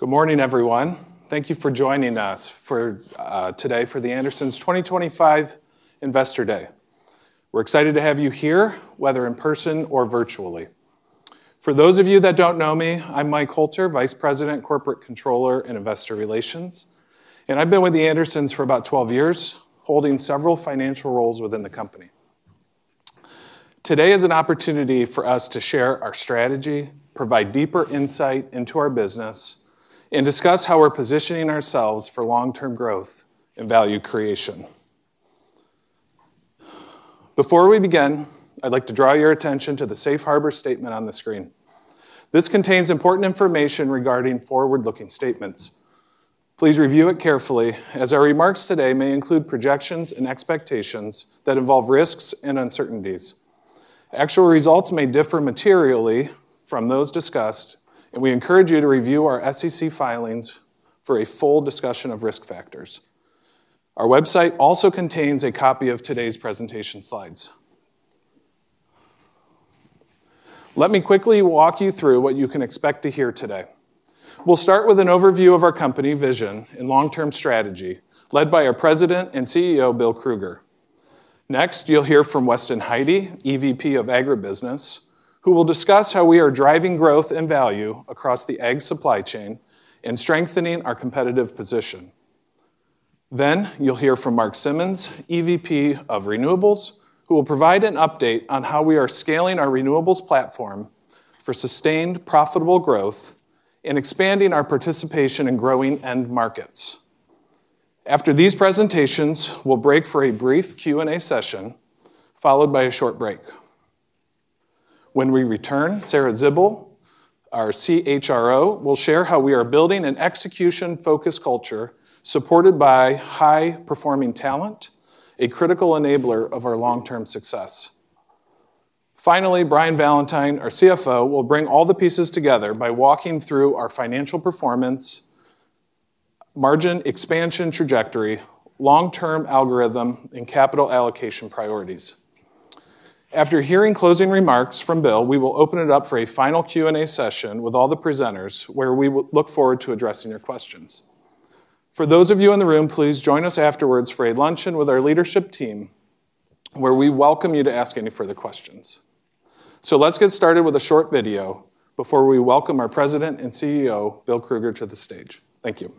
Good morning, everyone. Thank you for joining us today for The Andersons 2025 Investor Day. We're excited to have you here, whether in person or virtually. For those of you that don't know me, I'm Mike Hoelter, Vice President, Corporate Controller and Investor Relations, and I've been with The Andersons for about 12 years, holding several financial roles within the company. Today is an opportunity for us to share our strategy, provide deeper insight into our business, and discuss how we're positioning ourselves for long-term growth and value creation. Before we begin, I'd like to draw your attention to the Safe Harbor Statement on the screen. This contains important information regarding forward-looking statements. Please review it carefully, as our remarks today may include projections and expectations that involve risks and uncertainties. Actual results may differ materially from those discussed, and we encourage you to review our SEC filings for a full discussion of risk factors. Our website also contains a copy of today's presentation slides. Let me quickly walk you through what you can expect to hear today. We'll start with an overview of our company vision and long-term strategy, led by our President and CEO, Bill Krueger. Next, you'll hear from Weston Heide, EVP of Agribusiness, who will discuss how we are driving growth and value across the ag supply chain and strengthening our competitive position. Then you'll hear from Mark Simmons, EVP of Renewables, who will provide an update on how we are scaling our Renewables platform for sustained profitable growth and expanding our participation in growing end markets. After these presentations, we'll break for a brief Q&A session, followed by a short break. When we return, Sarah Zibbel, our CHRO, will share how we are building an execution-focused culture supported by high-performing talent, a critical enabler of our long-term success. Finally, Brian Valentine, our CFO, will bring all the pieces together by walking through our financial performance, margin expansion trajectory, long-term algorithm, and capital allocation priorities. After hearing closing remarks from Bill, we will open it up for a final Q&A session with all the presenters, where we look forward to addressing your questions. For those of you in the room, please join us afterwards for a luncheon with our leadership team, where we welcome you to ask any further questions. So let's get started with a short video before we welcome our President and CEO, Bill Krueger, to the stage. Thank you.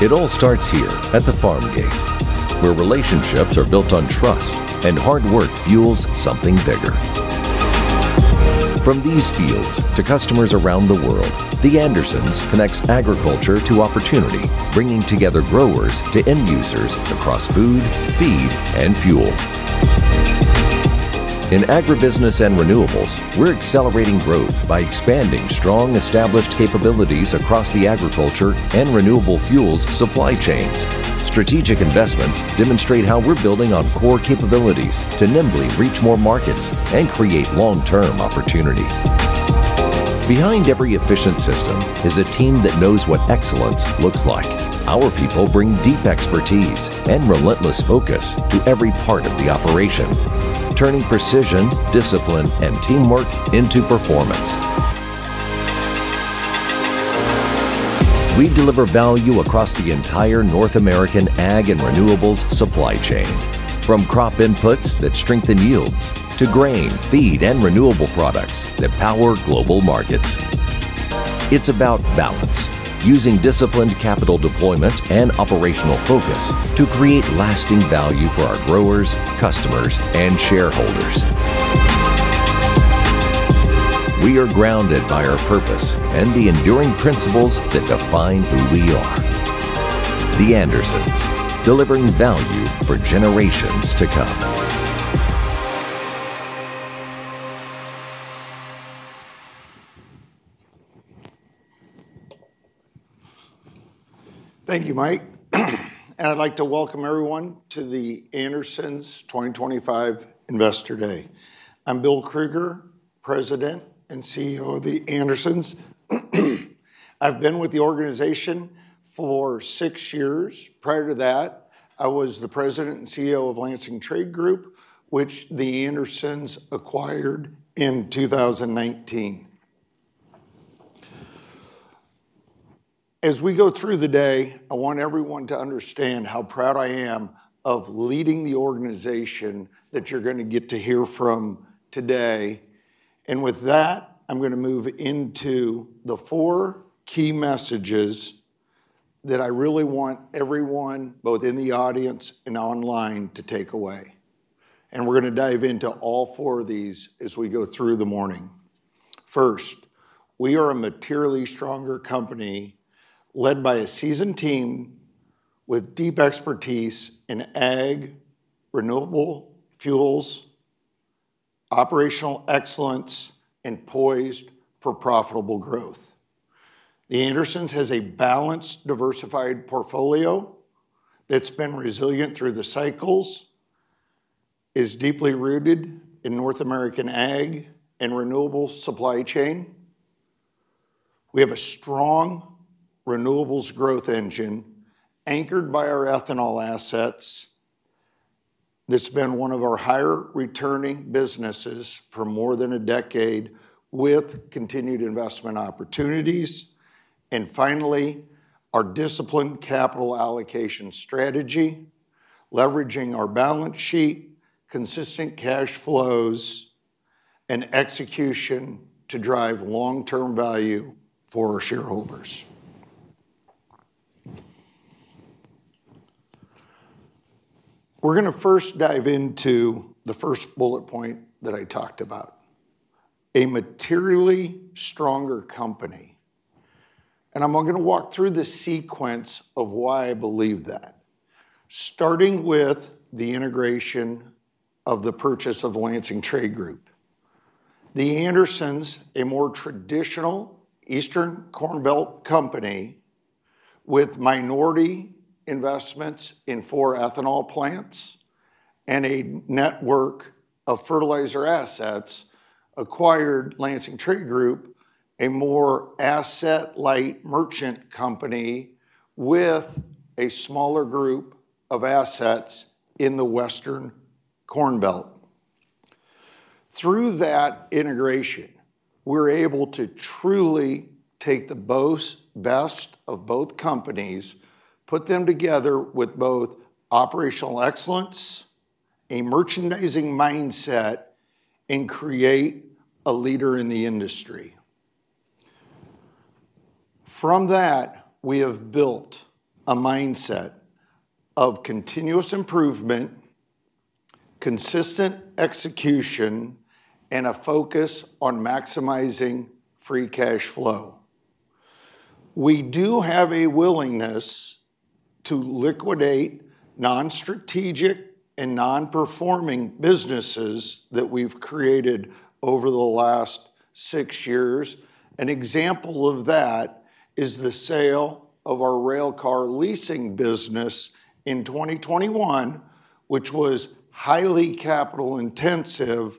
It all starts here at the farm gate, where relationships are built on trust and hard work fuels something bigger. From these fields to customers around the world, The Andersons connects agriculture to opportunity, bringing together growers to end users across food, feed, and fuel. In Agribusiness and Renewables, we're accelerating growth by expanding strong established capabilities across the agriculture and renewable fuels supply chains. Strategic investments demonstrate how we're building on core capabilities to nimbly reach more markets and create long-term opportunity. Behind every efficient system is a team that knows what excellence looks like. Our people bring deep expertise and relentless focus to every part of the operation, turning precision, discipline, and teamwork into performance. We deliver value across the entire North American ag and Renewables supply chain, from crop inputs that strengthen yields to grain, feed, and renewable products that power global markets. It's about balance, using disciplined capital deployment and operational focus to create lasting value for our growers, customers, and shareholders. We are grounded by our purpose and the enduring principles that define who we are. The Andersons, delivering value for generations to come. Thank you, Mike. I'd like to welcome everyone to The Andersons 2025 Investor Day. I'm Bill Krueger, President and CEO of The Andersons. I've been with the organization for six years. Prior to that, I was the President and CEO of Lansing Trade Group, which The Andersons acquired in 2019. As we go through the day, I want everyone to understand how proud I am of leading the organization that you're going to get to hear from today. With that, I'm going to move into the four key messages that I really want everyone, both in the audience and online, to take away. We're going to dive into all four of these as we go through the morning. First, we are a materially stronger company led by a seasoned team with deep expertise in ag, renewable fuels, operational excellence, and poised for profitable growth. The Andersons has a balanced, diversified portfolio that's been resilient through the cycles, is deeply rooted in North American ag and renewable supply chain. We have a strong Renewables growth engine anchored by our ethanol assets. It's been one of our higher returning businesses for more than a decade, with continued investment opportunities. And finally, our disciplined capital allocation strategy, leveraging our balance sheet, consistent cash flows, and execution to drive long-term value for our shareholders. We're going to first dive into the first bullet point that I talked about: a materially stronger company. And I'm going to walk through the sequence of why I believe that, starting with the integration of the purchase of Lansing Trade Group. The Andersons, a more traditional Eastern Corn Belt company with minority investments in four ethanol plants and a network of fertilizer assets, acquired Lansing Trade Group, a more asset-light merchant company with a smaller group of assets in the Western Corn Belt. Through that integration, we're able to truly take the best of both companies, put them together with both operational excellence, a merchandising mindset, and create a leader in the industry. From that, we have built a mindset of continuous improvement, consistent execution, and a focus on maximizing free cash flow. We do have a willingness to liquidate non-strategic and non-performing businesses that we've created over the last six years. An example of that is the sale of our railcar leasing business in 2021, which was highly capital-intensive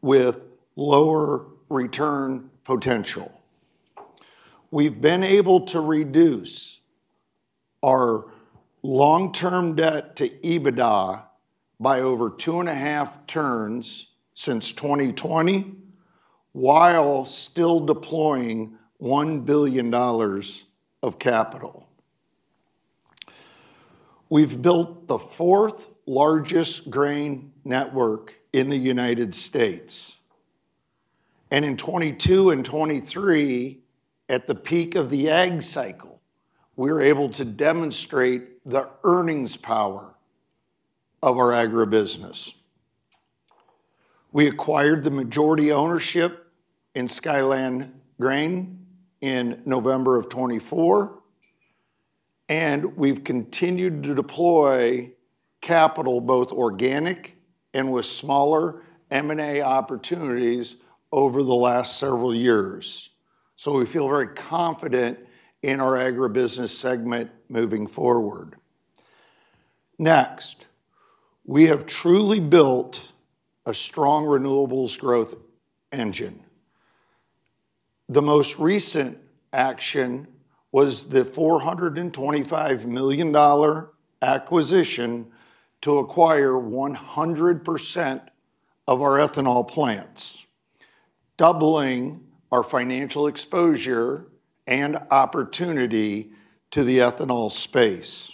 with lower return potential. We've been able to reduce our long-term debt to EBITDA by over two and a half turns since 2020, while still deploying $1 billion of capital. We've built the fourth largest grain network in the United States. In 2022 and 2023, at the peak of the ag cycle, we were able to demonstrate the earnings power of our agribusiness. We acquired the majority ownership in Skyland Grain in November of 2024, and we've continued to deploy capital, both organic and with smaller M&A opportunities over the last several years. We feel very confident in our Agribusiness segment moving forward. Next, we have truly built a strong Renewables growth engine. The most recent action was the $425 million acquisition to acquire 100% of our ethanol plants, doubling our financial exposure and opportunity to the ethanol space.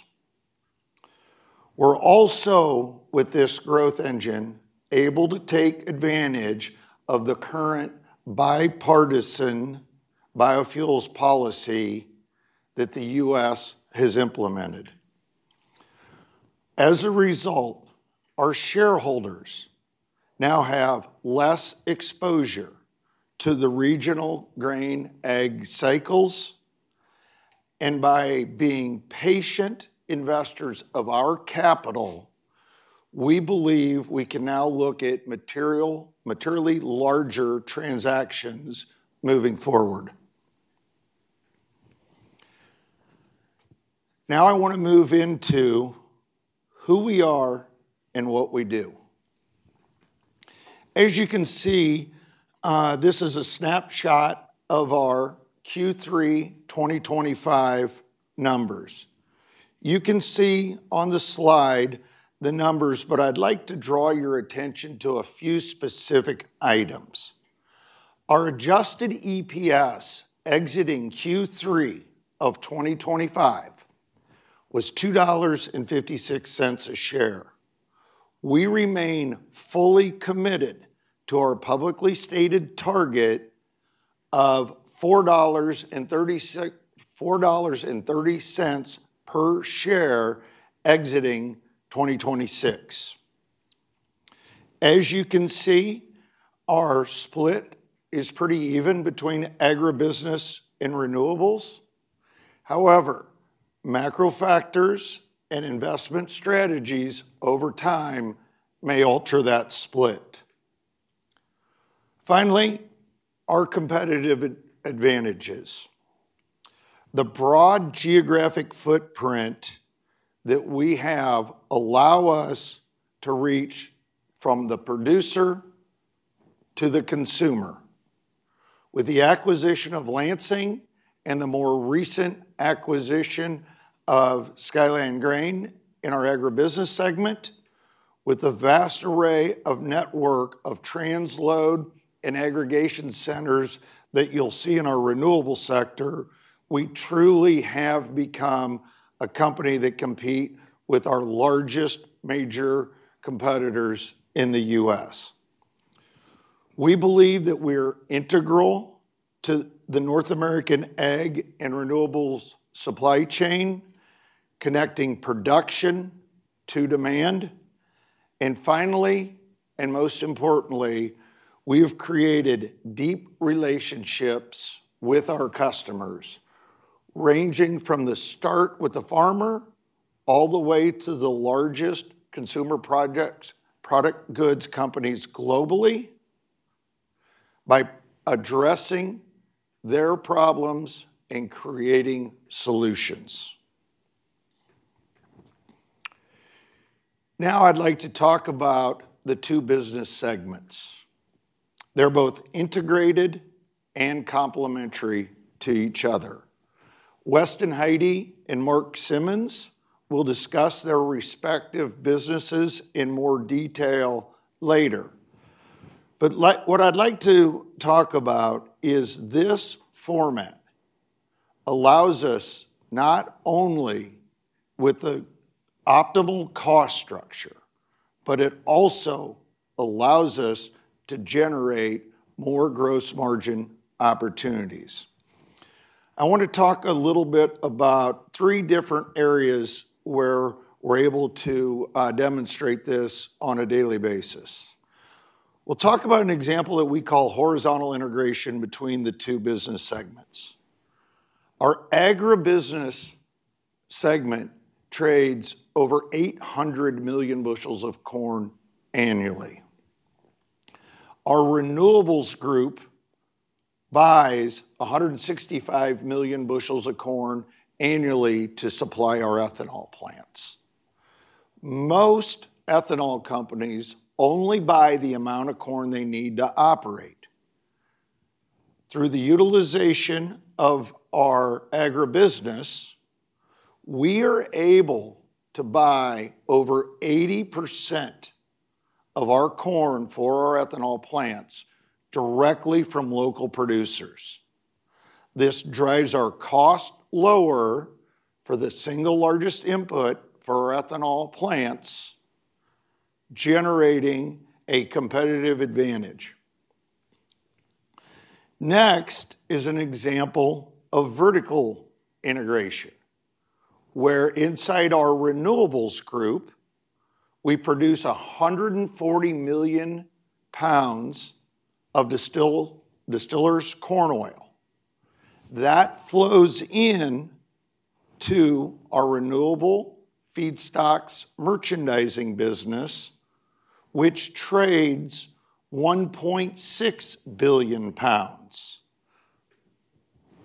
We're also, with this growth engine, able to take advantage of the current bipartisan biofuels policy that the U.S. has implemented. As a result, our shareholders now have less exposure to the regional grain ag cycles. By being patient investors of our capital, we believe we can now look at materially larger transactions moving forward. Now I want to move into who we are and what we do. As you can see, this is a snapshot of our Q3 2025 numbers. You can see on the slide the numbers, but I'd like to draw your attention to a few specific items. Our adjusted EPS exiting Q3 of 2025 was $2.56 a share. We remain fully committed to our publicly stated target of $4.30 per share exiting 2026. As you can see, our split is pretty even between Agribusiness and Renewables. However, macro factors and investment strategies over time may alter that split. Finally, our competitive advantages. The broad geographic footprint that we have allows us to reach from the producer to the consumer. With the acquisition of Lansing and the more recent acquisition of Skyland Grain in our Agribusiness segment, with the vast array of network of transload and aggregation centers that you'll see in our renewable sector, we truly have become a company that competes with our largest major competitors in the U.S. We believe that we are integral to the North American ag and Renewables supply chain, connecting production to demand, and finally, and most importantly, we have created deep relationships with our customers, ranging from the start with the farmer all the way to the largest consumer product goods companies globally, by addressing their problems and creating solutions. Now I'd like to talk about the two business segments. They're both integrated and complementary to each other. Weston Heide and Mark Simmons will discuss their respective businesses in more detail later. But what I'd like to talk about is this format allows us not only with the optimal cost structure, but it also allows us to generate more gross margin opportunities. I want to talk a little bit about three different areas where we're able to demonstrate this on a daily basis. We'll talk about an example that we call horizontal integration between the two business segments. Our Agribusiness segment trades over 800 million bushels of corn annually. Our Renewables group buys 165 million bushels of corn annually to supply our ethanol plants. Most ethanol companies only buy the amount of corn they need to operate. Through the utilization of our agribusiness, we are able to buy over 80% of our corn for our ethanol plants directly from local producers. This drives our cost lower for the single largest input for our ethanol plants, generating a competitive advantage. Next is an example of vertical integration, where inside our Renewables group, we produce 140 million pounds of distillers corn oil. That flows into our renewable feedstocks merchandising business, which trades 1.6 billion pounds.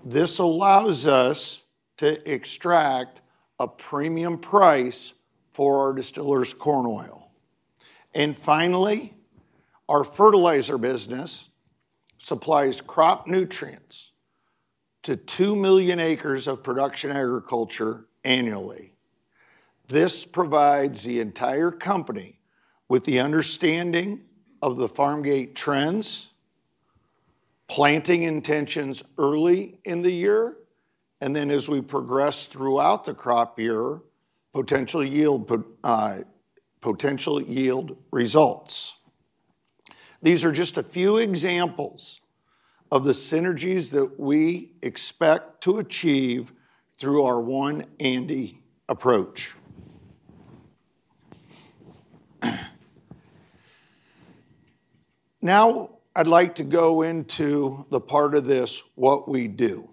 This allows us to extract a premium price for our distillers corn oil. And finally, our fertilizer business supplies crop nutrients to 2 million acres of production agriculture annually. This provides the entire company with the understanding of the farm gate trends, planting intentions early in the year, and then as we progress throughout the crop year, potential yield results. These are just a few examples of the synergies that we expect to achieve through our One ANDE approach. Now I'd like to go into the part of this, what we do.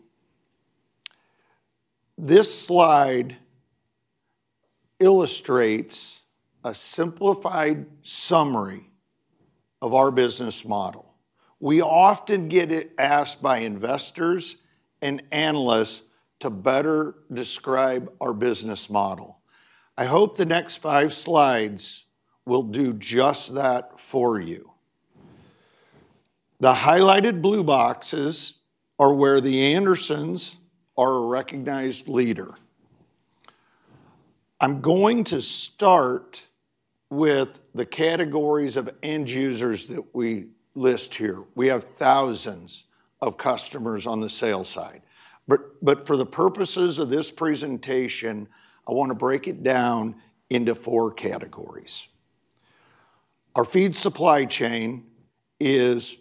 This slide illustrates a simplified summary of our business model. We often get asked by investors and analysts to better describe our business model. I hope the next five slides will do just that for you. The highlighted blue boxes are where The Andersons are a recognized leader. I'm going to start with the categories of end users that we list here. We have thousands of customers on the sales side. But for the purposes of this presentation, I want to break it down into four categories. Our feed supply chain is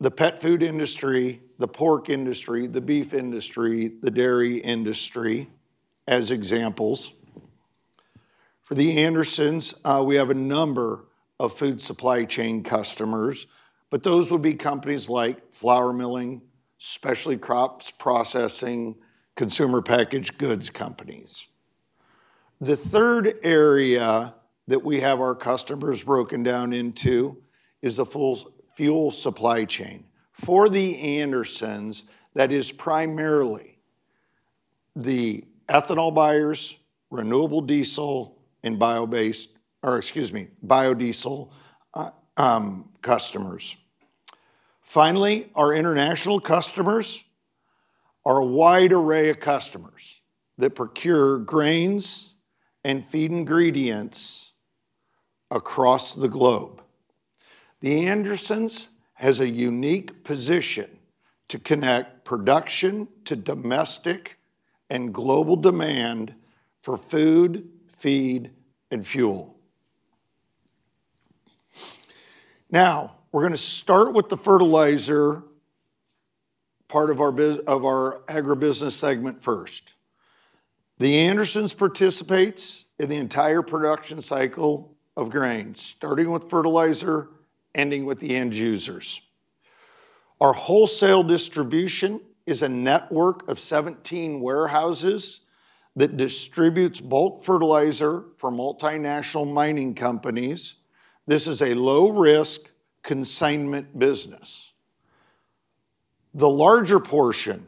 the pet food industry, the pork industry, the beef industry, the dairy industry as examples. For The Andersons, we have a number of food supply chain customers, but those would be companies like flour milling, specialty crops processing, consumer packaged goods companies. The third area that we have our customers broken down into is the fuel supply chain. For The Andersons, that is primarily the ethanol buyers, renewable diesel, and biodiesel customers. Finally, our international customers are a wide array of customers that procure grains and feed ingredients across the globe. The Andersons has a unique position to connect production to domestic and global demand for food, feed, and fuel. Now we're going to start with the fertilizer part of our Agribusiness segment first. The Andersons participates in the entire production cycle of grains, starting with fertilizer, ending with the end users. Our wholesale distribution is a network of 17 warehouses that distributes bulk fertilizer for multinational mining companies. This is a low-risk consignment business. The larger portion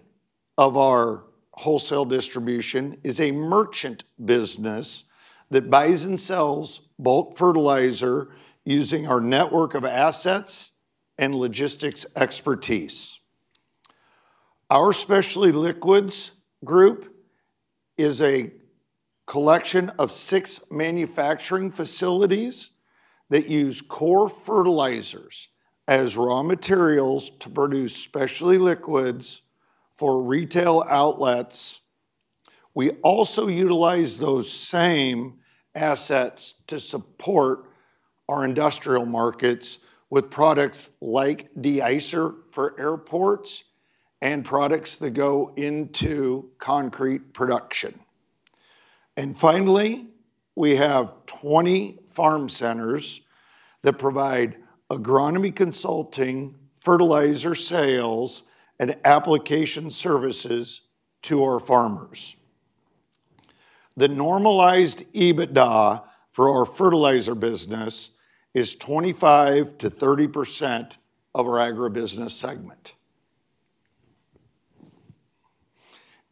of our wholesale distribution is a merchant business that buys and sells bulk fertilizer using our network of assets and logistics expertise. Our specialty liquids group is a collection of six manufacturing facilities that use core fertilizers as raw materials to produce specialty liquids for retail outlets. We also utilize those same assets to support our industrial markets with products like de-icer for airports and products that go into concrete production. And finally, we have 20 farm centers that provide agronomy consulting, fertilizer sales, and application services to our farmers. The normalized EBITDA for our fertilizer business is 25%-30% of our Agribusiness segment.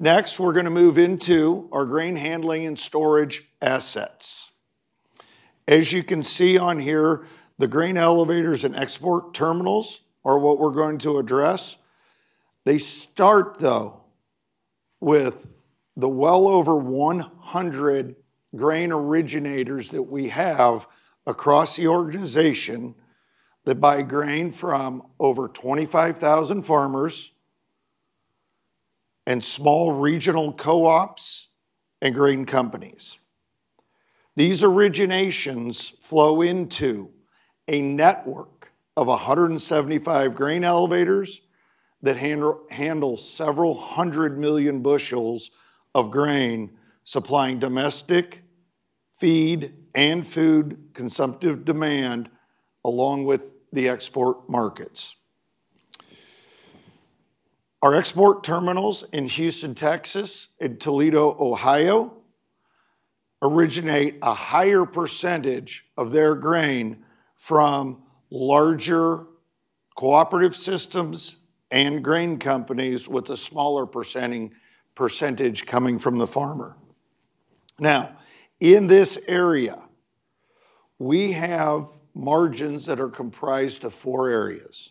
Next, we're going to move into our grain handling and storage assets. As you can see on here, the grain elevators and export terminals are what we're going to address. They start, though, with the well over 100 grain originators that we have across the organization that buy grain from over 25,000 farmers and small regional co-ops and grain companies. These originations flow into a network of 175 grain elevators that handle several hundred million bushels of grain, supplying domestic feed and food consumptive demand along with the export markets. Our export terminals in Houston, Texas, and Toledo, Ohio originate a higher percentage of their grain from larger cooperative systems and grain companies with a smaller percentage coming from the farmer. Now, in this area, we have margins that are comprised of four areas.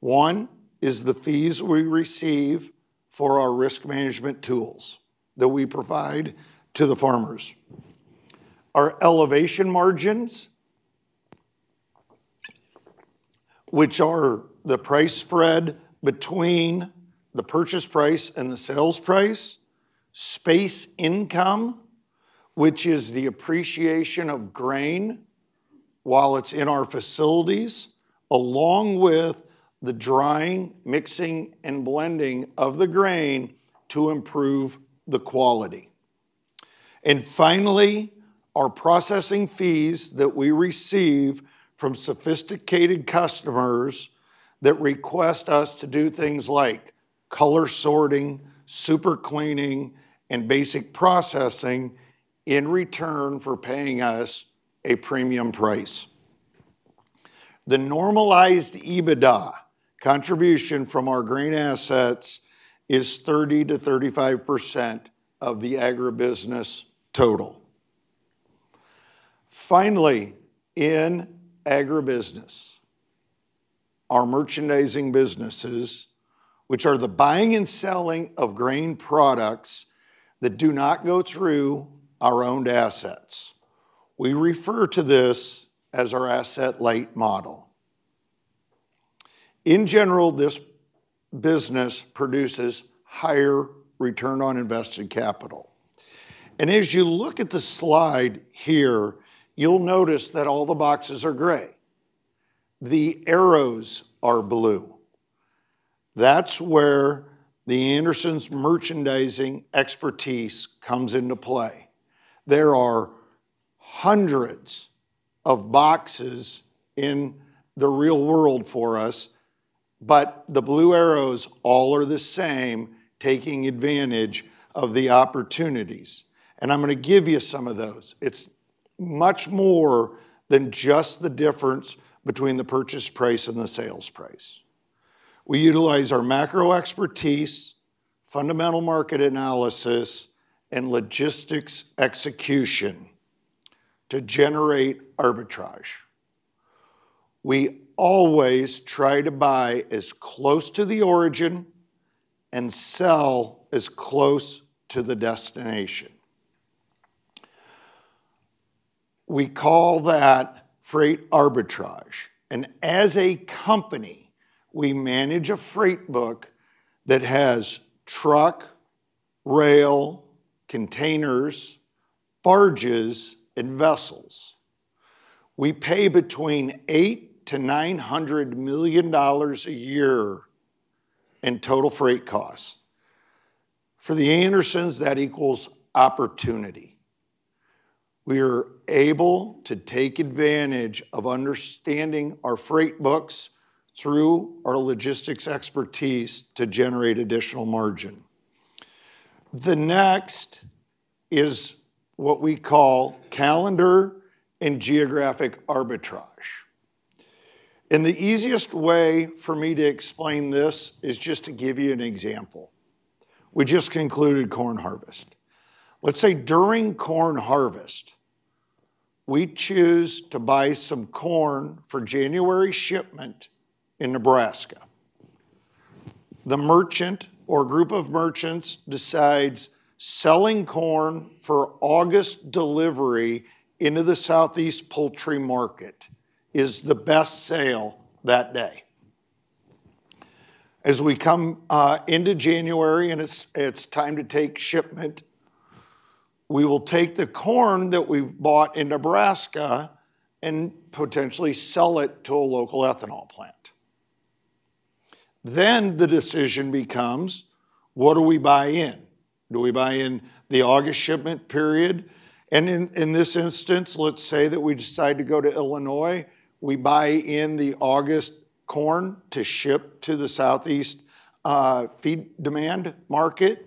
One is the fees we receive for our risk management tools that we provide to the farmers. Our elevation margins, which are the price spread between the purchase price and the sales price, space income, which is the appreciation of grain while it's in our facilities, along with the drying, mixing, and blending of the grain to improve the quality, and finally, our processing fees that we receive from sophisticated customers that request us to do things like color sorting, super cleaning, and basic processing in return for paying us a premium price. The normalized EBITDA contribution from our grain assets is 30%-35% of the agribusiness total. Finally, in agribusiness, our merchandising businesses, which are the buying and selling of grain products that do not go through our owned assets. We refer to this as our asset-light model. In general, this business produces higher return on invested capital. And as you look at the slide here, you'll notice that all the boxes are gray. The arrows are blue. That's where The Andersons' merchandising expertise comes into play. There are hundreds of boxes in the real world for us, but the blue arrows all are the same, taking advantage of the opportunities. And I'm going to give you some of those. It's much more than just the difference between the purchase price and the sales price. We utilize our macro expertise, fundamental market analysis, and logistics execution to generate arbitrage. We always try to buy as close to the origin and sell as close to the destination. We call that freight arbitrage. And as a company, we manage a freight book that has truck, rail, containers, barges, and vessels. We pay between $800 million-$900 million a year in total freight costs. For The Andersons, that equals opportunity. We are able to take advantage of understanding our freight books through our logistics expertise to generate additional margin. The next is what we call calendar and geographic arbitrage. And the easiest way for me to explain this is just to give you an example. We just concluded corn harvest. Let's say during corn harvest, we choose to buy some corn for January shipment in Nebraska. The merchant or group of merchants decides selling corn for August delivery into the Southeast poultry market is the best sale that day. As we come into January and it's time to take shipment, we will take the corn that we've bought in Nebraska and potentially sell it to a local ethanol plant. Then the decision becomes, what do we buy in? Do we buy in the August shipment period? In this instance, let's say that we decide to go to Illinois, we buy in the August corn to ship to the Southeast feed demand market.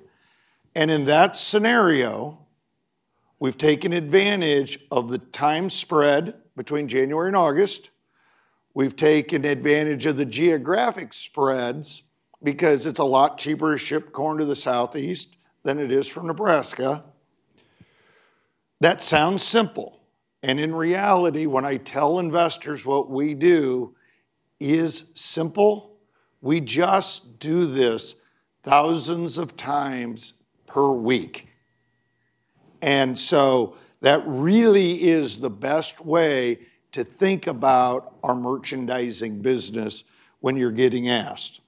In that scenario, we've taken advantage of the time spread between January and August. We've taken advantage of the geographic spreads because it's a lot cheaper to ship corn to the Southeast than it is from Nebraska. That sounds simple. In reality, when I tell investors what we do is simple, we just do this thousands of times per week. So that really is the best way to think about our merchandising business when you're getting asked.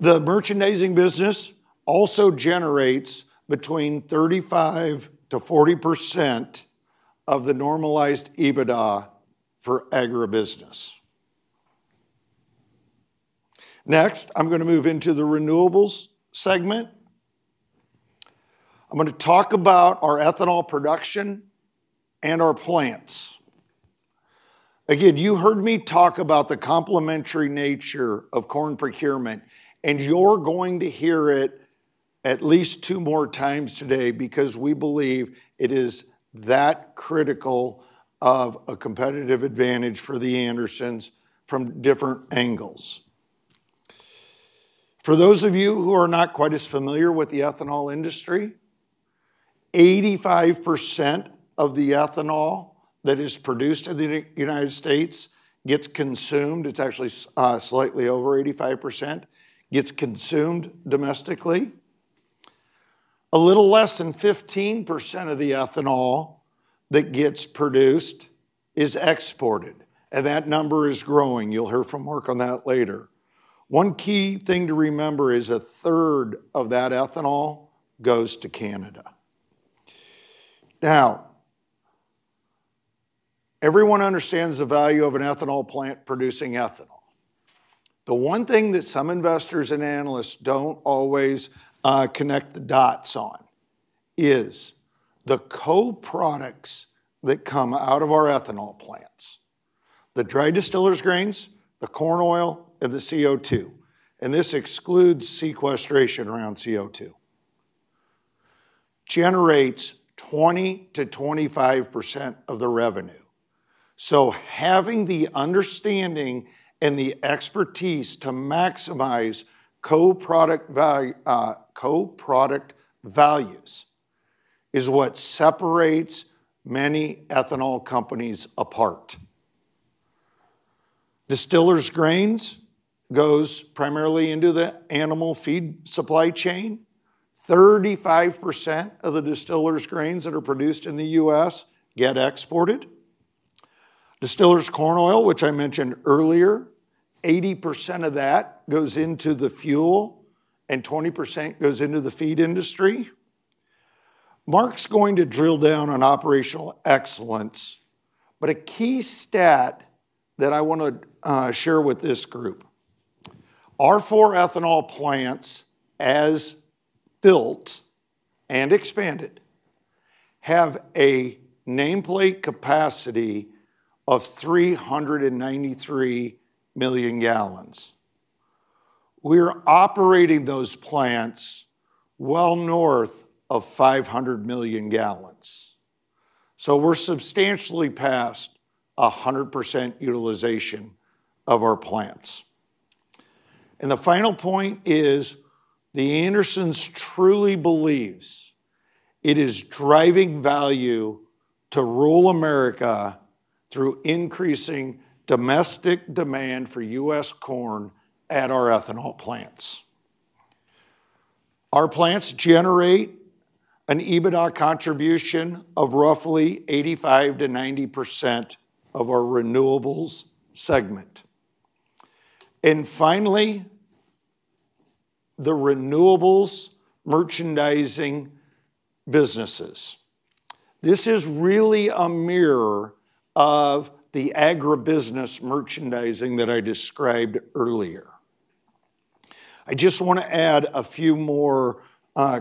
The merchandising business also generates between 35%-40% of the normalized EBITDA for agribusiness. Next, I'm going to move into the Renewables segment. I'm going to talk about our ethanol production and our plants. Again, you heard me talk about the complementary nature of corn procurement, and you're going to hear it at least two more times today because we believe it is that critical of a competitive advantage for The Andersons from different angles. For those of you who are not quite as familiar with the ethanol industry, 85% of the ethanol that is produced in the United States gets consumed. It's actually slightly over 85% gets consumed domestically. A little less than 15% of the ethanol that gets produced is exported. And that number is growing. You'll hear from Mark on that later. One key thing to remember is a third of that ethanol goes to Canada. Now, everyone understands the value of an ethanol plant producing ethanol. The one thing that some investors and analysts don't always connect the dots on is the co-products that come out of our ethanol plants: the dry distillers grains, the corn oil, and the CO2. And this excludes sequestration around CO2, generates 20%-25% of the revenue, so having the understanding and the expertise to maximize co-product values is what separates many ethanol companies apart. Distillers grains go primarily into the animal feed supply chain. 35% of the distillers grains that are produced in the U.S. get exported. Distillers corn oil, which I mentioned earlier, 80% of that goes into the fuel and 20% goes into the feed industry. Mark's going to drill down on operational excellence, but a key stat that I want to share with this group. Our four ethanol plants, as built and expanded, have a nameplate capacity of 393 million gallons. We're operating those plants well north of 500 million gallons. So we're substantially past 100% utilization of our plants. And the final point is The Andersons truly believe it is driving value to rural America through increasing domestic demand for U.S. corn at our ethanol plants. Our plants generate an EBITDA contribution of roughly 85%-90% of our Renewables segment. And finally, the Renewables merchandising businesses. This is really a mirror of the agribusiness merchandising that I described earlier. I just want to add a few more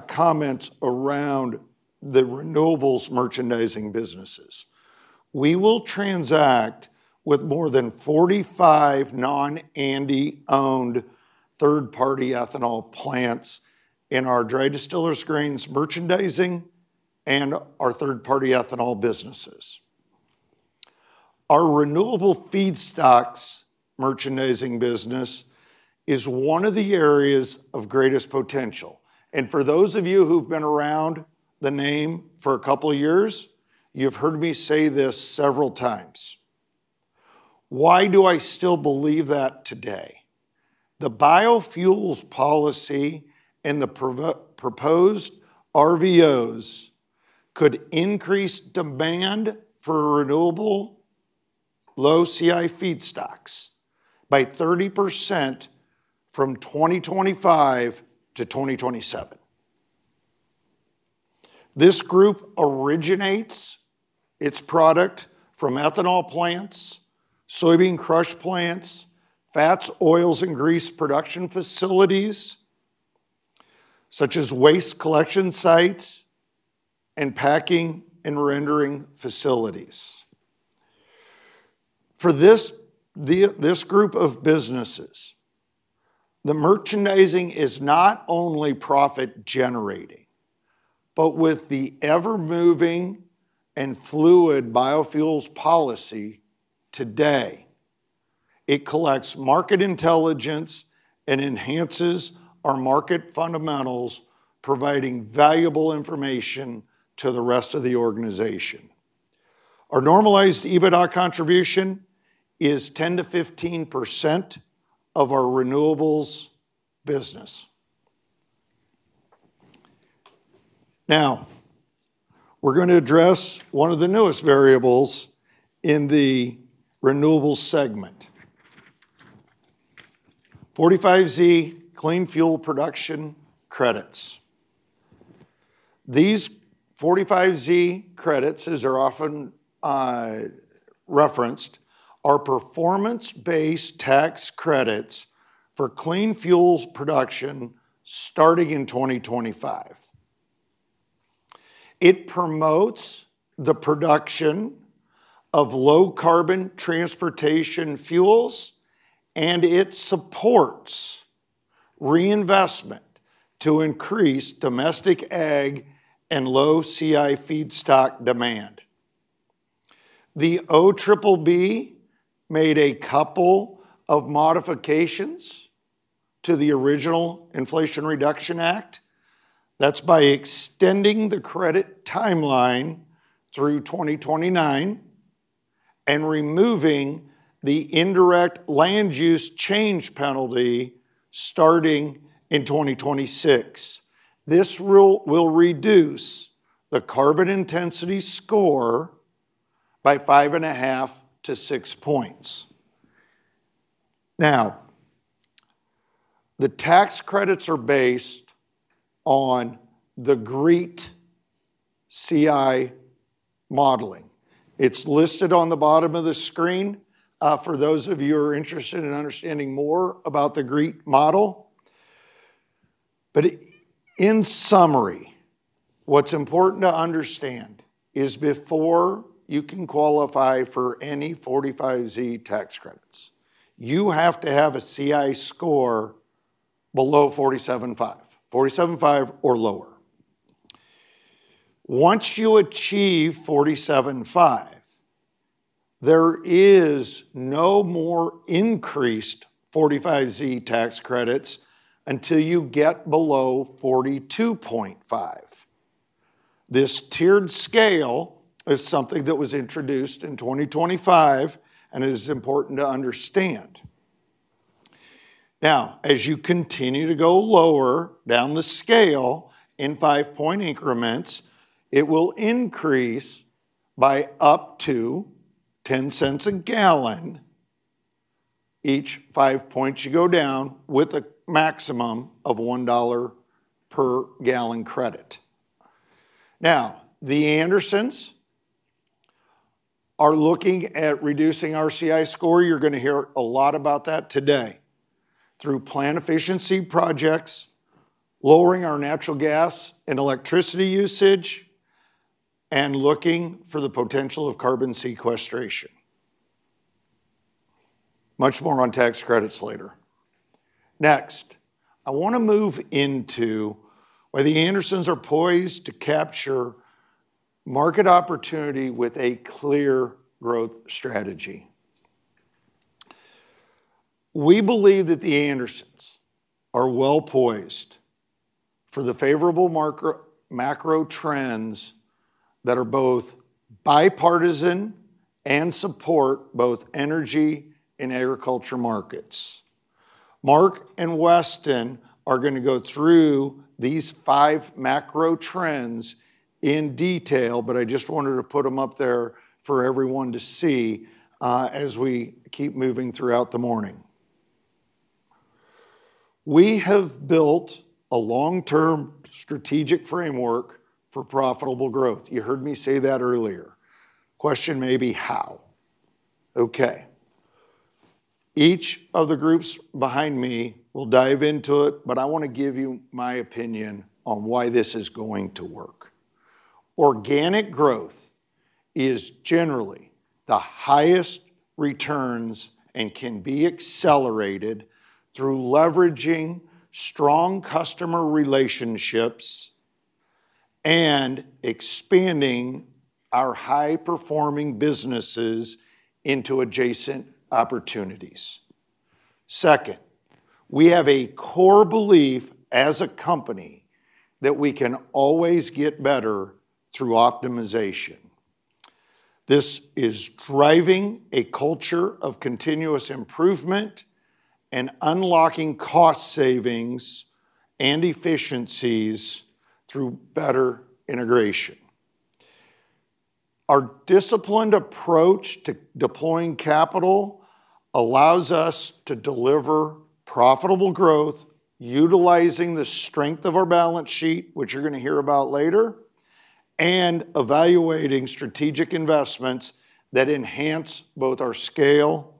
comments around the Renewables merchandising businesses. We will transact with more than 45 non-ANDE owned third-party ethanol plants in our dry distillers grains merchandising and our third-party ethanol businesses. Our renewable feedstocks merchandising business is one of the areas of greatest potential. For those of you who've been around the name for a couple of years, you've heard me say this several times. Why do I still believe that today? The biofuels policy and the proposed RVOs could increase demand for renewable low CI feedstocks by 30% from 2025 to 2027. This group originates its product from ethanol plants, soybean crush plants, fats, oils, and grease production facilities, such as waste collection sites and packing and rendering facilities. For this group of businesses, the merchandising is not only profit-generating, but with the ever-moving and fluid biofuels policy today, it collects market intelligence and enhances our market fundamentals, providing valuable information to the rest of the organization. Our normalized EBITDA contribution is 10%-15% of our Renewables business. Now, we're going to address one of the newest variables in the Renewables segment: 45Z Clean Fuel Production Credits. These 45Z credits, as they're often referenced, are performance-based tax credits for clean fuels production starting in 2025. It promotes the production of low carbon transportation fuels, and it supports reinvestment to increase domestic ag and low CI feedstock demand. The OBBB made a couple of modifications to the original Inflation Reduction Act. That's by extending the credit timeline through 2029 and removing the indirect land use change penalty starting in 2026. This rule will reduce the carbon intensity score by five and a half to six points. Now, the tax credits are based on the GREET CI modeling. It's listed on the bottom of the screen for those of you who are interested in understanding more about the GREET model. But in summary, what's important to understand is before you can qualify for any 45Z tax credits, you have to have a CI score below 47.5, 47.5 or lower. Once you achieve 47.5, there is no more increased 45Z tax credits until you get below 42.5. This tiered scale is something that was introduced in 2025, and it is important to understand. Now, as you continue to go lower down the scale in five-point increments, it will increase by up to $0.10 a gallon each five points you go down with a maximum of $1 per gallon credit. Now, The Andersons are looking at reducing our CI score. You're going to hear a lot about that today through plant efficiency projects, lowering our natural gas and electricity usage, and looking for the potential of carbon sequestration. Much more on tax credits later. Next, I want to move into why The Andersons are poised to capture market opportunity with a clear growth strategy. We believe that The Andersons are well poised for the favorable macro trends that are both bipartisan and support both energy and agriculture markets. Mark and Weston are going to go through these five macro trends in detail, but I just wanted to put them up there for everyone to see as we keep moving throughout the morning. We have built a long-term strategic framework for profitable growth. You heard me say that earlier. Question may be how. Okay. Each of the groups behind me will dive into it, but I want to give you my opinion on why this is going to work. Organic growth is generally the highest returns and can be accelerated through leveraging strong customer relationships and expanding our high-performing businesses into adjacent opportunities. Second, we have a core belief as a company that we can always get better through optimization. This is driving a culture of continuous improvement and unlocking cost savings and efficiencies through better integration. Our disciplined approach to deploying capital allows us to deliver profitable growth, utilizing the strength of our balance sheet, which you're going to hear about later, and evaluating strategic investments that enhance both our scale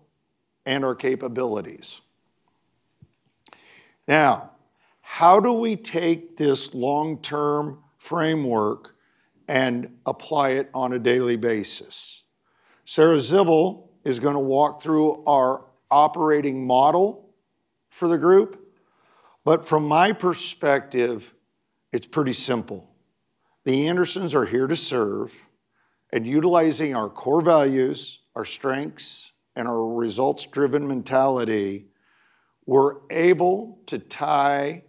and our capabilities. Now, how do we take this long-term framework and apply it on a daily basis? Sarah Zibbel is going to walk through our operating model for the group, but from my perspective, it's pretty simple. The Andersons are here to serve. Utilizing our core values, our strengths, and our results-driven mentality, we're able to tie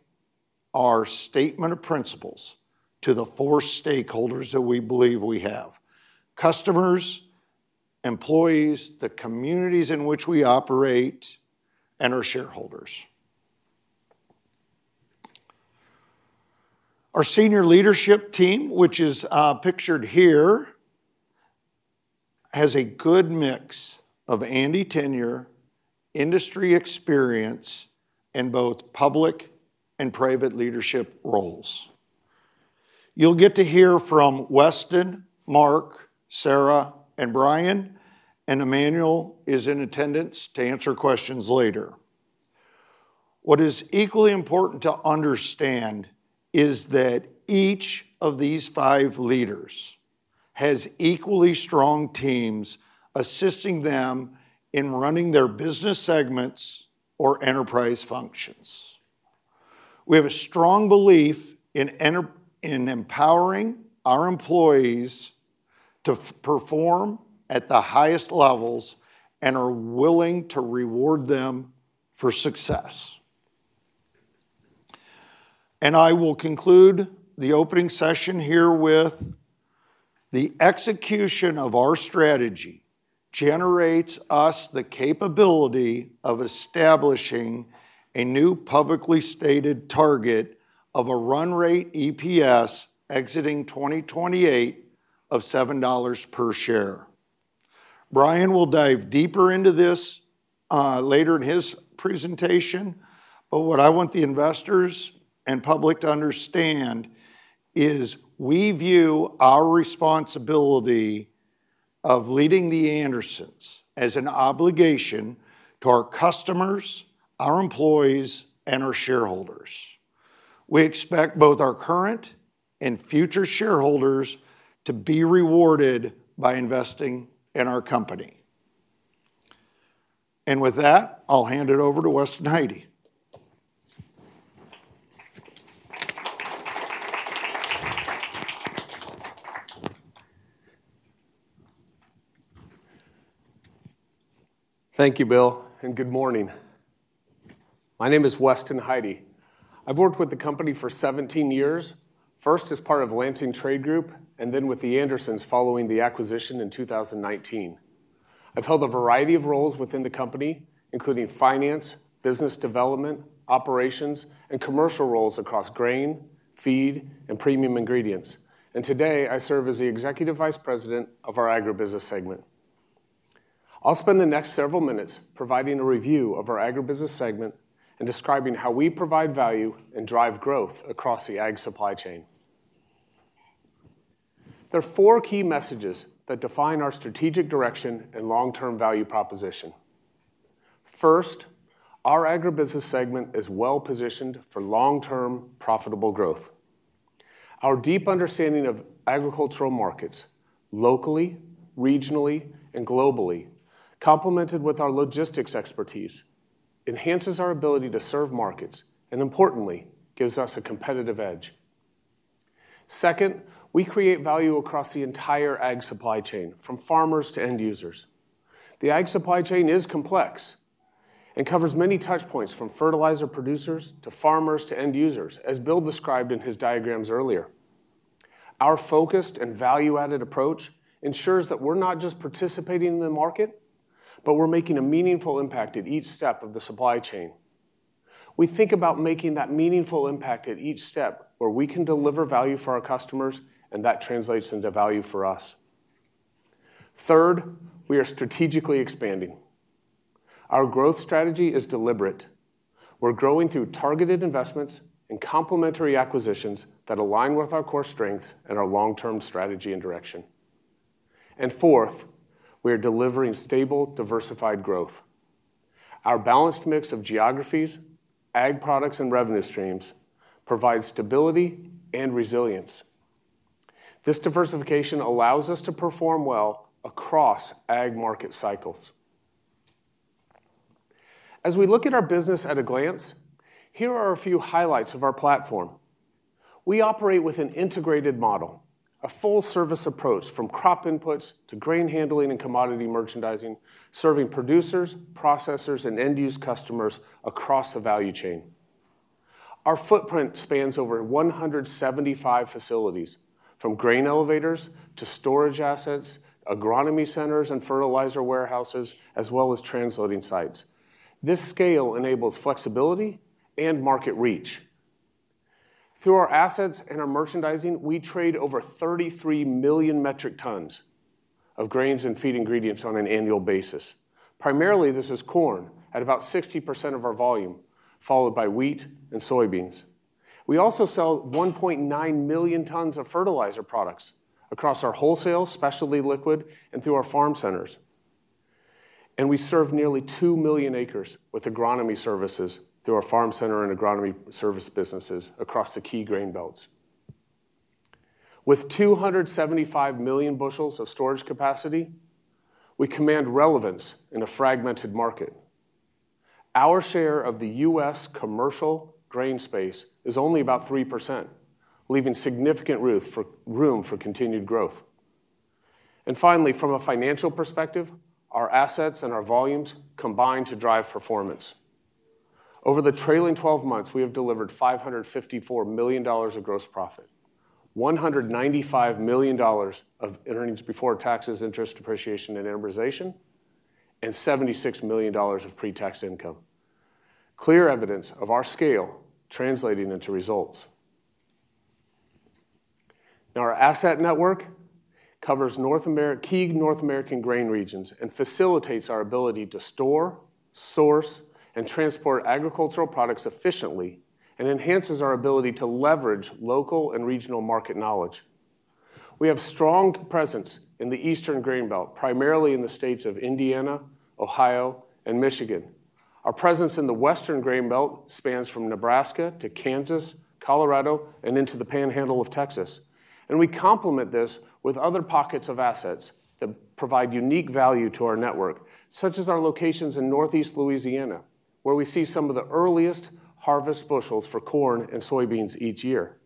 our Statement of Principles to the four stakeholders that we believe we have: customers, employees, the communities in which we operate, and our shareholders. Our senior leadership team, which is pictured here, has a good mix of ANDE tenure, industry experience, and both public and private leadership roles. You'll get to hear from Weston, Mark, Sarah, and Brian, and Emmanuel is in attendance to answer questions later. What is equally important to understand is that each of these five leaders has equally strong teams assisting them in running their business segments or enterprise functions. We have a strong belief in empowering our employees to perform at the highest levels and are willing to reward them for success. I will conclude the opening session here with the execution of our strategy generates us the capability of establishing a new publicly stated target of a run rate EPS exiting 2028 of $7 per share. Brian will dive deeper into this later in his presentation, but what I want the investors and public to understand is we view our responsibility of leading The Andersons as an obligation to our customers, our employees, and our shareholders. We expect both our current and future shareholders to be rewarded by investing in our company. And with that, I'll hand it over to Weston Heide. Thank you, Bill, and good morning. My name is Weston Heide. I've worked with the company for 17 years, first as part of Lansing Trade Group and then with The Andersons following the acquisition in 2019. I've held a variety of roles within the company, including finance, business development, operations, and commercial roles across grain, feed, and premium ingredients, and today, I serve as the Executive Vice President of our Agribusiness segment. I'll spend the next several minutes providing a review of our Agribusiness segment and describing how we provide value and drive growth across the ag supply chain. There are four key messages that define our strategic direction and long-term value proposition. First, our Agribusiness segment is well positioned for long-term profitable growth. Our deep understanding of agricultural markets locally, regionally, and globally, complemented with our logistics expertise, enhances our ability to serve markets and, importantly, gives us a competitive edge. Second, we create value across the entire ag supply chain from farmers to end users. The ag supply chain is complex and covers many touch points from fertilizer producers to farmers to end users, as Bill described in his diagrams earlier. Our focused and value-added approach ensures that we're not just participating in the market, but we're making a meaningful impact at each step of the supply chain. We think about making that meaningful impact at each step where we can deliver value for our customers, and that translates into value for us. Third, we are strategically expanding. Our growth strategy is deliberate. We're growing through targeted investments and complementary acquisitions that align with our core strengths and our long-term strategy and direction. And fourth, we are delivering stable, diversified growth. Our balanced mix of geographies, ag products, and revenue streams provides stability and resilience. This diversification allows us to perform well across ag market cycles. As we look at our business at a glance, here are a few highlights of our platform. We operate with an integrated model, a full-service approach from crop inputs to grain handling and commodity merchandising, serving producers, processors, and end-use customers across the value chain. Our footprint spans over 175 facilities, from grain elevators to storage assets, agronomy centers, and fertilizer warehouses, as well as transloading sites. This scale enables flexibility and market reach. Through our assets and our merchandising, we trade over 33 million metric tons of grains and feed ingredients on an annual basis. Primarily, this is corn at about 60% of our volume, followed by wheat and soybeans. We also sell 1.9 million tons of fertilizer products across our wholesale, specialty liquid, and through our farm centers. We serve nearly two million acres with agronomy services through our farm center and agronomy service businesses across the key grain belts. With 275 million bushels of storage capacity, we command relevance in a fragmented market. Our share of the U.S. commercial grain space is only about 3%, leaving significant room for continued growth. Finally, from a financial perspective, our assets and our volumes combine to drive performance. Over the trailing 12 months, we have delivered $554 million of gross profit, $195 million of earnings before taxes, interest, depreciation, and amortization, and $76 million of pre-tax income. Clear evidence of our scale translating into results. Now, our asset network covers key North American grain regions and facilitates our ability to store, source, and transport agricultural products efficiently and enhances our ability to leverage local and regional market knowledge. We have strong presence in the Eastern Grain Belt, primarily in the states of Indiana, Ohio, and Michigan. Our presence in the Western Grain Belt spans from Nebraska to Kansas, Colorado, and into the Panhandle of Texas. We complement this with other pockets of assets that provide unique value to our network, such as our locations in Northeast Louisiana, where we see some of the earliest harvest bushels for corn and soybeans each year.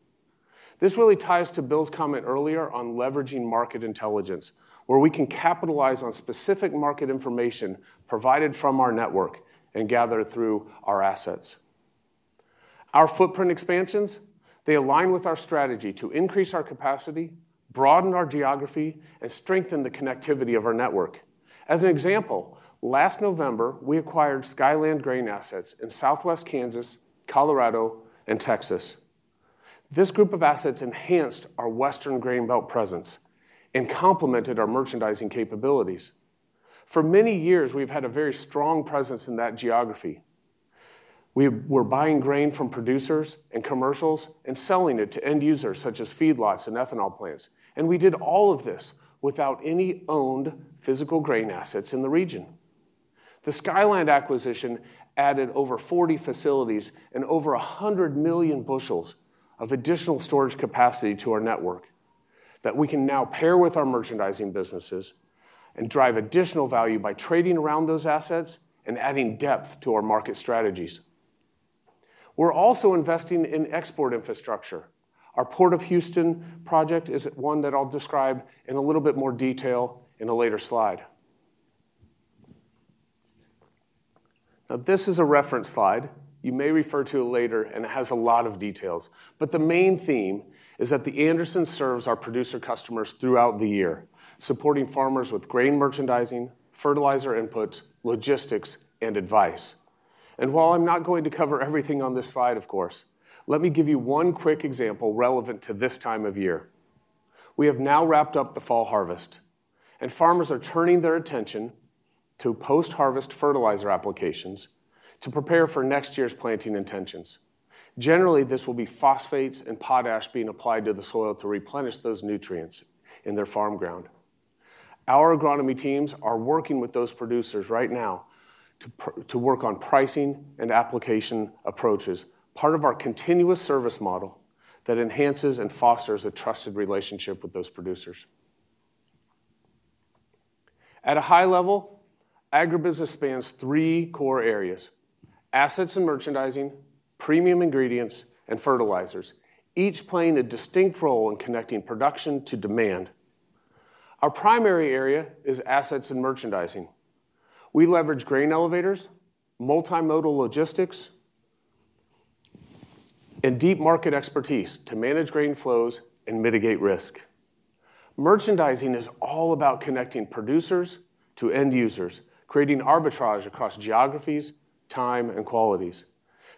This really ties to Bill's comment earlier on leveraging market intelligence, where we can capitalize on specific market information provided from our network and gather it through our assets. Our footprint expansions, they align with our strategy to increase our capacity, broaden our geography, and strengthen the connectivity of our network. As an example, last November, we acquired Skyland Grain assets in Southwest Kansas, Colorado, and Texas. This group of assets enhanced our Western Grain Belt presence and complemented our merchandising capabilities. For many years, we've had a very strong presence in that geography. We were buying grain from producers and commercials and selling it to end users such as feedlots and ethanol plants. And we did all of this without any owned physical grain assets in the region. The Skyland acquisition added over 40 facilities and over 100 million bushels of additional storage capacity to our network that we can now pair with our merchandising businesses and drive additional value by trading around those assets and adding depth to our market strategies. We're also investing in export infrastructure. Our Port of Houston project is one that I'll describe in a little bit more detail in a later slide. Now, this is a reference slide. You may refer to it later, and it has a lot of details. But the main theme is that The Andersons serves our producer customers throughout the year, supporting farmers with grain merchandising, fertilizer inputs, logistics, and advice. And while I'm not going to cover everything on this slide, of course, let me give you one quick example relevant to this time of year. We have now wrapped up the fall harvest, and farmers are turning their attention to post-harvest fertilizer applications to prepare for next year's planting intentions. Generally, this will be phosphates and potash being applied to the soil to replenish those nutrients in their farm ground. Our agronomy teams are working with those producers right now to work on pricing and application approaches, part of our continuous service model that enhances and fosters a trusted relationship with those producers. At a high level, agribusiness spans three core areas: assets and merchandising, premium ingredients, and fertilizers, each playing a distinct role in connecting production to demand. Our primary area is assets and merchandising. We leverage grain elevators, multimodal logistics, and deep market expertise to manage grain flows and mitigate risk. Merchandising is all about connecting producers to end users, creating arbitrage across geographies, time, and qualities.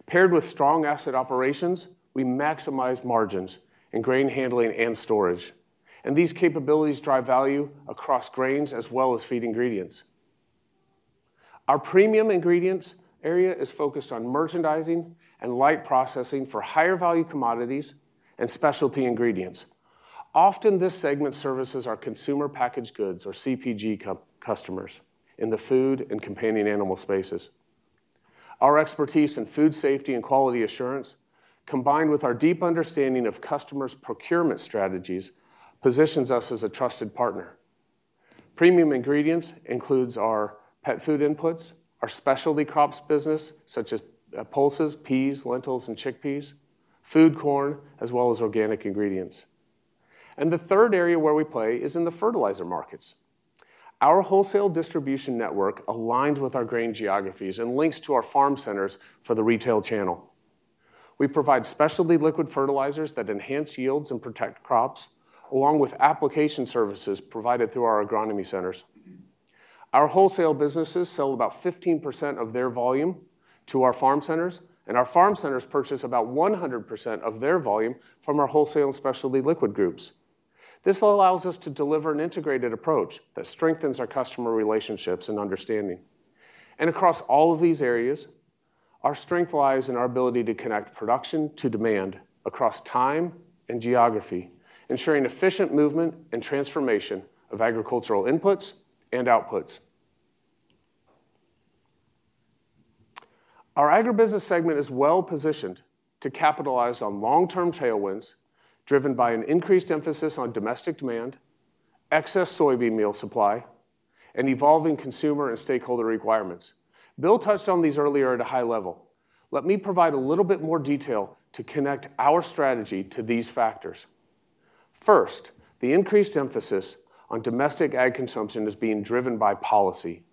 Paired with strong asset operations, we maximize margins in grain handling and storage. And these capabilities drive value across grains as well as feed ingredients. Our premium ingredients area is focused on merchandising and light processing for higher value commodities and specialty ingredients. Often, this segment services our consumer packaged goods or CPG customers in the food and companion animal spaces. Our expertise in food safety and quality assurance, combined with our deep understanding of customers' procurement strategies, positions us as a trusted partner. Premium ingredients include our pet food inputs, our specialty crops business, such as pulses, peas, lentils, and chickpeas, food corn, as well as organic ingredients. And the third area where we play is in the fertilizer markets. Our wholesale distribution network aligns with our grain geographies and links to our farm centers for the retail channel. We provide specialty liquid fertilizers that enhance yields and protect crops, along with application services provided through our agronomy centers. Our wholesale businesses sell about 15% of their volume to our farm centers, and our farm centers purchase about 100% of their volume from our wholesale and specialty liquid groups. This allows us to deliver an integrated approach that strengthens our customer relationships and understanding. Across all of these areas, our strength lies in our ability to connect production to demand across time and geography, ensuring efficient movement and transformation of agricultural inputs and outputs. Our Agribusiness segment is well positioned to capitalize on long-term tailwinds driven by an increased emphasis on domestic demand, excess soybean meal supply, and evolving consumer and stakeholder requirements. Bill touched on these earlier at a high level. Let me provide a little bit more detail to connect our strategy to these factors. First, the increased emphasis on domestic ag consumption is being driven by policy.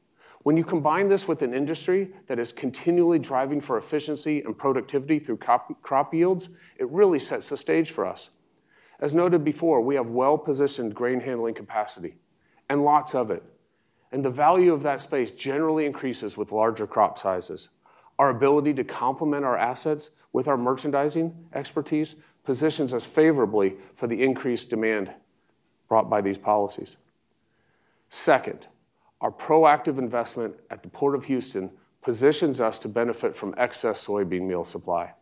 When you combine this with an industry that is continually driving for efficiency and productivity through crop yields, it really sets the stage for us. As noted before, we have well-positioned grain handling capacity and lots of it. The value of that space generally increases with larger crop sizes. Our ability to complement our assets with our merchandising expertise positions us favorably for the increased demand brought by these policies. Second, our proactive investment at the Port of Houston positions us to benefit from excess soybean meal supply.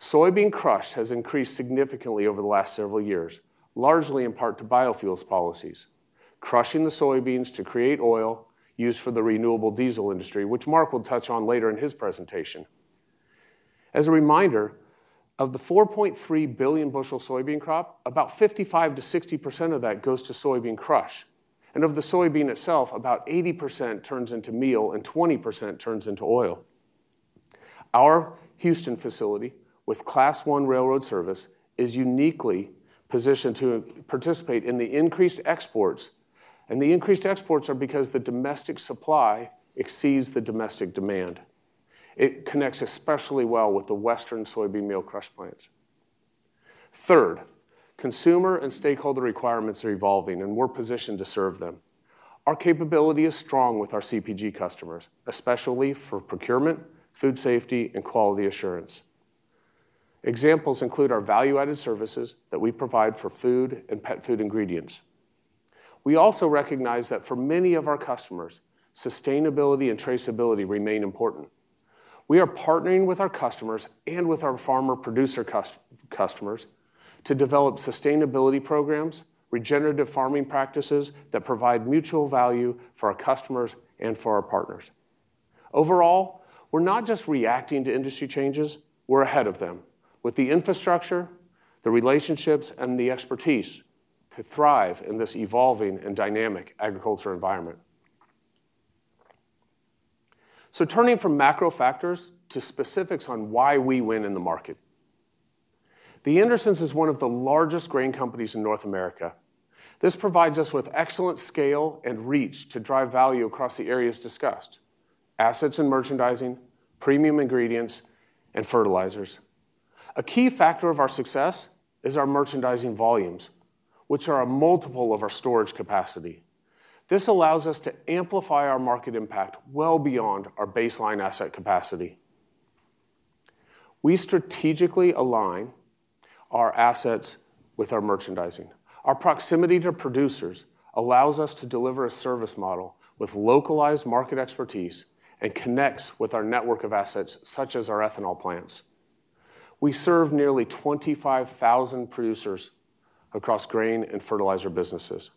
Soybean crush has increased significantly over the last several years, largely in part to biofuels policies, crushing the soybeans to create oil used for the renewable diesel industry, which Mark will touch on later in his presentation. As a reminder, of the 4.3 billion bushel soybean crop, about 55%-60% of that goes to soybean crush. Of the soybean itself, about 80% turns into meal and 20% turns into oil. Our Houston facility with Class I railroad service is uniquely positioned to participate in the increased exports. The increased exports are because the domestic supply exceeds the domestic demand. It connects especially well with the Western soybean meal crush plants. Third, consumer and stakeholder requirements are evolving, and we're positioned to serve them. Our capability is strong with our CPG customers, especially for procurement, food safety, and quality assurance. Examples include our value-added services that we provide for food and pet food ingredients. We also recognize that for many of our customers, sustainability and traceability remain important. We are partnering with our customers and with our farmer-producer customers to develop sustainability programs, regenerative farming practices that provide mutual value for our customers and for our partners. Overall, we're not just reacting to industry changes. We're ahead of them with the infrastructure, the relationships, and the expertise to thrive in this evolving and dynamic agriculture environment. So turning from macro factors to specifics on why we win in the market, The Andersons is one of the largest grain companies in North America. This provides us with excellent scale and reach to drive value across the areas discussed: assets and merchandising, premium ingredients, and fertilizers. A key factor of our success is our merchandising volumes, which are a multiple of our storage capacity. This allows us to amplify our market impact well beyond our baseline asset capacity. We strategically align our assets with our merchandising. Our proximity to producers allows us to deliver a service model with localized market expertise and connects with our network of assets, such as our ethanol plants. We serve nearly 25,000 producers across grain and fertilizer businesses.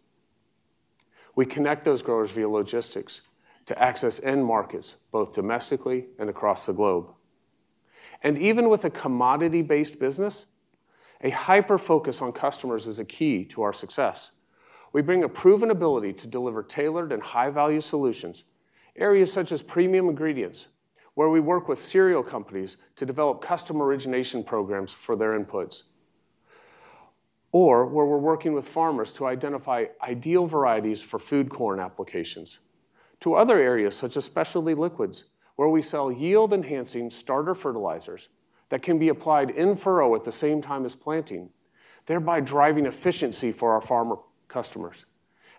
We connect those growers via logistics to access end markets both domestically and across the globe. And even with a commodity-based business, a hyper-focus on customers is a key to our success. We bring a proven ability to deliver tailored and high-value solutions, areas such as premium ingredients, where we work with cereal companies to develop customer origination programs for their inputs, or where we're working with farmers to identify ideal varieties for food corn applications, to other areas such as specialty liquids, where we sell yield-enhancing starter fertilizers that can be applied in-furrow at the same time as planting, thereby driving efficiency for our farmer customers.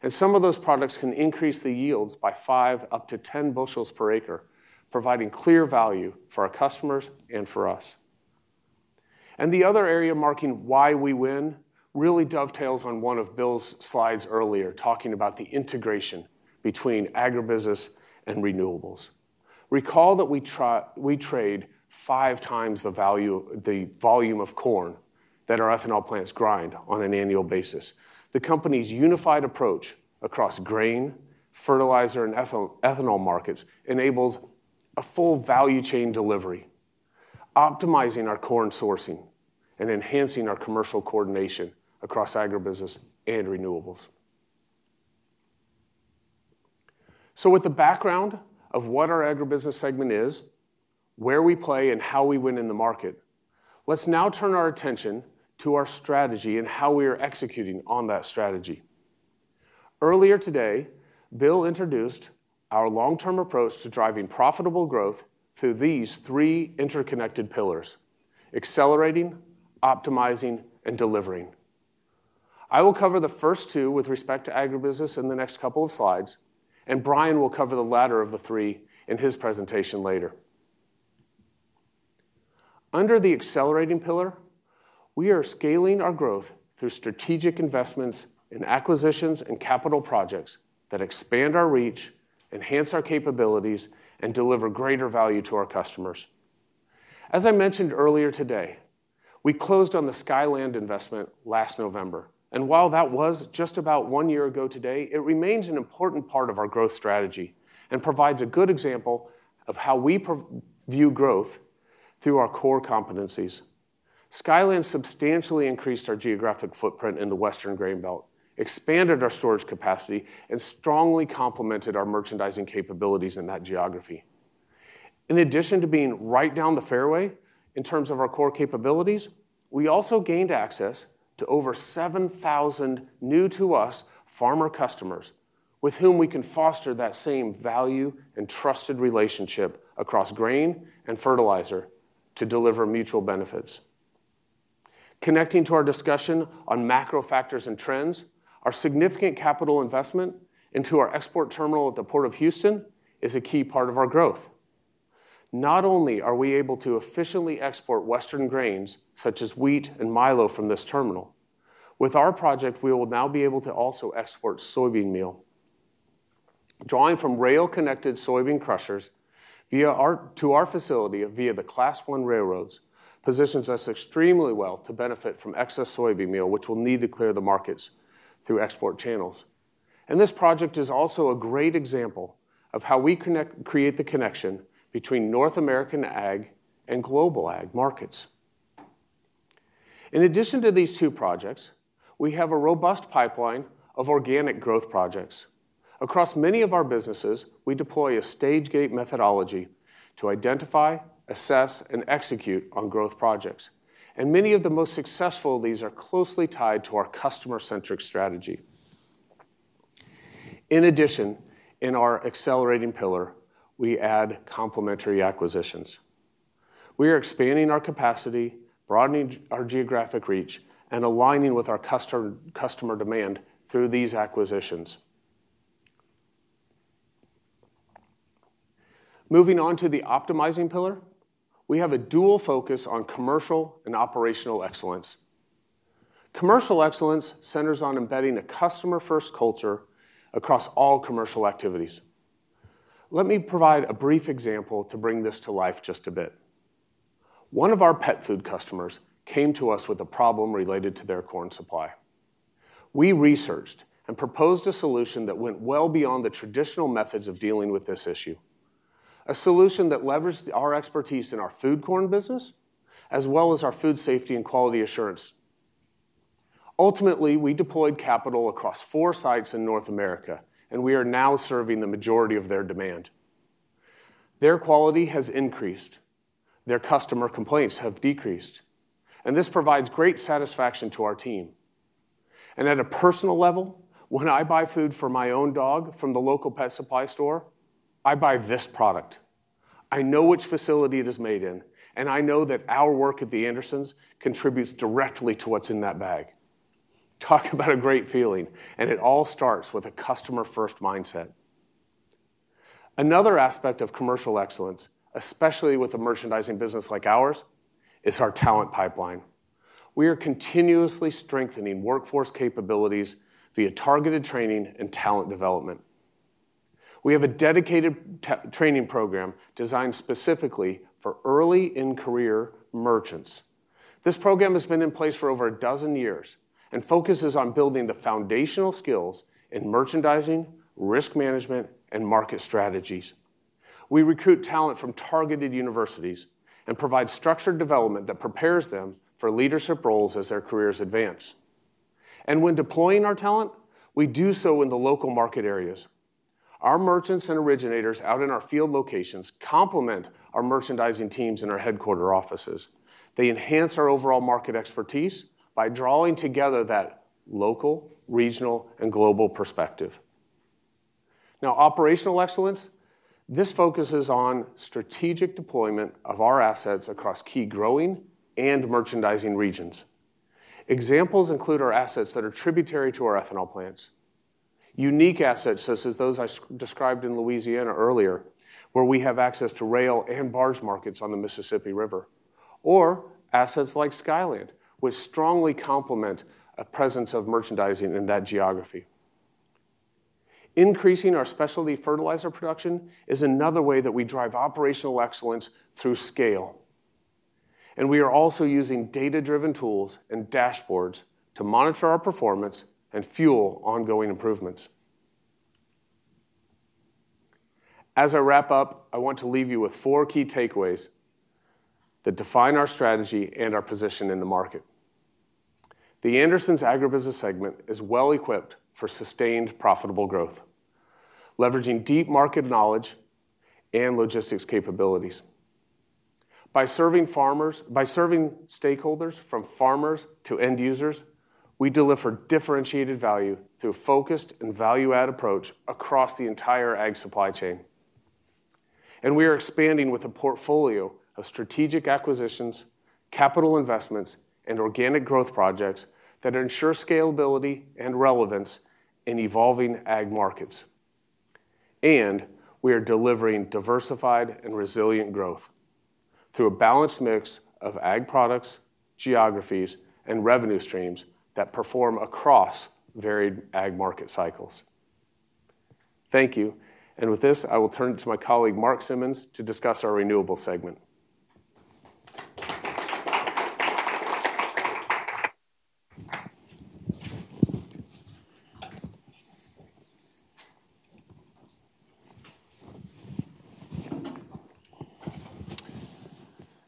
And some of those products can increase the yields by 5 up to 10 bushels per acre, providing clear value for our customers and for us. And the other area marking why we win really dovetails on one of Bill's slides earlier, talking about the integration between Agribusiness and Renewables. Recall that we trade five times the volume of corn that our ethanol plants grind on an annual basis. The company's unified approach across grain, fertilizer, and ethanol markets enables a full value chain delivery, optimizing our corn sourcing and enhancing our commercial coordination across Agribusiness and Renewables. So with the background of what our Agribusiness segment is, where we play, and how we win in the market, let's now turn our attention to our strategy and how we are executing on that strategy. Earlier today, Bill introduced our long-term approach to driving profitable growth through these three interconnected pillars: accelerating, optimizing, and delivering. I will cover the first two with respect to agribusiness in the next couple of slides, and Brian will cover the latter of the three in his presentation later. Under the accelerating pillar, we are scaling our growth through strategic investments in acquisitions and capital projects that expand our reach, enhance our capabilities, and deliver greater value to our customers. As I mentioned earlier today, we closed on the Skyland investment last November. And while that was just about one year ago today, it remains an important part of our growth strategy and provides a good example of how we view growth through our core competencies. Skyland substantially increased our geographic footprint in the Western Grain Belt, expanded our storage capacity, and strongly complemented our merchandising capabilities in that geography. In addition to being right down the fairway in terms of our core capabilities, we also gained access to over 7,000 new-to-us farmer customers with whom we can foster that same value and trusted relationship across grain and fertilizer to deliver mutual benefits. Connecting to our discussion on macro factors and trends, our significant capital investment into our export terminal at the Port of Houston is a key part of our growth. Not only are we able to efficiently export Western grains such as wheat and milo from this terminal, with our project, we will now be able to also export soybean meal. Drawing from rail-connected soybean crushers to our facility via the Class I railroads positions us extremely well to benefit from excess soybean meal, which we'll need to clear the markets through export channels. And this project is also a great example of how we create the connection between North American ag and global ag markets. In addition to these two projects, we have a robust pipeline of organic growth projects. Across many of our businesses, we deploy a Stage-Gate methodology to identify, assess, and execute on growth projects. Many of the most successful of these are closely tied to our customer-centric strategy. In addition, in our accelerating pillar, we add complementary acquisitions. We are expanding our capacity, broadening our geographic reach, and aligning with our customer demand through these acquisitions. Moving on to the optimizing pillar, we have a dual focus on commercial and operational excellence. Commercial excellence centers on embedding a customer-first culture across all commercial activities. Let me provide a brief example to bring this to life just a bit. One of our pet food customers came to us with a problem related to their corn supply. We researched and proposed a solution that went well beyond the traditional methods of dealing with this issue, a solution that leveraged our expertise in our food corn business as well as our food safety and quality assurance. Ultimately, we deployed capital across four sites in North America, and we are now serving the majority of their demand. Their quality has increased. Their customer complaints have decreased, and this provides great satisfaction to our team, and at a personal level, when I buy food for my own dog from the local pet supply store, I buy this product. I know which facility it is made in, and I know that our work at The Andersons contributes directly to what's in that bag. Talk about a great feeling, and it all starts with a customer-first mindset. Another aspect of commercial excellence, especially with a merchandising business like ours, is our talent pipeline. We are continuously strengthening workforce capabilities via targeted training and talent development. We have a dedicated training program designed specifically for early-in-career merchants. This program has been in place for over a dozen years and focuses on building the foundational skills in merchandising, risk management, and market strategies. We recruit talent from targeted universities and provide structured development that prepares them for leadership roles as their careers advance, and when deploying our talent, we do so in the local market areas. Our merchants and originators out in our field locations complement our merchandising teams in our headquarters offices. They enhance our overall market expertise by drawing together that local, regional, and global perspective. Now, operational excellence. This focuses on strategic deployment of our assets across key growing and merchandising regions. Examples include our assets that are tributary to our ethanol plants, unique assets such as those I described in Louisiana earlier, where we have access to rail and barge markets on the Mississippi River, or assets like Skyland, which strongly complement a presence of merchandising in that geography. Increasing our specialty fertilizer production is another way that we drive operational excellence through scale, and we are also using data-driven tools and dashboards to monitor our performance and fuel ongoing improvements. As I wrap up, I want to leave you with four key takeaways that define our strategy and our position in the market. The Andersons' Agribusiness segment is well-equipped for sustained profitable growth, leveraging deep market knowledge and logistics capabilities. By serving stakeholders from farmers to end users, we deliver differentiated value through a focused and value-add approach across the entire ag supply chain. We are expanding with a portfolio of strategic acquisitions, capital investments, and organic growth projects that ensure scalability and relevance in evolving ag markets. We are delivering diversified and resilient growth through a balanced mix of ag products, geographies, and revenue streams that perform across varied ag market cycles. Thank you. With this, I will turn to my colleague, Mark Simmons, to discuss our Renewables segment.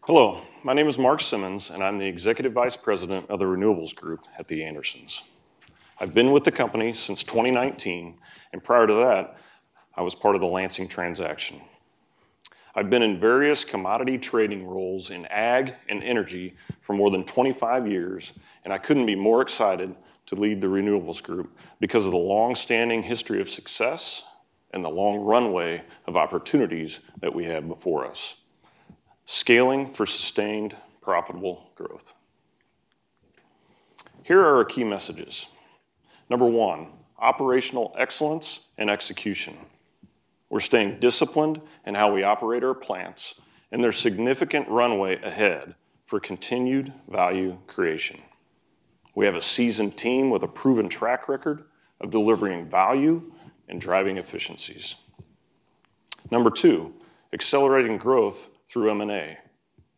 Hello. My name is Mark Simmons, and I'm the Executive Vice President of the Renewables Group at The Andersons. I've been with the company since 2019, and prior to that, I was part of the Lansing transaction. I've been in various commodity trading roles in ag and energy for more than 25 years, and I couldn't be more excited to lead the Renewables Group because of the long-standing history of success and the long runway of opportunities that we have before us. Scaling for sustained profitable growth. Here are our key messages. Number one, operational excellence and execution. We're staying disciplined in how we operate our plants, and there's significant runway ahead for continued value creation. We have a seasoned team with a proven track record of delivering value and driving efficiencies. Number two, accelerating growth through M&A.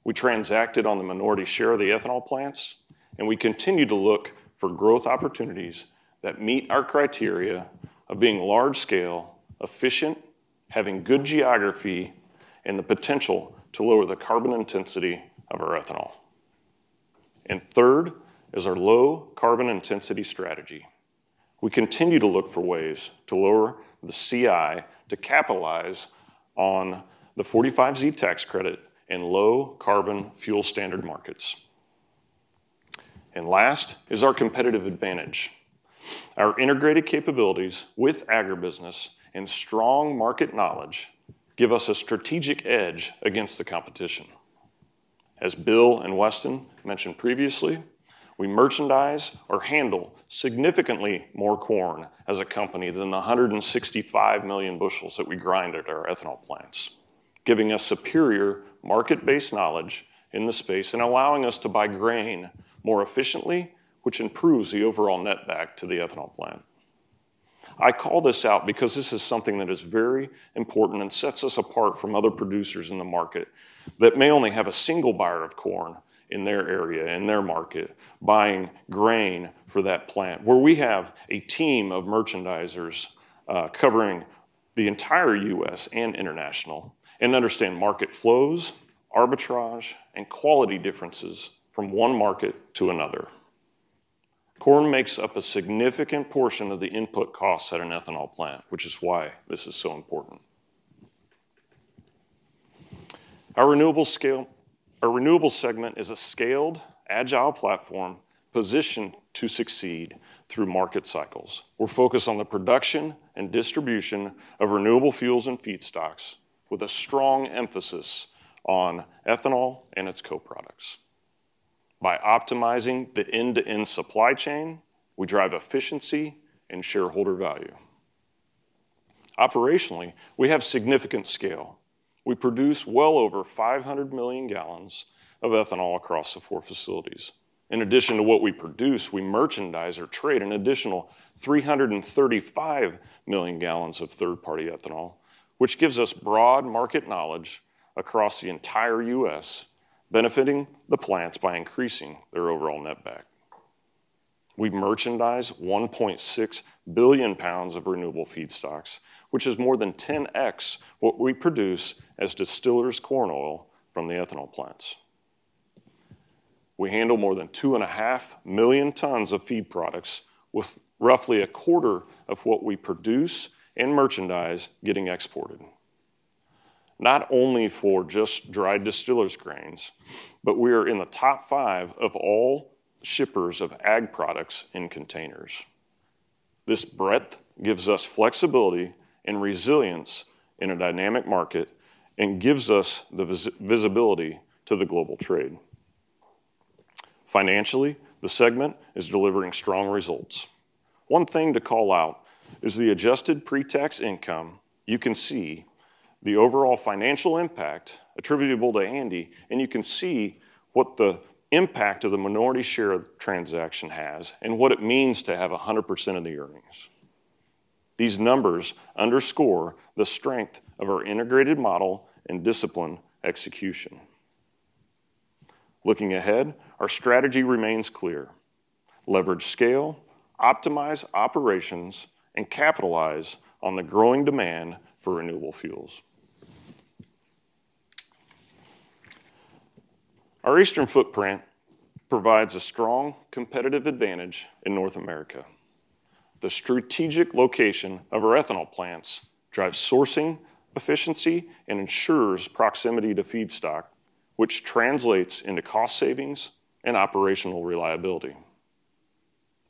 We transacted on the minority share of the ethanol plants, and we continue to look for growth opportunities that meet our criteria of being large-scale, efficient, having good geography, and the potential to lower the carbon intensity of our ethanol. And third is our low carbon intensity strategy. We continue to look for ways to lower the CI to capitalize on the 45Z tax credit in Low Carbon Fuel Standard markets, and last is our competitive advantage. Our integrated capabilities with agribusiness and strong market knowledge give us a strategic edge against the competition. As Bill and Weston mentioned previously, we merchandise or handle significantly more corn as a company than the 165 million bushels that we grind at our ethanol plants, giving us superior market-based knowledge in the space and allowing us to buy grain more efficiently, which improves the overall netback to the ethanol plant. I call this out because this is something that is very important and sets us apart from other producers in the market that may only have a single buyer of corn in their area, in their market, buying grain for that plant, where we have a team of merchandisers covering the entire U.S. and international and understand market flows, arbitrage, and quality differences from one market to another. Corn makes up a significant portion of the input costs at an ethanol plant, which is why this is so important. Our Renewables segment is a scaled, agile platform positioned to succeed through market cycles. We're focused on the production and distribution of renewable fuels and feedstocks with a strong emphasis on ethanol and its co-products. By optimizing the end-to-end supply chain, we drive efficiency and shareholder value. Operationally, we have significant scale. We produce well over 500 million gallons of ethanol across the four facilities. In addition to what we produce, we merchandise or trade an additional 335 million gallons of third-party ethanol, which gives us broad market knowledge across the entire U.S., benefiting the plants by increasing their overall netback. We merchandise 1.6 billion pounds of renewable feedstocks, which is more than 10x what we produce as distillers' corn oil from the ethanol plants. We handle more than 2.5 million tons of feed products, with roughly a quarter of what we produce and merchandise getting exported. Not only for just dried distillers' grains, but we are in the top five of all shippers of ag products in containers. This breadth gives us flexibility and resilience in a dynamic market and gives us the visibility to the global trade. Financially, the segment is delivering strong results. One thing to call out is the adjusted pre-tax income. You can see the overall financial impact attributable to ANDE, and you can see what the impact of the minority share transaction has and what it means to have 100% of the earnings. These numbers underscore the strength of our integrated model and discipline execution. Looking ahead, our strategy remains clear: leverage scale, optimize operations, and capitalize on the growing demand for renewable fuels. Our Eastern footprint provides a strong competitive advantage in North America. The strategic location of our ethanol plants drives sourcing efficiency and ensures proximity to feedstock, which translates into cost savings and operational reliability.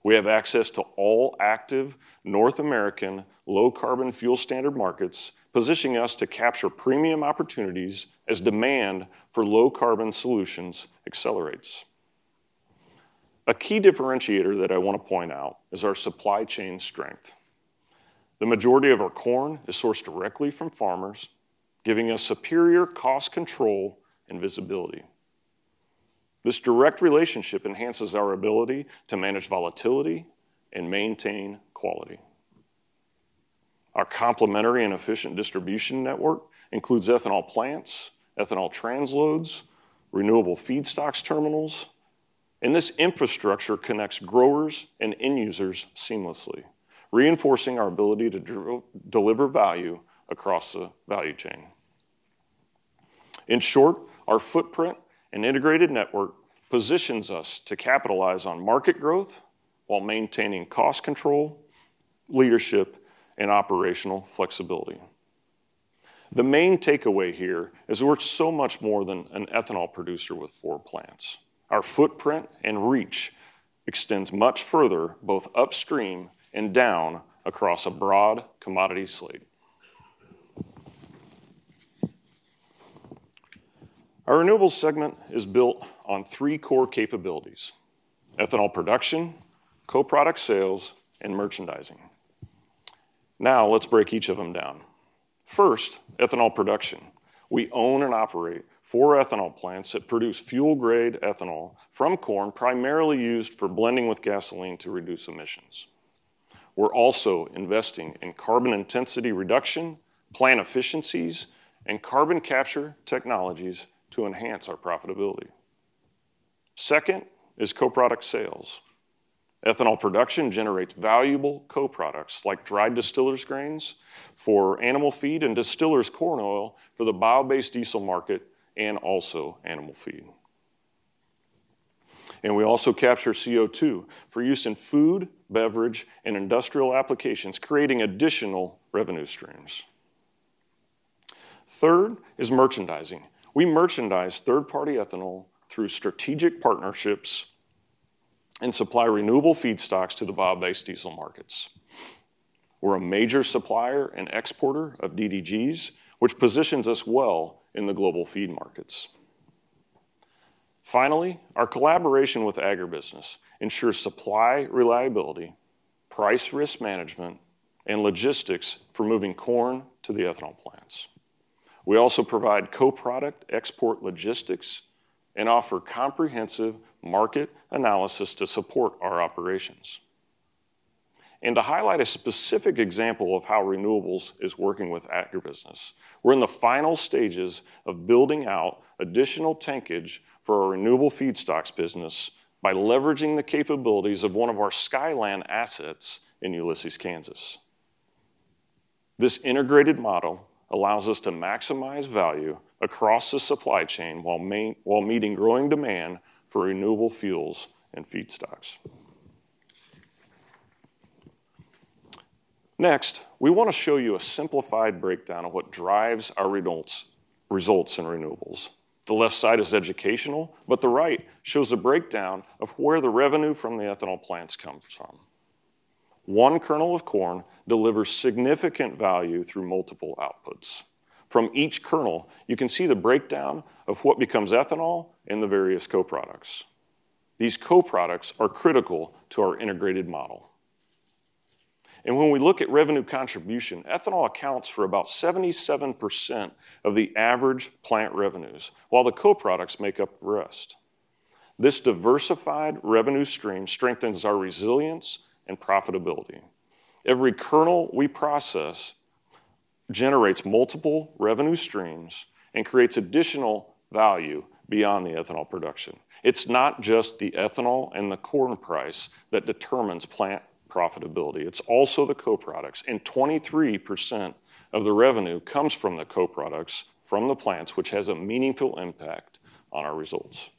We have access to all active North American Low Carbon Fuel Standard markets, positioning us to capture premium opportunities as demand for low carbon solutions accelerates. A key differentiator that I want to point out is our supply chain strength. The majority of our corn is sourced directly from farmers, giving us superior cost control and visibility. This direct relationship enhances our ability to manage volatility and maintain quality. Our complementary and efficient distribution network includes ethanol plants, ethanol transloads, renewable feedstocks terminals, and this infrastructure connects growers and end users seamlessly, reinforcing our ability to deliver value across the value chain. In short, our footprint and integrated network positions us to capitalize on market growth while maintaining cost control, leadership, and operational flexibility. The main takeaway here is we're so much more than an ethanol producer with four plants. Our footprint and reach extends much further, both upstream and down across a broad commodity slate. Our Renewables segment is built on three core capabilities: ethanol production, co-product sales, and merchandising. Now let's break each of them down. First, ethanol production. We own and operate four ethanol plants that produce fuel-grade ethanol from corn primarily used for blending with gasoline to reduce emissions. We're also investing in carbon intensity reduction, plant efficiencies, and carbon capture technologies to enhance our profitability. Second is co-product sales. Ethanol production generates valuable co-products like distillers dried grains for animal feed and distillers corn oil for the biodiesel market and also animal feed. And we also capture CO2 for use in food, beverage, and industrial applications, creating additional revenue streams. Third is merchandising. We merchandise third-party ethanol through strategic partnerships and supply renewable feedstocks to the bio-based diesel markets. We're a major supplier and exporter of DDGS, which positions us well in the global feed markets. Finally, our collaboration with agribusiness ensures supply reliability, price risk management, and logistics for moving corn to the ethanol plants. We also provide co-product export logistics and offer comprehensive market analysis to support our operations. And to highlight a specific example of how Renewables is working with agribusiness, we're in the final stages of building out additional tankage for our renewable feedstocks business by leveraging the capabilities of one of our Skyland assets in Ulysses, Kansas. This integrated model allows us to maximize value across the supply chain while meeting growing demand for renewable fuels and feedstocks. Next, we want to show you a simplified breakdown of what drives our results in Renewables. The left side is educational, but the right shows a breakdown of where the revenue from the ethanol plants comes from. One kernel of corn delivers significant value through multiple outputs. From each kernel, you can see the breakdown of what becomes ethanol and the various co-products. These co-products are critical to our integrated model. When we look at revenue contribution, ethanol accounts for about 77% of the average plant revenues, while the co-products make up the rest. This diversified revenue stream strengthens our resilience and profitability. Every kernel we process generates multiple revenue streams and creates additional value beyond the ethanol production. It's not just the ethanol and the corn price that determines plant profitability. It's also the co-products. 23% of the revenue comes from the co-products from the plants, which has a meaningful impact on our results.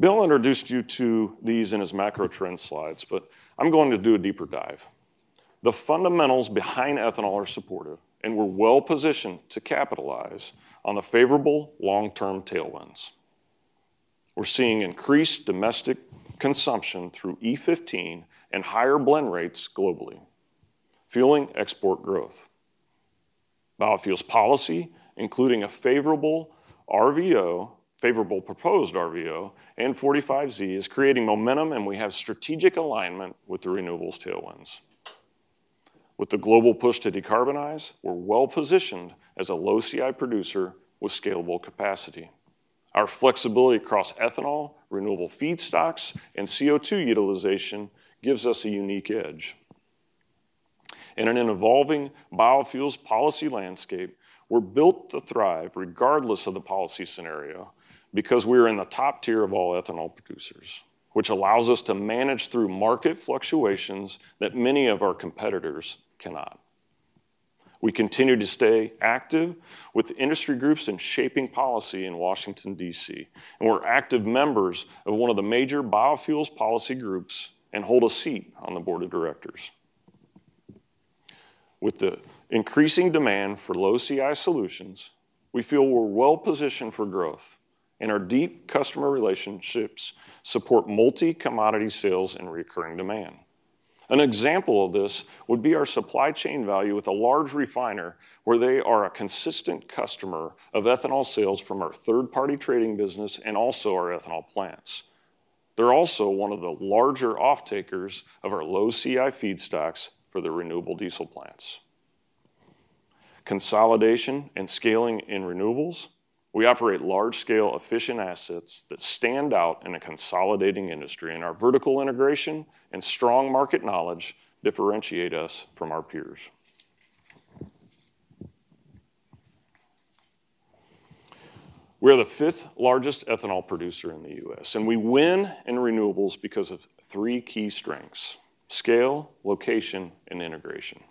Bill introduced you to these in his macro trend slides, but I'm going to do a deeper dive. The fundamentals behind ethanol are supportive, and we're well positioned to capitalize on the favorable long-term tailwinds. We're seeing increased domestic consumption through E15 and higher blend rates globally, fueling export growth. Biofuels policy, including a favorable RVO, favorable proposed RVO, and 45Z, is creating momentum, and we have strategic alignment with the Renewables tailwinds. With the global push to decarbonize, we're well positioned as a low-CI producer with scalable capacity. Our flexibility across ethanol, renewable feedstocks, and CO2 utilization gives us a unique edge. In an evolving biofuels policy landscape, we're built to thrive regardless of the policy scenario because we are in the top tier of all ethanol producers, which allows us to manage through market fluctuations that many of our competitors cannot. We continue to stay active with industry groups in shaping policy in Washington, D.C., and we're active members of one of the major biofuels policy groups and hold a seat on the board of directors. With the increasing demand for low-CI solutions, we feel we're well positioned for growth, and our deep customer relationships support multi-commodity sales and recurring demand. An example of this would be our supply chain value with a large refiner where they are a consistent customer of ethanol sales from our third-party trading business and also our ethanol plants. They're also one of the larger off-takers of our low-CI feedstocks for the renewable diesel plants. Consolidation and scaling in Renewables, we operate large-scale efficient assets that stand out in a consolidating industry, and our vertical integration and strong market knowledge differentiate us from our peers. We are the fifth largest ethanol producer in the U.S., and we win in Renewables because of three key strengths: scale, location, and integration.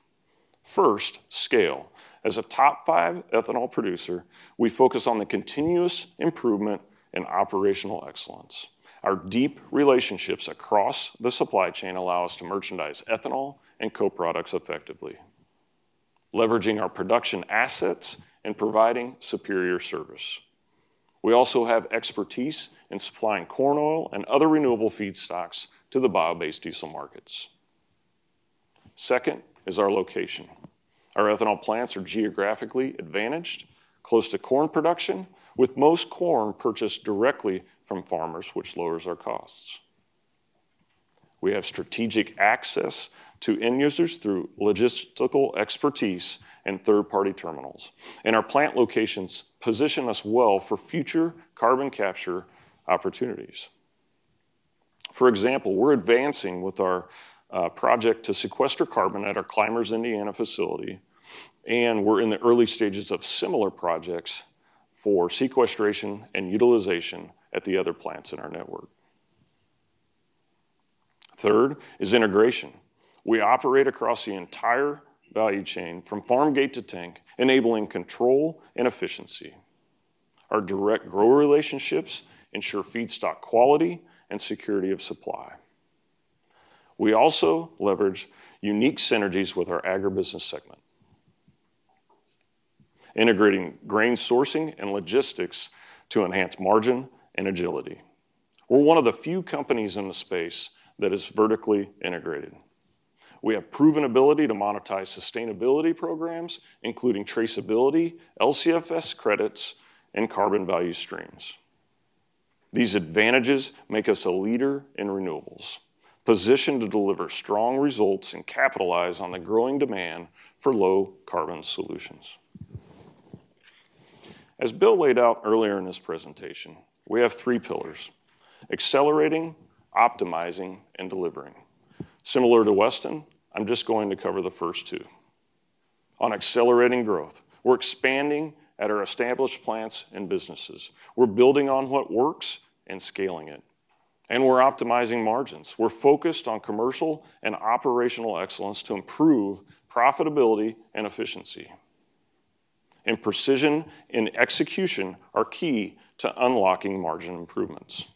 First, scale. As a top five ethanol producer, we focus on the continuous improvement and operational excellence. Our deep relationships across the supply chain allow us to merchandise ethanol and co-products effectively, leveraging our production assets and providing superior service. We also have expertise in supplying corn oil and other renewable feedstocks to the bio-based diesel markets. Second is our location. Our ethanol plants are geographically advantaged, close to corn production, with most corn purchased directly from farmers, which lowers our costs. We have strategic access to end users through logistical expertise and third-party terminals, and our plant locations position us well for future carbon capture opportunities. For example, we're advancing with our project to sequester carbon at our Clymers, Indiana facility, and we're in the early stages of similar projects for sequestration and utilization at the other plants in our network. Third is integration. We operate across the entire value chain from farm gate to tank, enabling control and efficiency. Our direct grower relationships ensure feedstock quality and security of supply. We also leverage unique synergies with our Agribusiness segment, integrating grain sourcing and logistics to enhance margin and agility. We're one of the few companies in the space that is vertically integrated. We have proven ability to monetize sustainability programs, including traceability, LCFS credits, and carbon value streams. These advantages make us a leader in Renewables, positioned to deliver strong results and capitalize on the growing demand for low-carbon solutions. As Bill laid out earlier in this presentation, we have three pillars: accelerating, optimizing, and delivering. Similar to Weston, I'm just going to cover the first two. On accelerating growth, we're expanding at our established plants and businesses. We're building on what works and scaling it, and we're optimizing margins. We're focused on commercial and operational excellence to improve profitability and efficiency. And precision and execution are key to unlocking margin improvements.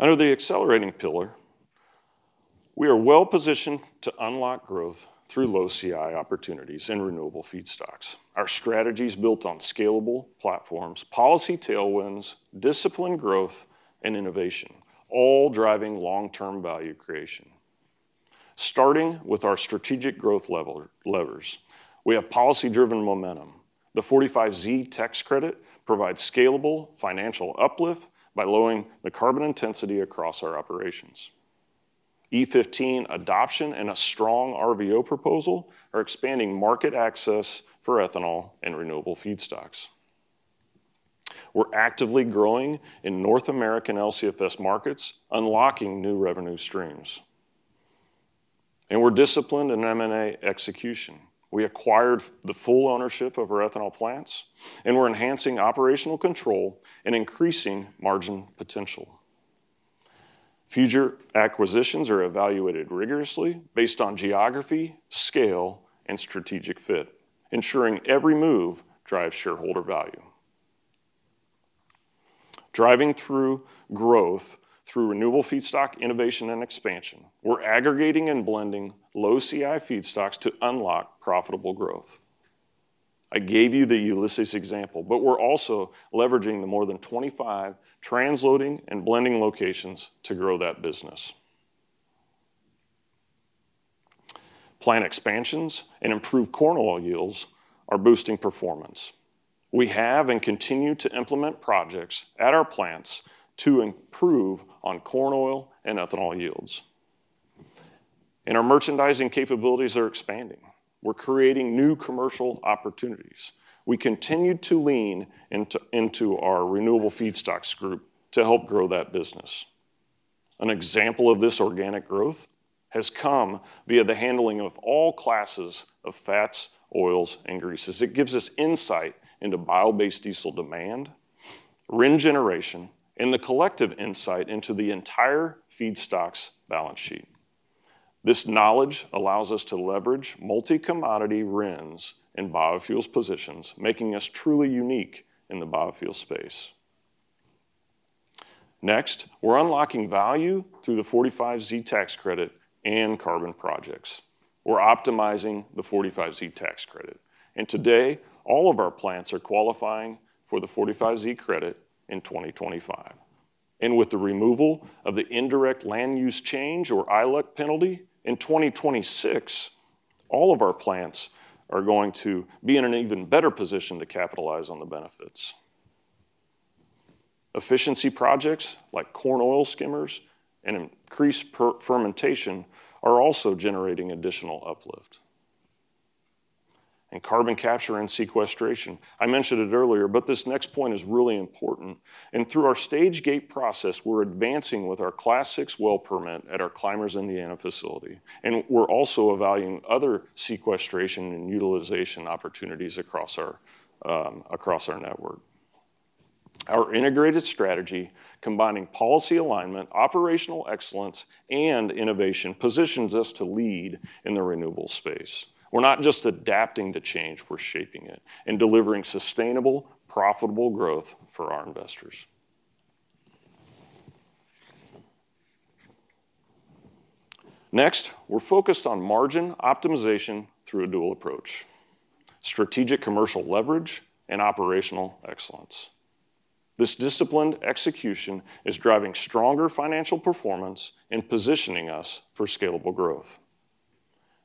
Under the accelerating pillar, we are well positioned to unlock growth through low-CI opportunities in renewable feedstocks. Our strategy is built on scalable platforms, policy tailwinds, disciplined growth, and innovation, all driving long-term value creation. Starting with our strategic growth levers, we have policy-driven momentum. The 45Z tax credit provides scalable financial uplift by lowering the carbon intensity across our operations. E15 adoption and a strong RVO proposal are expanding market access for ethanol and renewable feedstocks. We're actively growing in North American LCFS markets, unlocking new revenue streams. And we're disciplined in M&A execution. We acquired the full ownership of our ethanol plants, and we're enhancing operational control and increasing margin potential. Future acquisitions are evaluated rigorously based on geography, scale, and strategic fit, ensuring every move drives shareholder value. Driving through growth through renewable feedstock innovation and expansion, we're aggregating and blending low-CI feedstocks to unlock profitable growth. I gave you the Ulysses example, but we're also leveraging the more than 25 transloading and blending locations to grow that business. Plant expansions and improved corn oil yields are boosting performance. We have and continue to implement projects at our plants to improve on corn oil and ethanol yields, and our merchandising capabilities are expanding. We're creating new commercial opportunities. We continue to lean into our renewable feedstocks group to help grow that business. An example of this organic growth has come via the handling of all classes of fats, oils, and greases. It gives us insight into bio-based diesel demand, RIN generation, and the collective insight into the entire feedstocks balance sheet. This knowledge allows us to leverage multi-commodity RINs and biofuels positions, making us truly unique in the biofuel space. Next, we're unlocking value through the 45Z tax credit and carbon projects. We're optimizing the 45Z tax credit. And today, all of our plants are qualifying for the 45Z credit in 2025. And with the removal of the indirect land use change or ILUC penalty in 2026, all of our plants are going to be in an even better position to capitalize on the benefits. Efficiency projects like corn oil skimmers and increased fermentation are also generating additional uplift. And carbon capture and sequestration. I mentioned it earlier, but this next point is really important. And through our Stage-Gate process, we're advancing with our Class VI well permit at our Clymers, Indiana facility. And we're also evaluating other sequestration and utilization opportunities across our network. Our integrated strategy, combining policy alignment, operational excellence, and innovation, positions us to lead in the renewable space. We're not just adapting to change; we're shaping it and delivering sustainable, profitable growth for our investors. Next, we're focused on margin optimization through a dual approach: strategic commercial leverage and operational excellence. This disciplined execution is driving stronger financial performance and positioning us for scalable growth.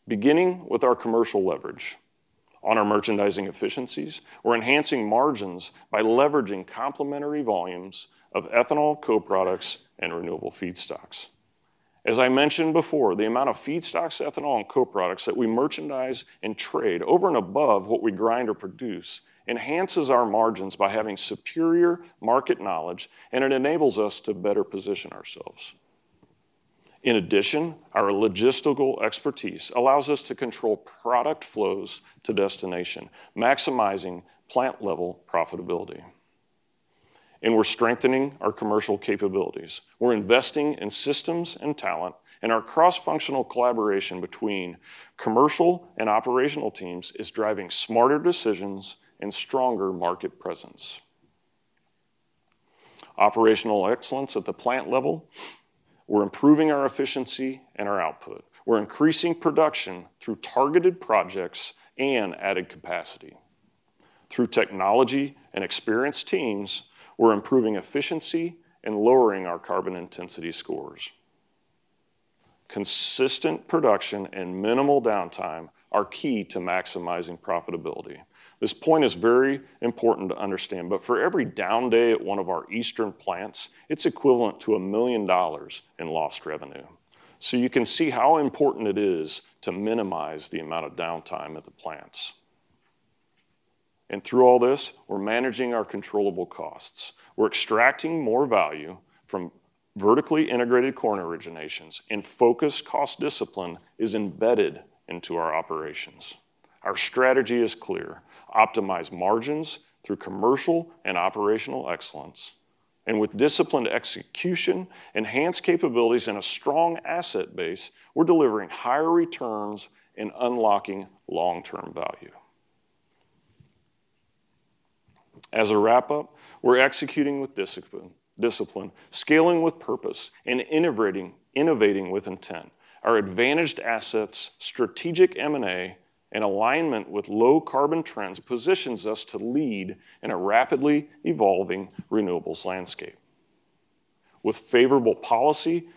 Beginning with our commercial leverage on our merchandising efficiencies, we're enhancing margins by leveraging complementary volumes of ethanol, co-products, and renewable feedstocks. As I mentioned before, the amount of feedstocks, ethanol, and co-products that we merchandise and trade over and above what we grind or produce enhances our margins by having superior market knowledge, and it enables us to better position ourselves. In addition, our logistical expertise allows us to control product flows to destination, maximizing plant-level profitability, and we're strengthening our commercial capabilities. We're investing in systems and talent, and our cross-functional collaboration between commercial and operational teams is driving smarter decisions and stronger market presence. Operational excellence at the plant level. We're improving our efficiency and our output. We're increasing production through targeted projects and added capacity. Through technology and experienced teams, we're improving efficiency and lowering our carbon intensity scores. Consistent production and minimal downtime are key to maximizing profitability. This point is very important to understand, but for every down day at one of our Eastern plants, it's equivalent to $1 million in lost revenue. So you can see how important it is to minimize the amount of downtime at the plants. And through all this, we're managing our controllable costs. We're extracting more value from vertically integrated corn originations, and focused cost discipline is embedded into our operations. Our strategy is clear: optimize margins through commercial and operational excellence. And with disciplined execution, enhanced capabilities, and a strong asset base, we're delivering higher returns and unlocking long-term value. As a wrap-up, we're executing with discipline, scaling with purpose, and innovating with intent. Our advantaged assets, strategic M&A, and alignment with low-carbon trends position us to lead in a rapidly evolving Renewables landscape. With favorable policy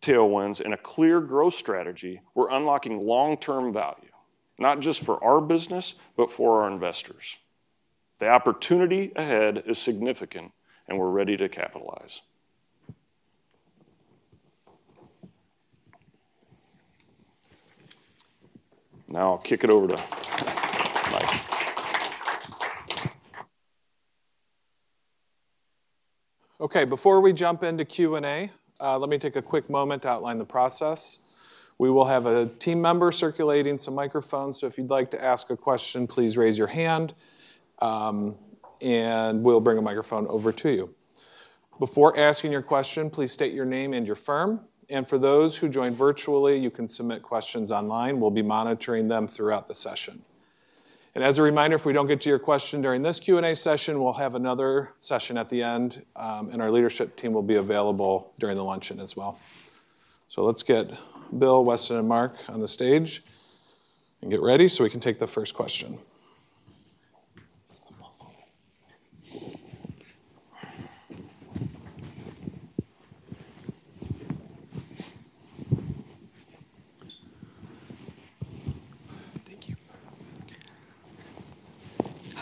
tailwinds and a clear growth strategy, we're unlocking long-term value, not just for our business, but for our investors. The opportunity ahead is significant, and we're ready to capitalize. Now I'll kick it over to Mike. Okay, before we jump into Q&A, let me take a quick moment to outline the process. We will have a team member circulating some microphones, so if you'd like to ask a question, please raise your hand, and we'll bring a microphone over to you. Before asking your question, please state your name and your firm. And for those who joined virtually, you can submit questions online. We'll be monitoring them throughout the session. And as a reminder, if we don't get to your question during this Q&A session, we'll have another session at the end, and our leadership team will be available during the luncheon as well. So let's get Bill, Weston, and Mark on the stage and get ready so we can take the first question.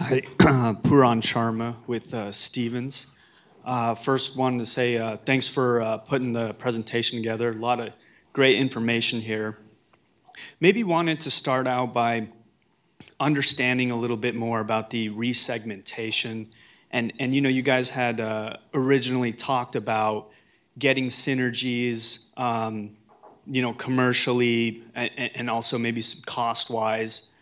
Thank you. Hi, Pooran Sharma with Stephens. First, wanted to say thanks for putting the presentation together. A lot of great information here. Maybe wanted to start out by understanding a little bit more about the resegmentation. And you guys had originally talked about getting synergies commercially and also maybe cost-wise.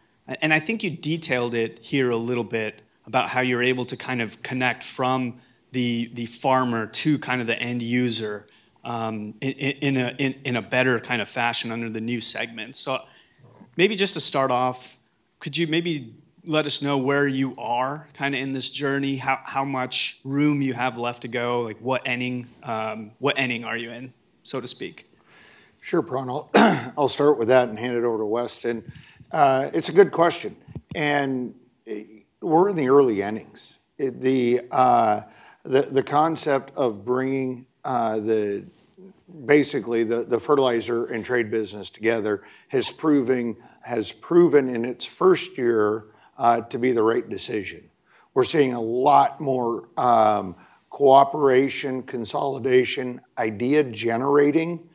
And I think you detailed it here a little bit about how you're able to kind of connect from the farmer to kind of the end user in a better kind of fashion under the new segment. So maybe just to start off, could you maybe let us know where you are kind of in this journey, how much room you have left to go, what inning are you in, so to speak? Sure, Pooran. I'll start with that and hand it over to Weston. It's a good question. And we're in the early innings. The concept of bringing basically the fertilizer and trade business together has proven in its first year to be the right decision. We're seeing a lot more cooperation, consolidation, idea generating.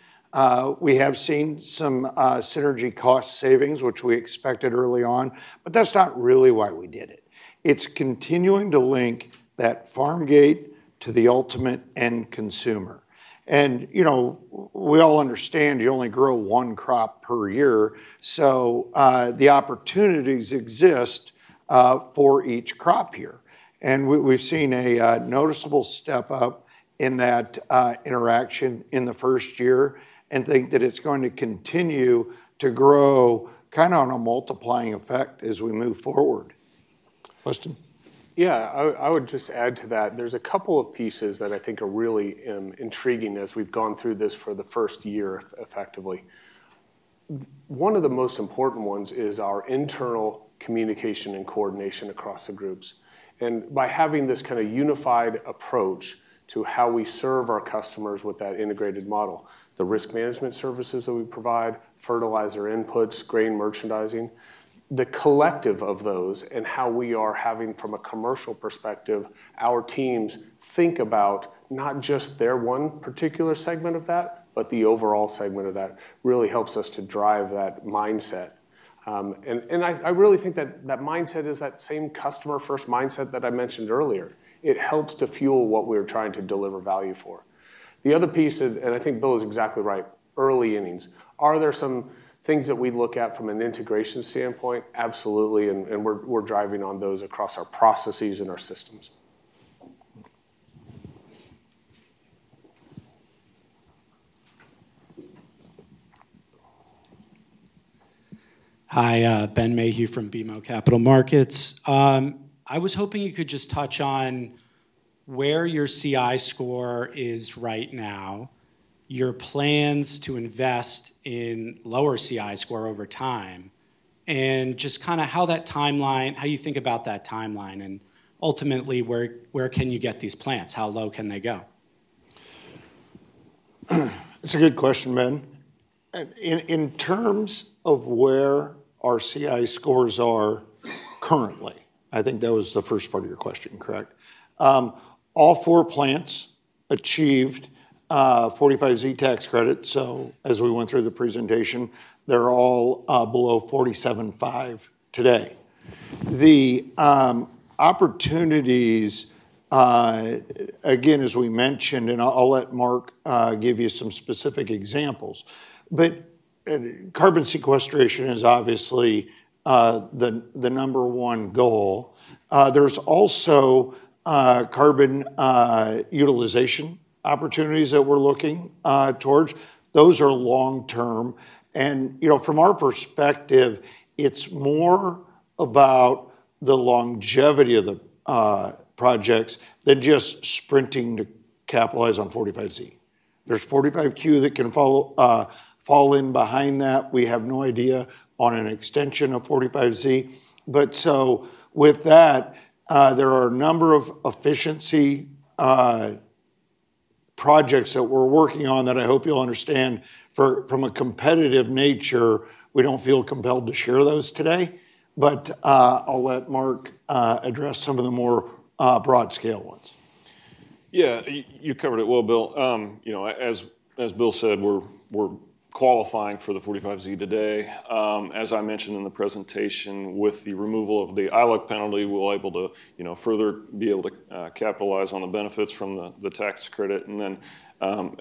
We have seen some synergy cost savings, which we expected early on, but that's not really why we did it. It's continuing to link that farm gate to the ultimate end consumer. And we all understand you only grow one crop per year, so the opportunities exist for each crop here. And we've seen a noticeable step up in that interaction in the first year and think that it's going to continue to grow kind of on a multiplying effect as we move forward. Weston? Yeah, I would just add to that. There's a couple of pieces that I think are really intriguing as we've gone through this for the first year effectively. One of the most important ones is our internal communication and coordination across the groups. And by having this kind of unified approach to how we serve our customers with that integrated model, the risk management services that we provide, fertilizer inputs, grain merchandising, the collective of those, and how we are having from a commercial perspective, our teams think about not just their one particular segment of that, but the overall segment of that really helps us to drive that mindset. And I really think that that mindset is that same customer-first mindset that I mentioned earlier. It helps to fuel what we're trying to deliver value for. The other piece, and I think Bill is exactly right, early innings. Are there some things that we look at from an integration standpoint? Absolutely, and we're driving on those across our processes and our systems. Hi, Ben Mayhew from BMO Capital Markets. I was hoping you could just touch on where your CI score is right now, your plans to invest in lower CI score over time, and just kind of how that timeline, how you think about that timeline, and ultimately, where can you get these plants? How low can they go? That's a good question, Ben. In terms of where our CI scores are currently, I think that was the first part of your question, correct? All four plants achieved 45Z tax credits, so as we went through the presentation, they're all below 47.5 today. The opportunities, again, as we mentioned, and I'll let Mark give you some specific examples, but carbon sequestration is obviously the number one goal. There's also carbon utilization opportunities that we're looking towards. Those are long-term, and from our perspective, it's more about the longevity of the projects than just sprinting to capitalize on 45Z. There's 45Q that can fall in behind that. We have no idea on an extension of 45Z, but so with that, there are a number of efficiency projects that we're working on that I hope you'll understand. From a competitive nature, we don't feel compelled to share those today, but I'll let Mark address some of the more broad-scale ones. Yeah, you covered it well, Bill. As Bill said, we're qualifying for the 45Z today. As I mentioned in the presentation, with the removal of the ILUC penalty, we'll be able to further capitalize on the benefits from the tax credit, and then,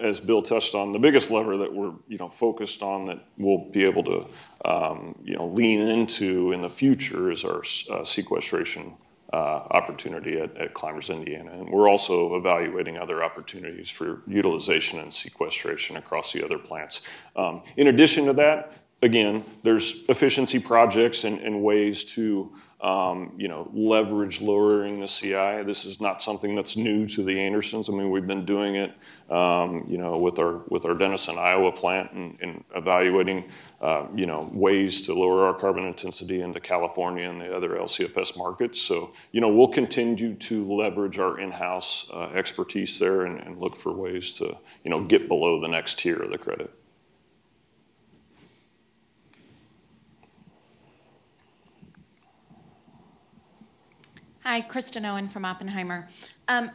as Bill touched on, the biggest lever that we're focused on that we'll be able to lean into in the future is our sequestration opportunity at Clymers, Indiana, and we're also evaluating other opportunities for utilization and sequestration across the other plants. In addition to that, again, there's efficiency projects and ways to leverage lowering the CI. This is not something that's new to The Andersons. I mean, we've been doing it with our Denison, Iowa plant and evaluating ways to lower our carbon intensity into California and the other LCFS markets. So we'll continue to leverage our in-house expertise there and look for ways to get below the next tier of the credit. Hi, Kristen Owen from Oppenheimer.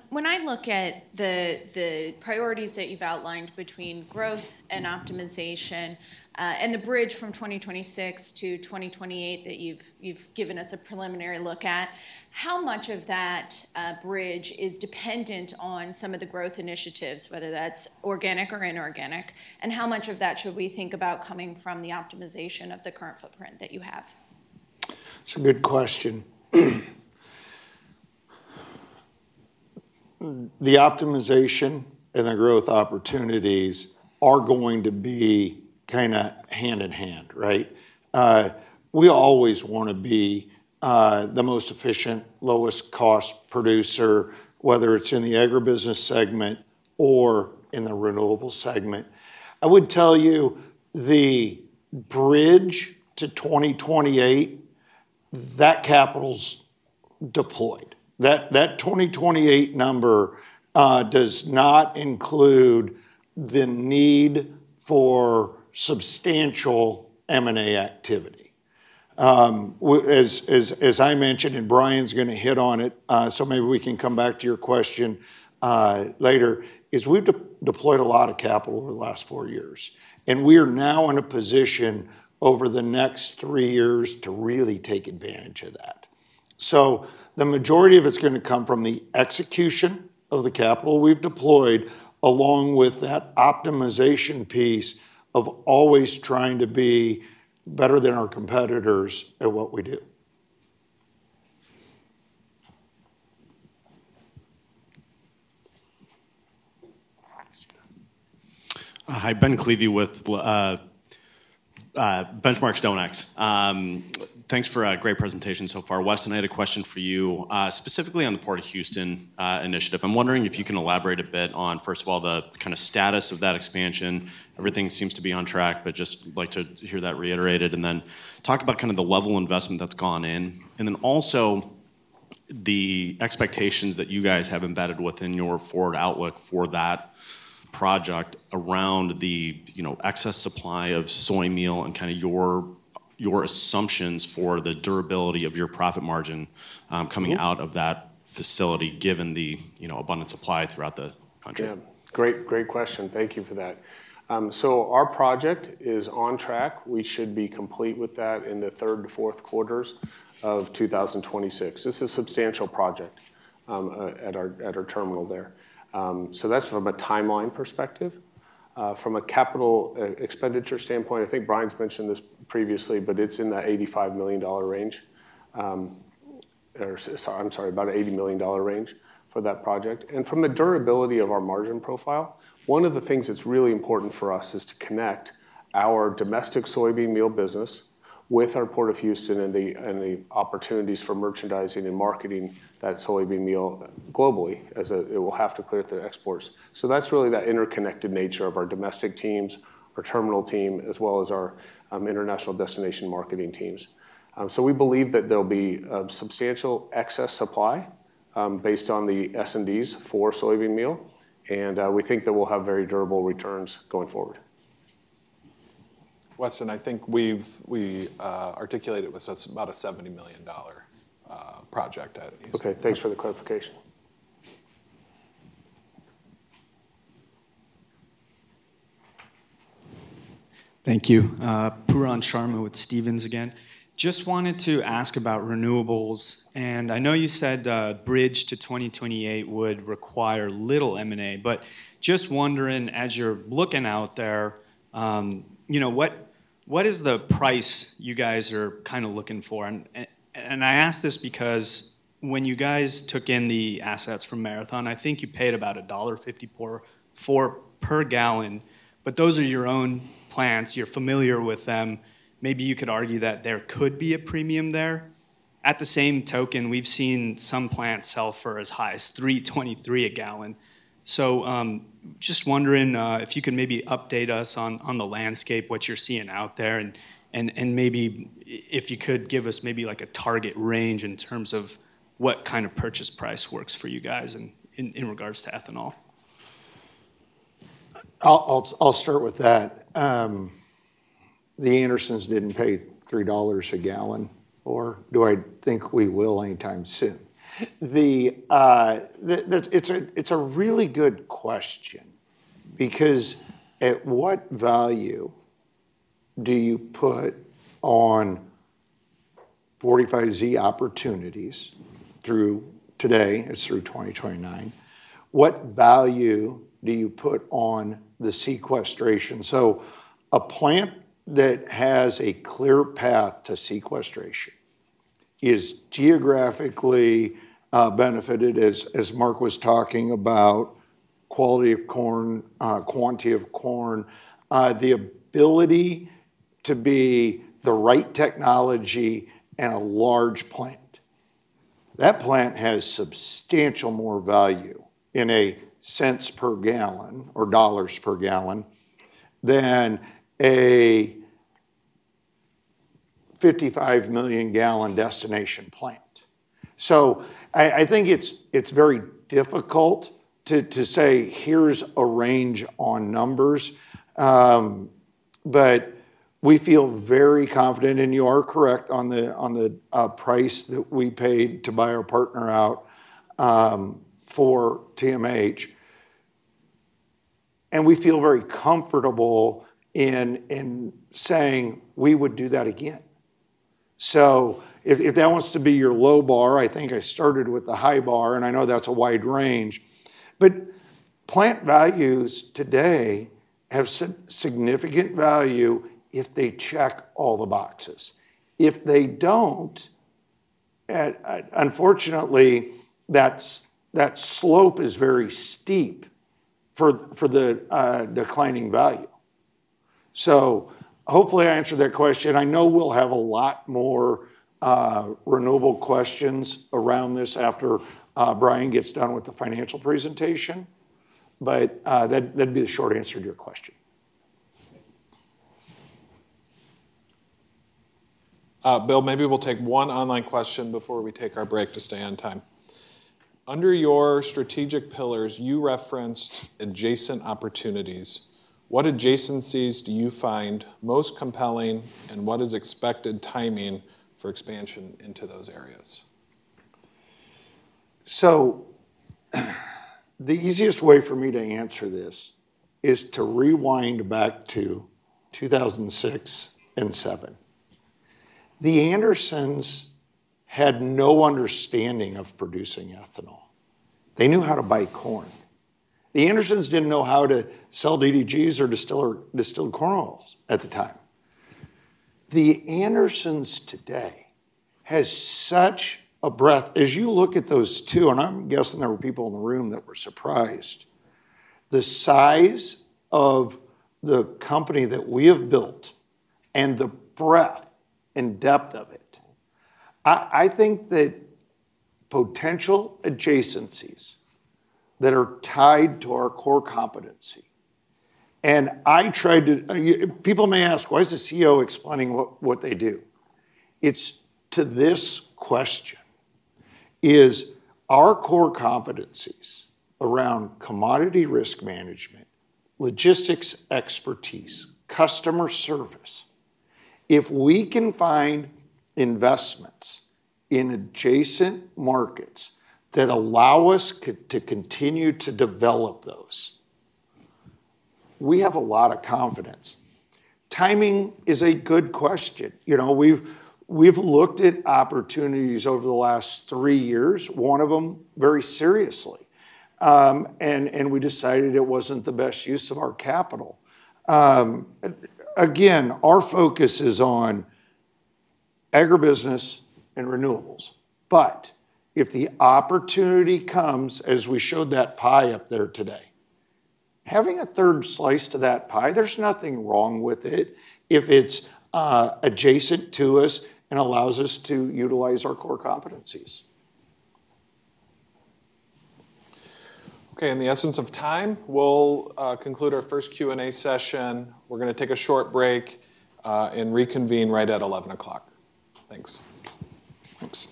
When I look at the priorities that you've outlined between growth and optimization and the bridge from 2026 to 2028 that you've given us a preliminary look at, how much of that bridge is dependent on some of the growth initiatives, whether that's organic or inorganic, and how much of that should we think about coming from the optimization of the current footprint that you have? That's a good question. The optimization and the growth opportunities are going to be kind of hand in hand, right? We always want to be the most efficient, lowest-cost producer, whether it's in the Agribusiness segment or in the renewable segment. I would tell you the bridge to 2028, that capital's deployed. That 2028 number does not include the need for substantial M&A activity. As I mentioned, and Brian's going to hit on it, so maybe we can come back to your question later, is we've deployed a lot of capital over the last four years, and we are now in a position over the next three years to really take advantage of that. So the majority of it's going to come from the execution of the capital we've deployed, along with that optimization piece of always trying to be better than our competitors at what we do. Hi, Ben Klieve with Benchmark StoneX. Thanks for a great presentation so far. Weston, I had a question for you specifically on the Port of Houston initiative. I'm wondering if you can elaborate a bit on, first of all, the kind of status of that expansion. Everything seems to be on track, but just like to hear that reiterated and then talk about kind of the level of investment that's gone in. And then also the expectations that you guys have embedded within your forward outlook for that project around the excess supply of soybean meal and kind of your assumptions for the durability of your profit margin coming out of that facility given the abundant supply throughout the country. Yeah, great question. Thank you for that. So our project is on track. We should be complete with that in the third to fourth quarters of 2026. This is a substantial project at our terminal there. That's from a timeline perspective. From a capital expenditure standpoint, I think Brian's mentioned this previously, but it's in that $85 million range. I'm sorry, about an $80 million range for that project. From the durability of our margin profile, one of the things that's really important for us is to connect our domestic soybean meal business with our Port of Houston and the opportunities for merchandising and marketing that soybean meal globally as it will have to clear through exports. That's really that interconnected nature of our domestic teams, our terminal team, as well as our international destination marketing teams. We believe that there'll be substantial excess supply based on the S&Ds for soybean meal, and we think that we'll have very durable returns going forward. Weston, I think we've articulated with us about a $70 million project at Houston. Okay, thanks for the clarification. Thank you. Pooran Sharma with Stephens again. Just wanted to ask about Renewables. And I know you said bridge to 2028 would require little M&A, but just wondering, as you're looking out there, what is the price you guys are kind of looking for? And I ask this because when you guys took in the assets from Marathon, I think you paid about $1.54 per gallon, but those are your own plants. You're familiar with them. Maybe you could argue that there could be a premium there. At the same token, we've seen some plants sell for as high as $3.23 a gallon. So just wondering if you could maybe update us on the landscape, what you're seeing out there, and maybe if you could give us maybe a target range in terms of what kind of purchase price works for you guys in regards to ethanol. I'll start with that. The Andersons didn't pay $3 a gallon, or do I think we will anytime soon? It's a really good question because at what value do you put on 45Z opportunities through today, as through 2029? What value do you put on the sequestration? So a plant that has a clear path to sequestration is geographically benefited, as Mark was talking about, quality of corn, quantity of corn, the ability to be the right technology, and a large plant. That plant has substantial more value in a cents per gallon or dollars per gallon than a 55 million gallon destination plant. So I think it's very difficult to say, "Here's a range on numbers," but we feel very confident, and you are correct on the price that we paid to buy our partner out for TAMH. We feel very comfortable in saying, "We would do that again." So if that wants to be your low bar, I think I started with the high bar, and I know that's a wide range, but plant values today have significant value if they check all the boxes. If they don't, unfortunately, that slope is very steep for the declining value. So hopefully I answered that question. I know we'll have a lot more renewable questions around this after Brian gets done with the financial presentation, but that'd be the short answer to your question. Bill, maybe we'll take one online question before we take our break to stay on time. Under your strategic pillars, you referenced adjacent opportunities. What adjacencies do you find most compelling, and what is expected timing for expansion into those areas? So the easiest way for me to answer this is to rewind back to 2006 and 2007. The Andersons had no understanding of producing ethanol. They knew how to buy corn. The Andersons didn't know how to sell DDGS or distillers corn oil at the time. The Andersons today has such a breadth. As you look at those two, and I'm guessing there were people in the room that were surprised, the size of the company that we have built and the breadth and depth of it, I think that potential adjacencies that are tied to our core competency. And I tried to, people may ask, "Why is the CEO explaining what they do?" It's to this question: our core competencies around commodity risk management, logistics expertise, customer service. If we can find investments in adjacent markets that allow us to continue to develop those, we have a lot of confidence. Timing is a good question. We've looked at opportunities over the last three years, one of them very seriously, and we decided it wasn't the best use of our capital. Again, our focus is on Agribusiness and Renewables. But if the opportunity comes, as we showed that pie up there today, having a third slice to that pie, there's nothing wrong with it if it's adjacent to us and allows us to utilize our core competencies. Okay, in the essence of time, we'll conclude our first Q&A session. We're going to take a short break and reconvene right at 11:00 A.M. Thanks. Thanks.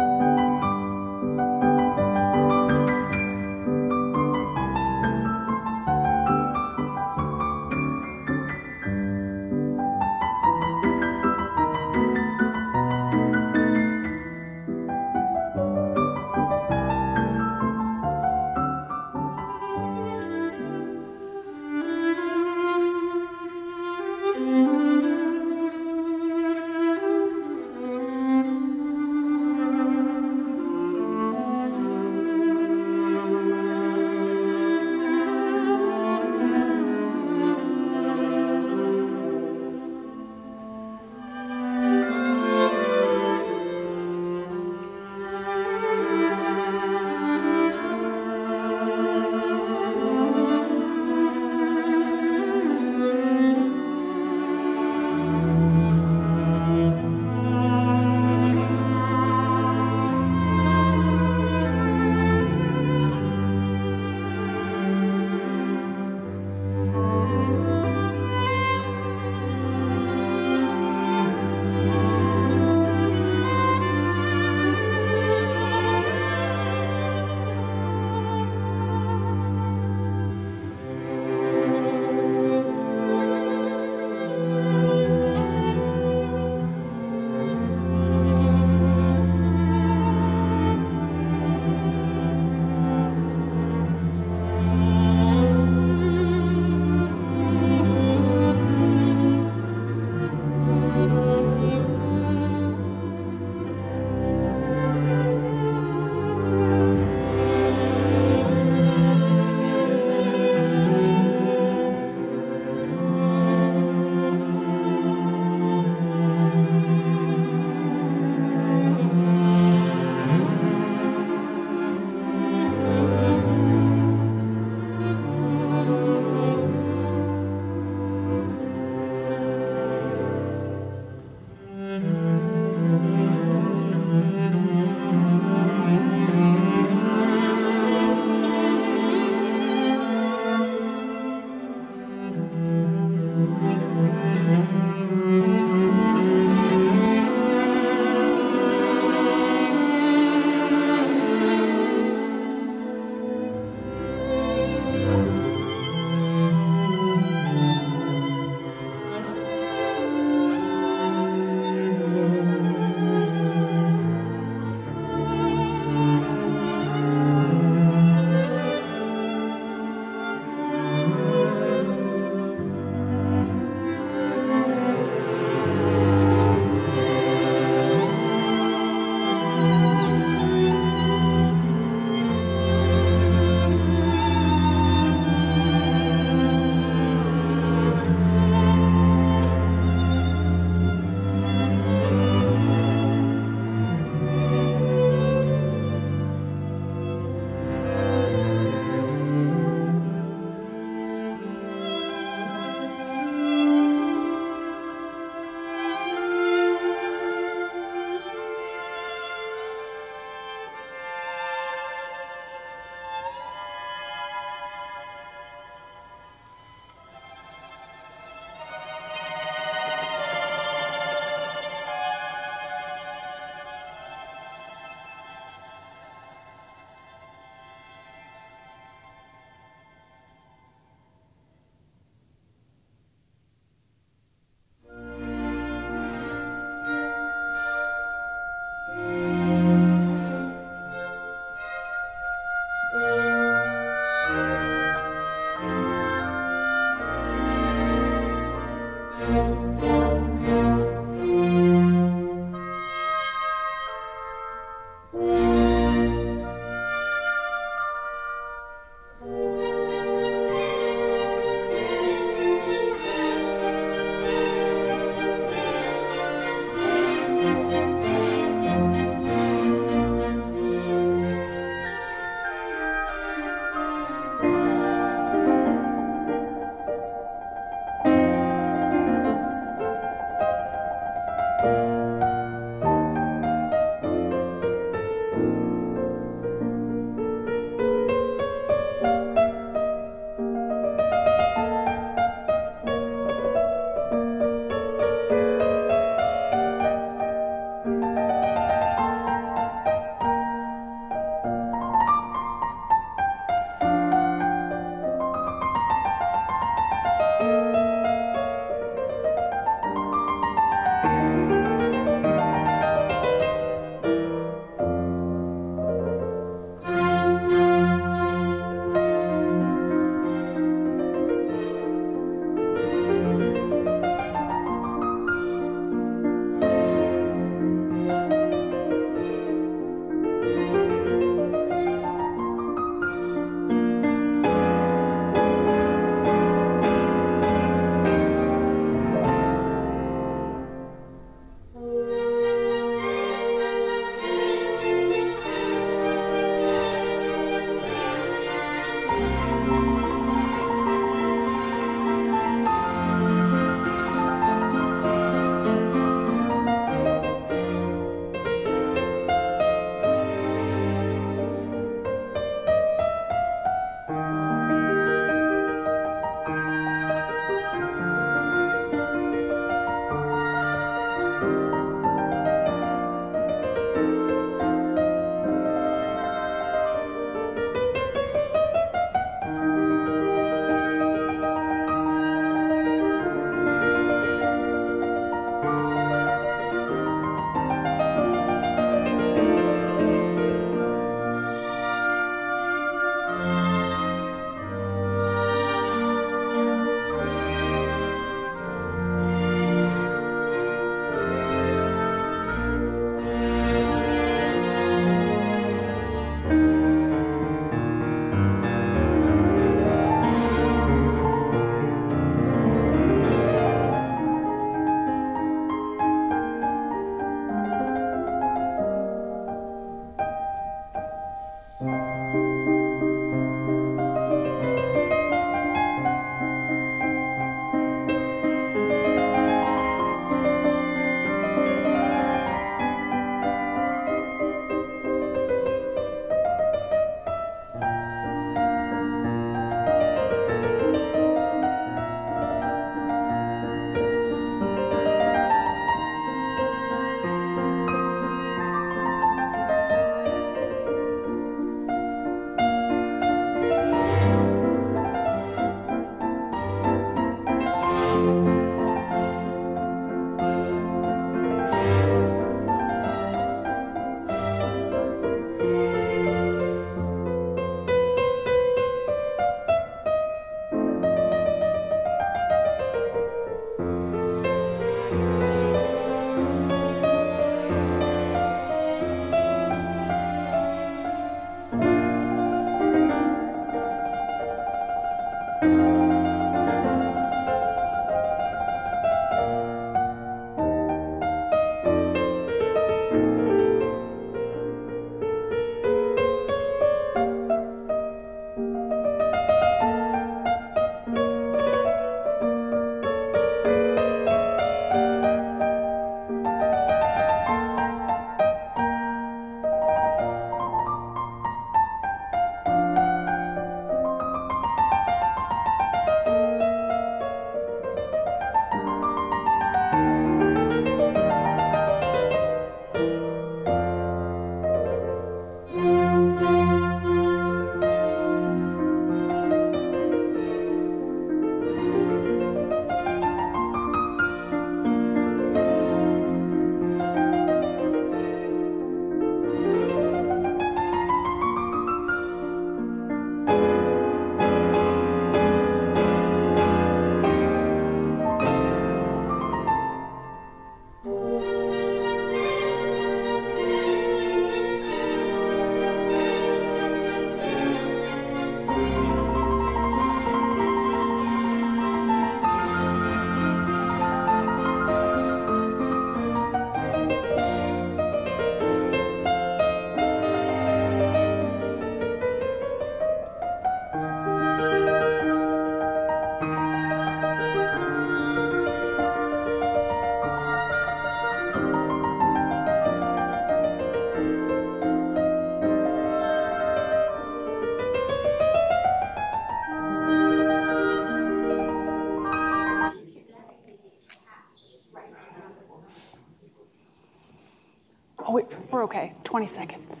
Oh, we're okay. 20 seconds.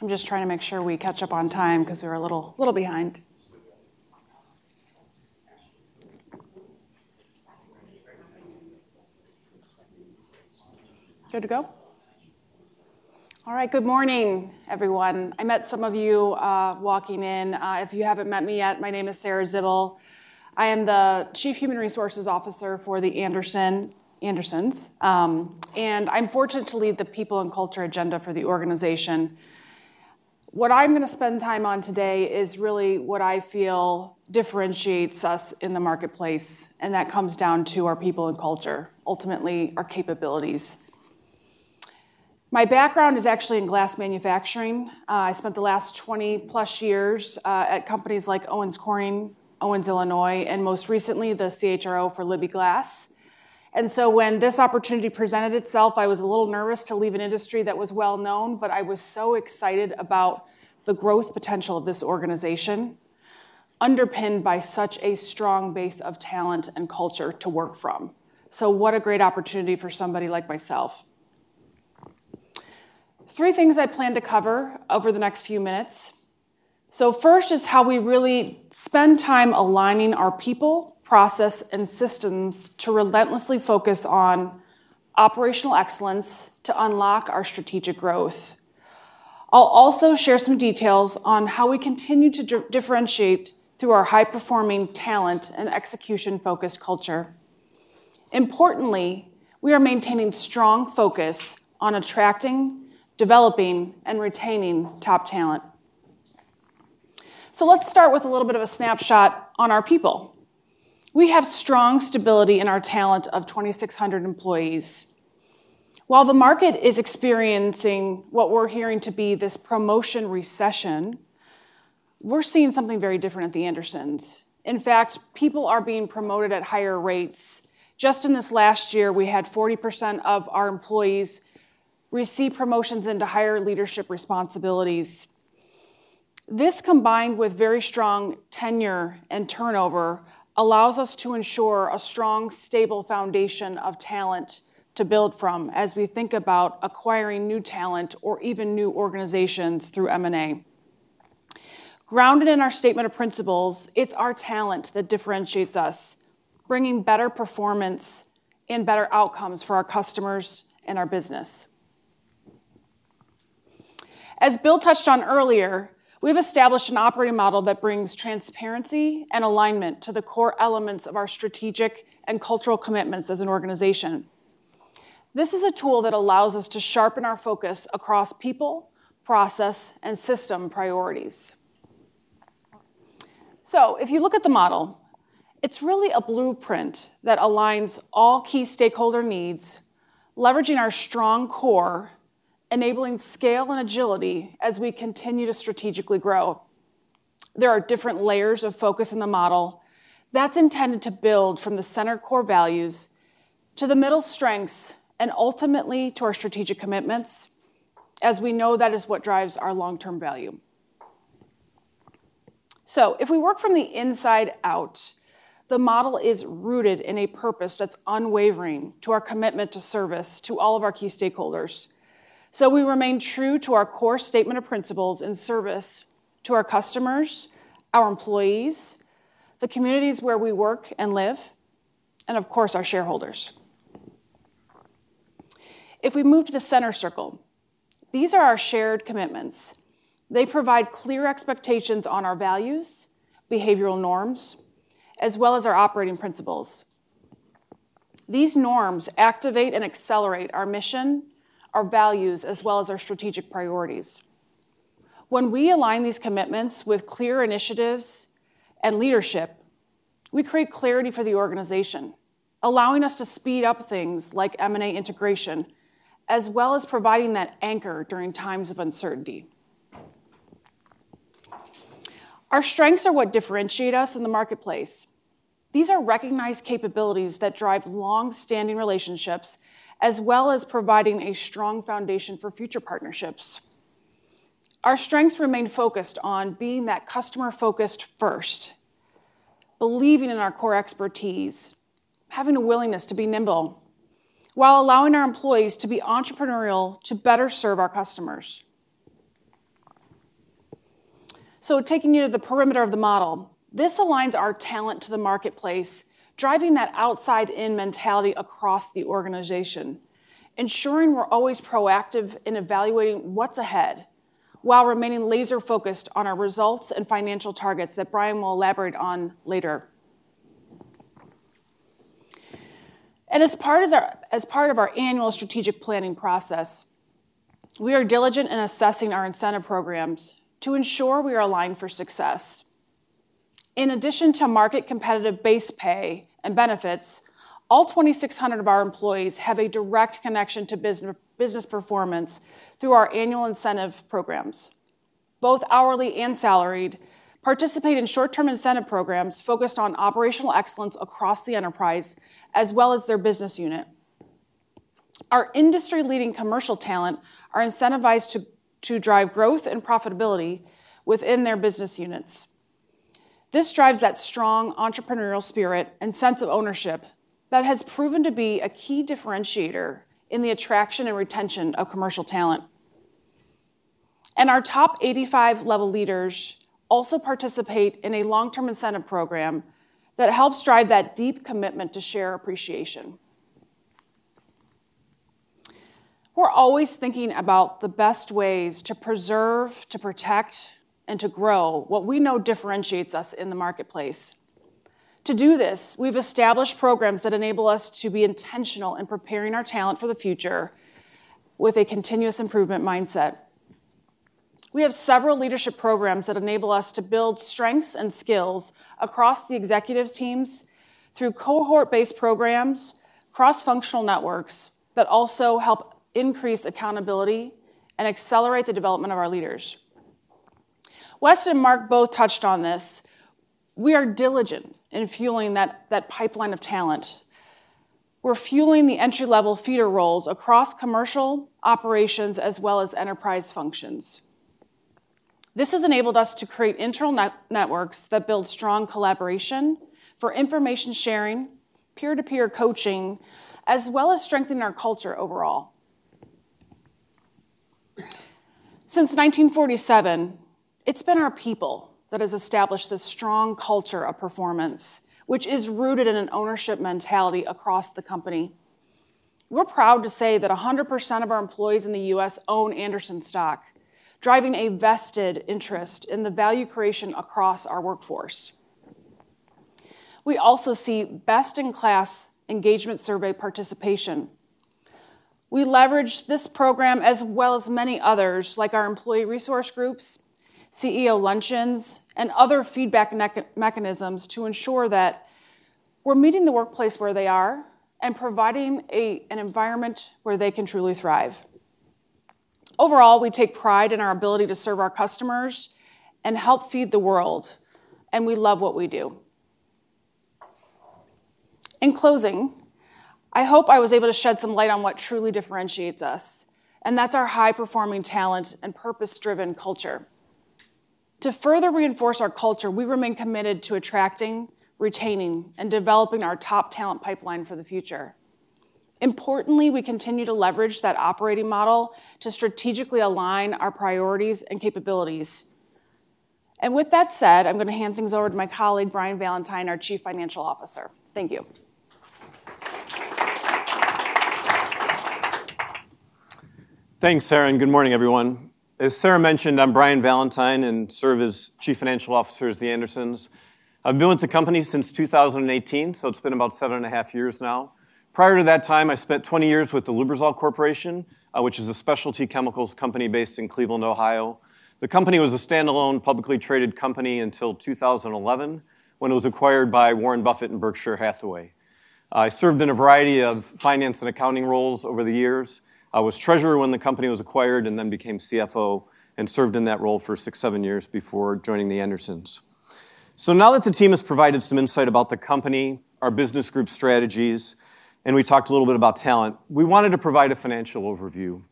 I'm just trying to make sure we catch up on time because we were a little behind. Good to go? All right. Good morning, everyone. I met some of you walking in. If you haven't met me yet, my name is Sarah Zibbel. I am the Chief Human Resources Officer for The Andersons, and I'm fortunate to lead the People and Culture Agenda for the organization. What I'm going to spend time on today is really what I feel differentiates us in the marketplace, and that comes down to our people and culture, ultimately our capabilities. My background is actually in glass manufacturing. I spent the last 20+ years at companies like Owens Corning, Owens-Illinois, and most recently the CHRO for Libbey Glass, and so when this opportunity presented itself, I was a little nervous to leave an industry that was well known, but I was so excited about the growth potential of this organization, underpinned by such a strong base of talent and culture to work from, so what a great opportunity for somebody like myself. Three things I plan to cover over the next few minutes. So first is how we really spend time aligning our people, process, and systems to relentlessly focus on operational excellence to unlock our strategic growth. I'll also share some details on how we continue to differentiate through our high-performing talent and execution-focused culture. Importantly, we are maintaining strong focus on attracting, developing, and retaining top talent. So let's start with a little bit of a snapshot on our people. We have strong stability in our talent of 2,600 employees. While the market is experiencing what we're hearing to be this promotion recession, we're seeing something very different at The Andersons. In fact, people are being promoted at higher rates. Just in this last year, we had 40% of our employees receive promotions into higher leadership responsibilities. This, combined with very strong tenure and turnover, allows us to ensure a strong, stable foundation of talent to build from as we think about acquiring new talent or even new organizations through M&A. Grounded in our Statement of Principles, it's our talent that differentiates us, bringing better performance and better outcomes for our customers and our business. As Bill touched on earlier, we've established an operating model that brings transparency and alignment to the core elements of our strategic and cultural commitments as an organization. This is a tool that allows us to sharpen our focus across people, process, and system priorities. So if you look at the model, it's really a blueprint that aligns all key stakeholder needs, leveraging our strong core, enabling scale and agility as we continue to strategically grow. There are different layers of focus in the model that's intended to build from the center core values to the middle strengths and ultimately to our strategic commitments, as we know that is what drives our long-term value. So if we work from the inside out, the model is rooted in a purpose that's unwavering to our commitment to service to all of our key stakeholders. So we remain true to our core Statement of Principles in service to our customers, our employees, the communities where we work and live, and of course, our shareholders. If we move to the center circle, these are our shared commitments. They provide clear expectations on our values, behavioral norms, as well as our operating principles. These norms activate and accelerate our mission, our values, as well as our strategic priorities. When we align these commitments with clear initiatives and leadership, we create clarity for the organization, allowing us to speed up things like M&A integration, as well as providing that anchor during times of uncertainty. Our strengths are what differentiate us in the marketplace. These are recognized capabilities that drive long-standing relationships, as well as providing a strong foundation for future partnerships. Our strengths remain focused on being that customer-focused first, believing in our core expertise, having a willingness to be nimble while allowing our employees to be entrepreneurial to better serve our customers. So taking you to the perimeter of the model, this aligns our talent to the marketplace, driving that outside-in mentality across the organization, ensuring we're always proactive in evaluating what's ahead while remaining laser-focused on our results and financial targets that Brian will elaborate on later. As part of our annual strategic planning process, we are diligent in assessing our incentive programs to ensure we are aligned for success. In addition to market competitive base pay and benefits, all 2,600 of our employees have a direct connection to business performance through our annual incentive programs. Both hourly and salaried participate in short-term incentive programs focused on operational excellence across the enterprise as well as their business unit. Our industry-leading commercial talent are incentivized to drive growth and profitability within their business units. This drives that strong entrepreneurial spirit and sense of ownership that has proven to be a key differentiator in the attraction and retention of commercial talent. Our top 85-level leaders also participate in a long-term incentive program that helps drive that deep commitment to share appreciation. We're always thinking about the best ways to preserve, to protect, and to grow what we know differentiates us in the marketplace. To do this, we've established programs that enable us to be intentional in preparing our talent for the future with a continuous improvement mindset. We have several leadership programs that enable us to build strengths and skills across the executive teams through cohort-based programs, cross-functional networks that also help increase accountability and accelerate the development of our leaders. West and Mark both touched on this. We are diligent in fueling that pipeline of talent. We're fueling the entry-level feeder roles across commercial operations as well as enterprise functions. This has enabled us to create internal networks that build strong collaboration for information sharing, peer-to-peer coaching, as well as strengthening our culture overall. Since 1947, it's been our people that have established the strong culture of performance, which is rooted in an ownership mentality across the company. We're proud to say that 100% of our employees in the U.S. own Andersons stock, driving a vested interest in the value creation across our workforce. We also see best-in-class engagement survey participation. We leverage this program as well as many others, like our employee resource groups, CEO luncheons, and other feedback mechanisms to ensure that we're meeting the workplace where they are and providing an environment where they can truly thrive. Overall, we take pride in our ability to serve our customers and help feed the world, and we love what we do. In closing, I hope I was able to shed some light on what truly differentiates us, and that's our high-performing talent and purpose-driven culture. To further reinforce our culture, we remain committed to attracting, retaining, and developing our top talent pipeline for the future. Importantly, we continue to leverage that operating model to strategically align our priorities and capabilities. And with that said, I'm going to hand things over to my colleague, Brian Valentine, our Chief Financial Officer. Thank you. Thanks, Sarah. And good morning, everyone. As Sarah mentioned, I'm Brian Valentine and serve as Chief Financial Officer at The Andersons. I've been with the company since 2018, so it's been about seven and a half years now. Prior to that time, I spent 20 years with the Lubrizol Corporation, which is a specialty chemicals company based in Cleveland, Ohio. The company was a standalone, publicly traded company until 2011 when it was acquired by Warren Buffett and Berkshire Hathaway. I served in a variety of finance and accounting roles over the years. I was treasurer when the company was acquired and then became CFO and served in that role for six, seven years before joining The Andersons. So now that the team has provided some insight about the company, our business group strategies, and we talked a little bit about talent, we wanted to provide a financial overview,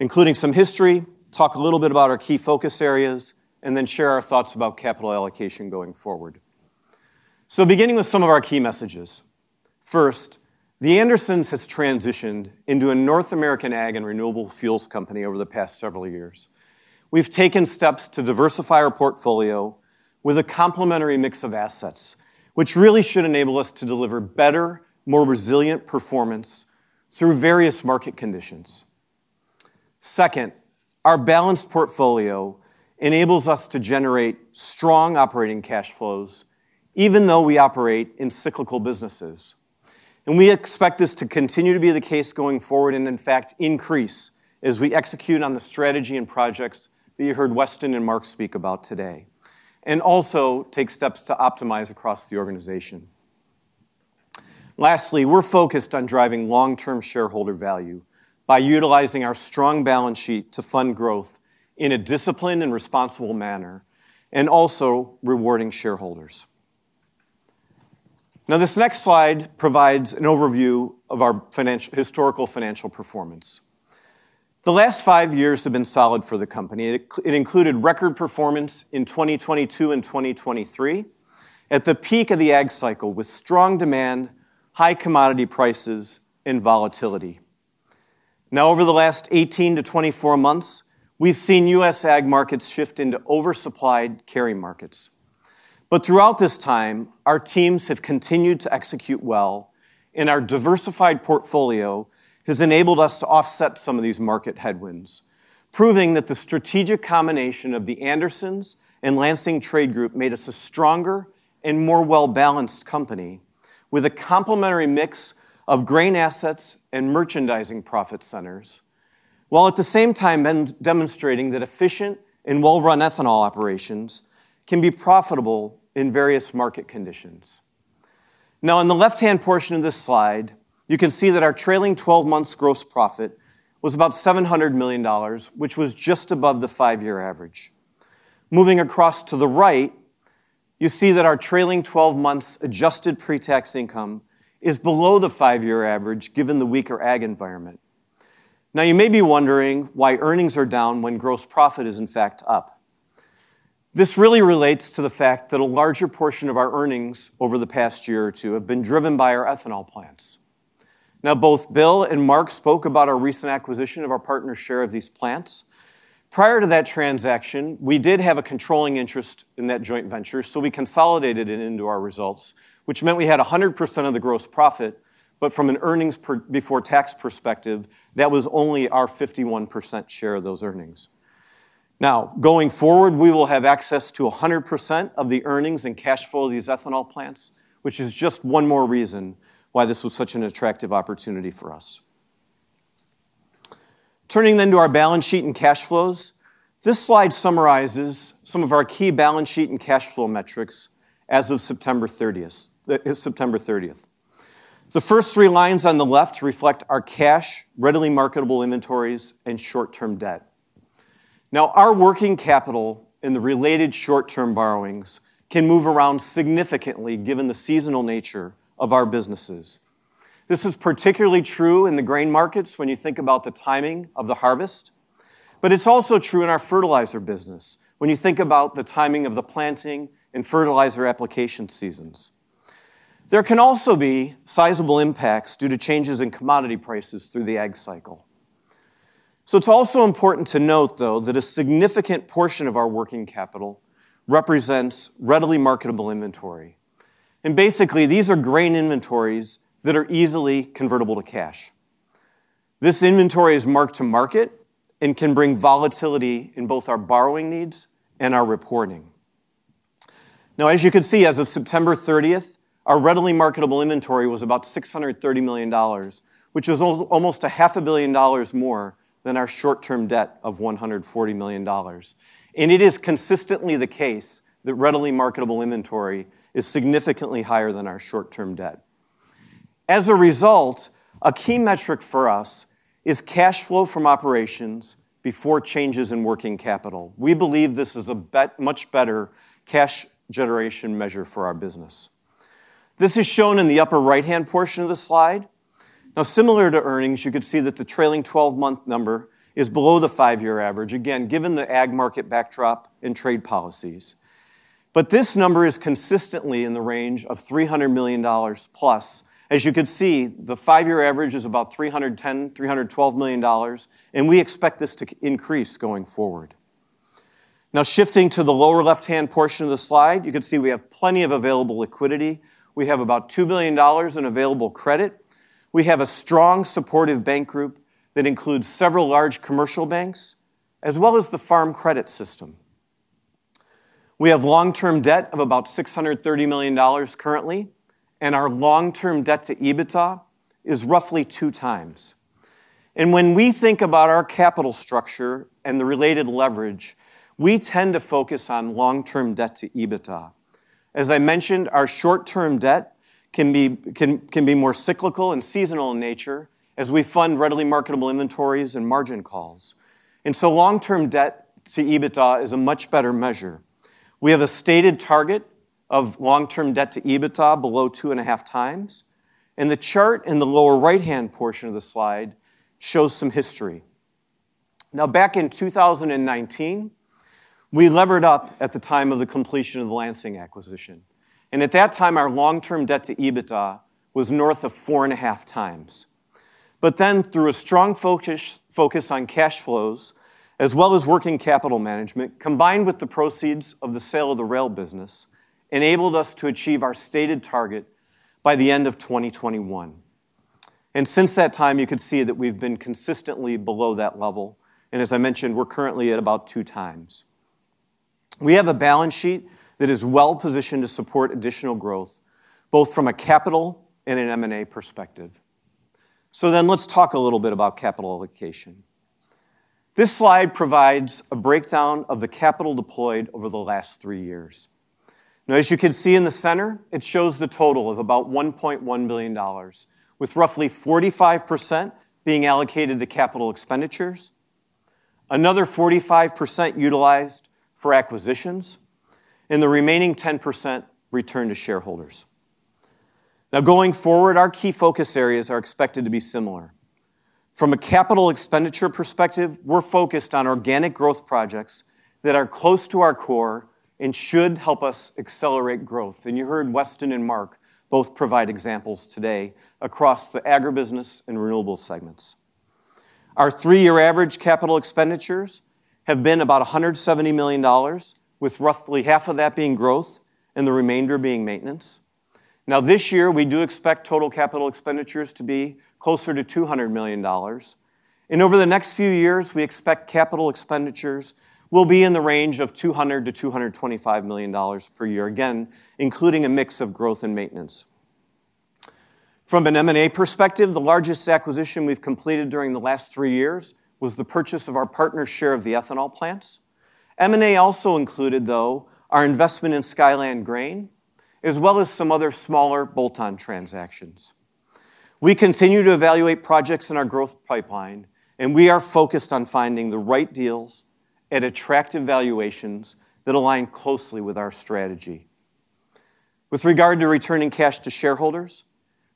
including some history, talk a little bit about our key focus areas, and then share our thoughts about capital allocation going forward. So beginning with some of our key messages. First, The Andersons has transitioned into a North American ag and renewable fuels company over the past several years. We've taken steps to diversify our portfolio with a complementary mix of assets, which really should enable us to deliver better, more resilient performance through various market conditions. Second, our balanced portfolio enables us to generate strong operating cash flows, even though we operate in cyclical businesses. And we expect this to continue to be the case going forward and, in fact, increase as we execute on the strategy and projects that you heard Weston and Mark speak about today, and also take steps to optimize across the organization. Lastly, we're focused on driving long-term shareholder value by utilizing our strong balance sheet to fund growth in a disciplined and responsible manner and also rewarding shareholders. Now, this next slide provides an overview of our historical financial performance. The last five years have been solid for the company. It included record performance in 2022 and 2023 at the peak of the ag cycle with strong demand, high commodity prices, and volatility. Now, over the last 18 to 24 months, we've seen U.S. ag markets shift into oversupplied carry markets. But throughout this time, our teams have continued to execute well, and our diversified portfolio has enabled us to offset some of these market headwinds, proving that the strategic combination of The Andersons and Lansing Trade Group made us a stronger and more well-balanced company with a complementary mix of grain assets and merchandising profit centers, while at the same time demonstrating that efficient and well-run ethanol operations can be profitable in various market conditions. Now, in the left-hand portion of this slide, you can see that our trailing 12 months gross profit was about $700 million, which was just above the five-year average. Moving across to the right, you see that our trailing 12 months adjusted pre-tax income is below the five-year average given the weaker ag environment. Now, you may be wondering why earnings are down when gross profit is, in fact, up. This really relates to the fact that a larger portion of our earnings over the past year or two have been driven by our ethanol plants. Now, both Bill and Mark spoke about our recent acquisition of our partner share of these plants. Prior to that transaction, we did have a controlling interest in that joint venture, so we consolidated it into our results, which meant we had 100% of the gross profit, but from an earnings before tax perspective, that was only our 51% share of those earnings. Now, going forward, we will have access to 100% of the earnings and cash flow of these ethanol plants, which is just one more reason why this was such an attractive opportunity for us. Turning then to our balance sheet and cash flows, this slide summarizes some of our key balance sheet and cash flow metrics as of September 30th. The first three lines on the left reflect our cash, readily marketable inventories, and short-term debt. Now, our working capital and the related short-term borrowings can move around significantly given the seasonal nature of our businesses. This is particularly true in the grain markets when you think about the timing of the harvest, but it's also true in our fertilizer business when you think about the timing of the planting and fertilizer application seasons. There can also be sizable impacts due to changes in commodity prices through the ag cycle. So it's also important to note, though, that a significant portion of our working capital represents readily marketable inventory. And basically, these are grain inventories that are easily convertible to cash. This inventory is marked to market and can bring volatility in both our borrowing needs and our reporting. Now, as you can see, as of September 30th, our readily marketable inventory was about $630 million, which is almost $500 million more than our short-term debt of $140 million. It is consistently the case that readily marketable inventory is significantly higher than our short-term debt. As a result, a key metric for us is cash flow from operations before changes in working capital. We believe this is a much better cash generation measure for our business. This is shown in the upper right-hand portion of the slide. Now, similar to earnings, you could see that the trailing 12-month number is below the five-year average, again, given the ag market backdrop and trade policies. This number is consistently in the range of $300 million plus. As you could see, the five-year average is about $310-$312 million, and we expect this to increase going forward. Now, shifting to the lower left-hand portion of the slide, you could see we have plenty of available liquidity. We have about $2 billion in available credit. We have a strong supportive bank group that includes several large commercial banks as well as the Farm Credit System. We have long-term debt of about $630 million currently, and our long-term debt to EBITDA is roughly two times. And when we think about our capital structure and the related leverage, we tend to focus on long-term debt to EBITDA. As I mentioned, our short-term debt can be more cyclical and seasonal in nature as we fund readily marketable inventories and margin calls. And so long-term debt to EBITDA is a much better measure. We have a stated target of long-term debt to EBITDA below 2.5x, and the chart in the lower right-hand portion of the slide shows some history. Now, back in 2019, we levered up at the time of the completion of the Lansing acquisition, and at that time, our long-term debt to EBITDA was north of 4.5x, but then, through a strong focus on cash flows as well as working capital management, combined with the proceeds of the sale of the rail business, enabled us to achieve our stated target by the end of 2021, and since that time, you could see that we've been consistently below that level, and as I mentioned, we're currently at about 2x. We have a balance sheet that is well positioned to support additional growth, both from a capital and an M&A perspective. So then, let's talk a little bit about capital allocation. This slide provides a breakdown of the capital deployed over the last three years. Now, as you can see in the center, it shows the total of about $1.1 billion, with roughly 45% being allocated to capital expenditures, another 45% utilized for acquisitions, and the remaining 10% returned to shareholders. Now, going forward, our key focus areas are expected to be similar. From a capital expenditure perspective, we're focused on organic growth projects that are close to our core and should help us accelerate growth. And you heard Weston and Mark both provide examples today across the Agribusiness and Renewables segments. Our three-year average capital expenditures have been about $170 million, with roughly half of that being growth and the remainder being maintenance. Now, this year, we do expect total capital expenditures to be closer to $200 million. Over the next few years, we expect capital expenditures will be in the range of $200-$225 million per year, again, including a mix of growth and maintenance. From an M&A perspective, the largest acquisition we've completed during the last three years was the purchase of our partner share of the ethanol plants. M&A also included, though, our investment in Skyland Grain, as well as some other smaller bolt-on transactions. We continue to evaluate projects in our growth pipeline, and we are focused on finding the right deals at attractive valuations that align closely with our strategy. With regard to returning cash to shareholders,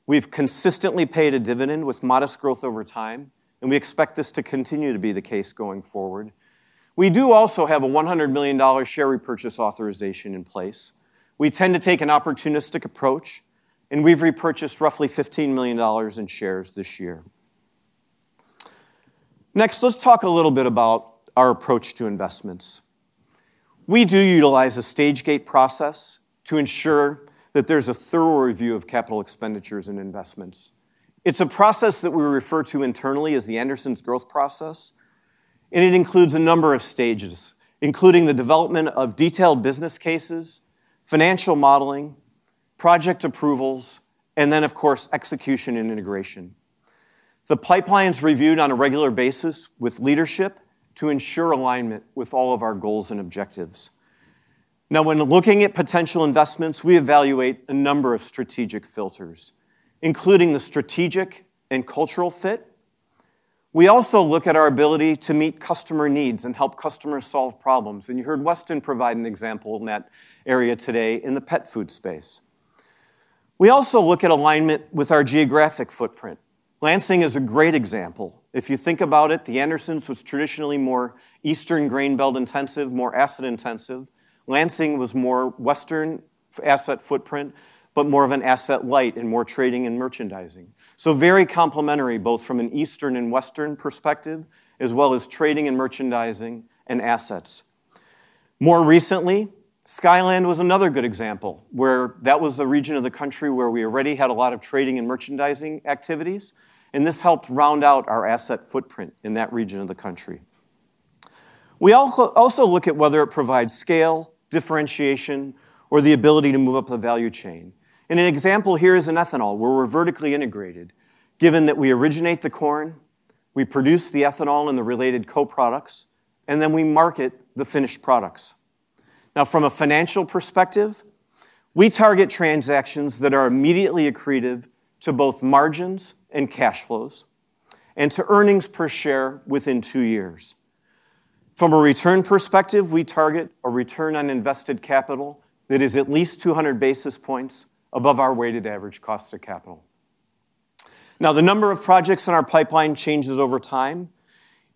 we've consistently paid a dividend with modest growth over time, and we expect this to continue to be the case going forward. We do also have a $100 million share repurchase authorization in place. We tend to take an opportunistic approach, and we've repurchased roughly $15 million in shares this year. Next, let's talk a little bit about our approach to investments. We do utilize a Stage-Gate process to ensure that there's a thorough review of capital expenditures and investments. It's a process that we refer to internally as The Andersons' growth process, and it includes a number of stages, including the development of detailed business cases, financial modeling, project approvals, and then, of course, execution and integration. The pipeline is reviewed on a regular basis with leadership to ensure alignment with all of our goals and objectives. Now, when looking at potential investments, we evaluate a number of strategic filters, including the strategic and cultural fit. We also look at our ability to meet customer needs and help customers solve problems. You heard Weston provide an example in that area today in the pet food space. We also look at alignment with our geographic footprint. Lansing is a great example. If you think about it, The Andersons was traditionally more Eastern grain belt intensive, more asset intensive. Lansing was more Western asset footprint, but more of an asset light and more trading and merchandising. So very complementary, both from an Eastern and Western perspective, as well as trading and merchandising and assets. More recently, Skyland was another good example where that was the region of the country where we already had a lot of trading and merchandising activities, and this helped round out our asset footprint in that region of the country. We also look at whether it provides scale, differentiation, or the ability to move up the value chain. An example here is in ethanol where we're vertically integrated, given that we originate the corn, we produce the ethanol and the related co-products, and then we market the finished products. Now, from a financial perspective, we target transactions that are immediately accretive to both margins and cash flows and to earnings per share within two years. From a return perspective, we target a return on invested capital that is at least 200 basis points above our weighted average cost of capital. Now, the number of projects in our pipeline changes over time.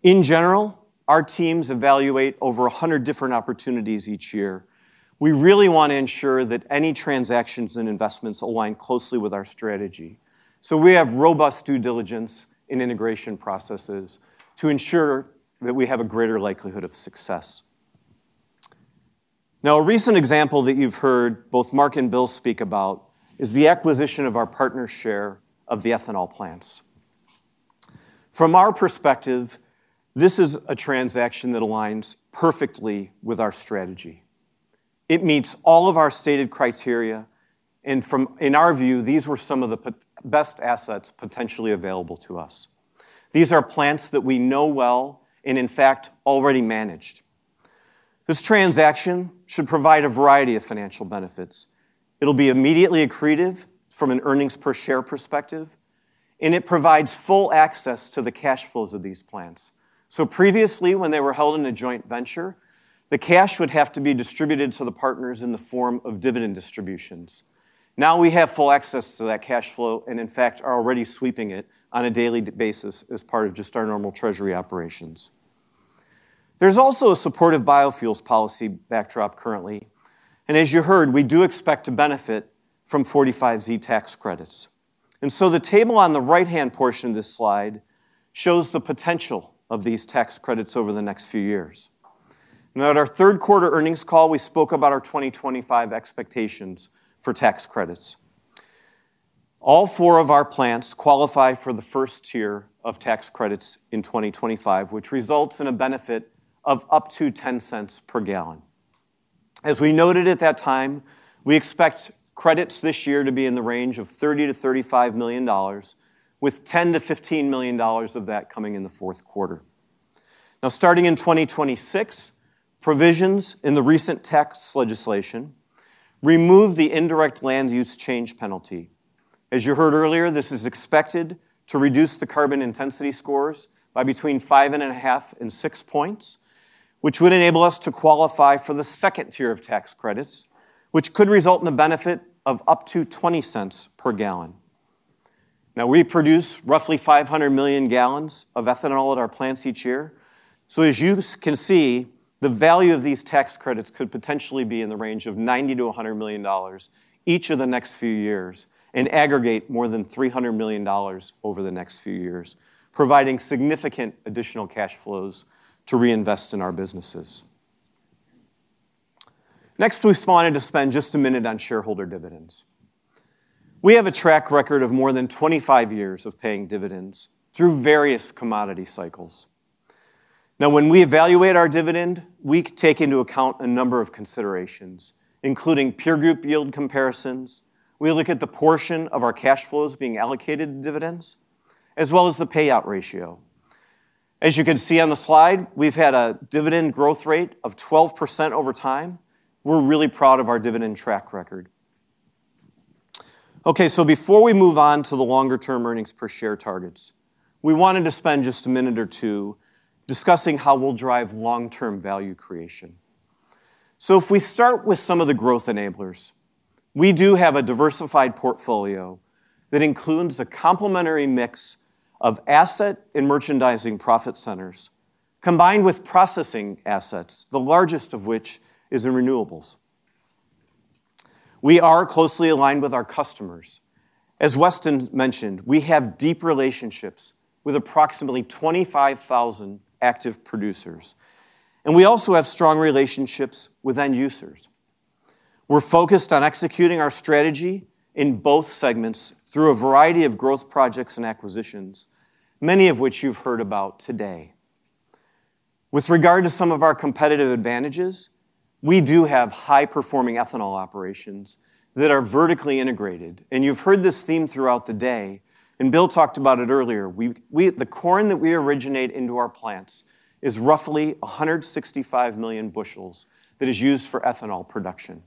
In general, our teams evaluate over 100 different opportunities each year. We really want to ensure that any transactions and investments align closely with our strategy. So we have robust due diligence in integration processes to ensure that we have a greater likelihood of success. Now, a recent example that you've heard both Mark and Bill speak about is the acquisition of our partner share of the ethanol plants. From our perspective, this is a transaction that aligns perfectly with our strategy. It meets all of our stated criteria, and from our view, these were some of the best assets potentially available to us. These are plants that we know well and, in fact, already managed. This transaction should provide a variety of financial benefits. It'll be immediately accretive from an earnings per share perspective, and it provides full access to the cash flows of these plants. So previously, when they were held in a joint venture, the cash would have to be distributed to the partners in the form of dividend distributions. Now we have full access to that cash flow and, in fact, are already sweeping it on a daily basis as part of just our normal treasury operations. There's also a supportive biofuels policy backdrop currently, and as you heard, we do expect to benefit from 45Z tax credits, and so the table on the right-hand portion of this slide shows the potential of these tax credits over the next few years. Now, at our Third Quarter Earnings Call, we spoke about our 2025 expectations for tax credits. All four of our plants qualify for the first tier of tax credits in 2025, which results in a benefit of up to $0.10 per gallon. As we noted at that time, we expect credits this year to be in the range of $30-$35 million, with $10-$15 million of that coming in the fourth quarter. Now, starting in 2026, provisions in the recent tax legislation remove the indirect land use change penalty. As you heard earlier, this is expected to reduce the carbon intensity scores by between 5.5 and 6 points, which would enable us to qualify for the second tier of tax credits, which could result in a benefit of up to $0.20 per gallon. Now, we produce roughly 500 million gallons of ethanol at our plants each year. So, as you can see, the value of these tax credits could potentially be in the range of $90-$100 million each of the next few years and aggregate more than $300 million over the next few years, providing significant additional cash flows to reinvest in our businesses. Next, we wanted to spend just a minute on shareholder dividends. We have a track record of more than 25 years of paying dividends through various commodity cycles. Now, when we evaluate our dividend, we take into account a number of considerations, including peer group yield comparisons. We look at the portion of our cash flows being allocated to dividends, as well as the payout ratio. As you can see on the slide, we've had a dividend growth rate of 12% over time. We're really proud of our dividend track record. Okay, so before we move on to the longer-term earnings per share targets, we wanted to spend just a minute or two discussing how we'll drive long-term value creation. So, if we start with some of the growth enablers, we do have a diversified portfolio that includes a complementary mix of asset and merchandising profit centers combined with processing assets, the largest of which is in Renewables. We are closely aligned with our customers. As Weston mentioned, we have deep relationships with approximately 25,000 active producers, and we also have strong relationships with end users. We're focused on executing our strategy in both segments through a variety of growth projects and acquisitions, many of which you've heard about today. With regard to some of our competitive advantages, we do have high-performing ethanol operations that are vertically integrated. And you've heard this theme throughout the day, and Bill talked about it earlier. The corn that we originate into our plants is roughly 165 million bushels that is used for ethanol production.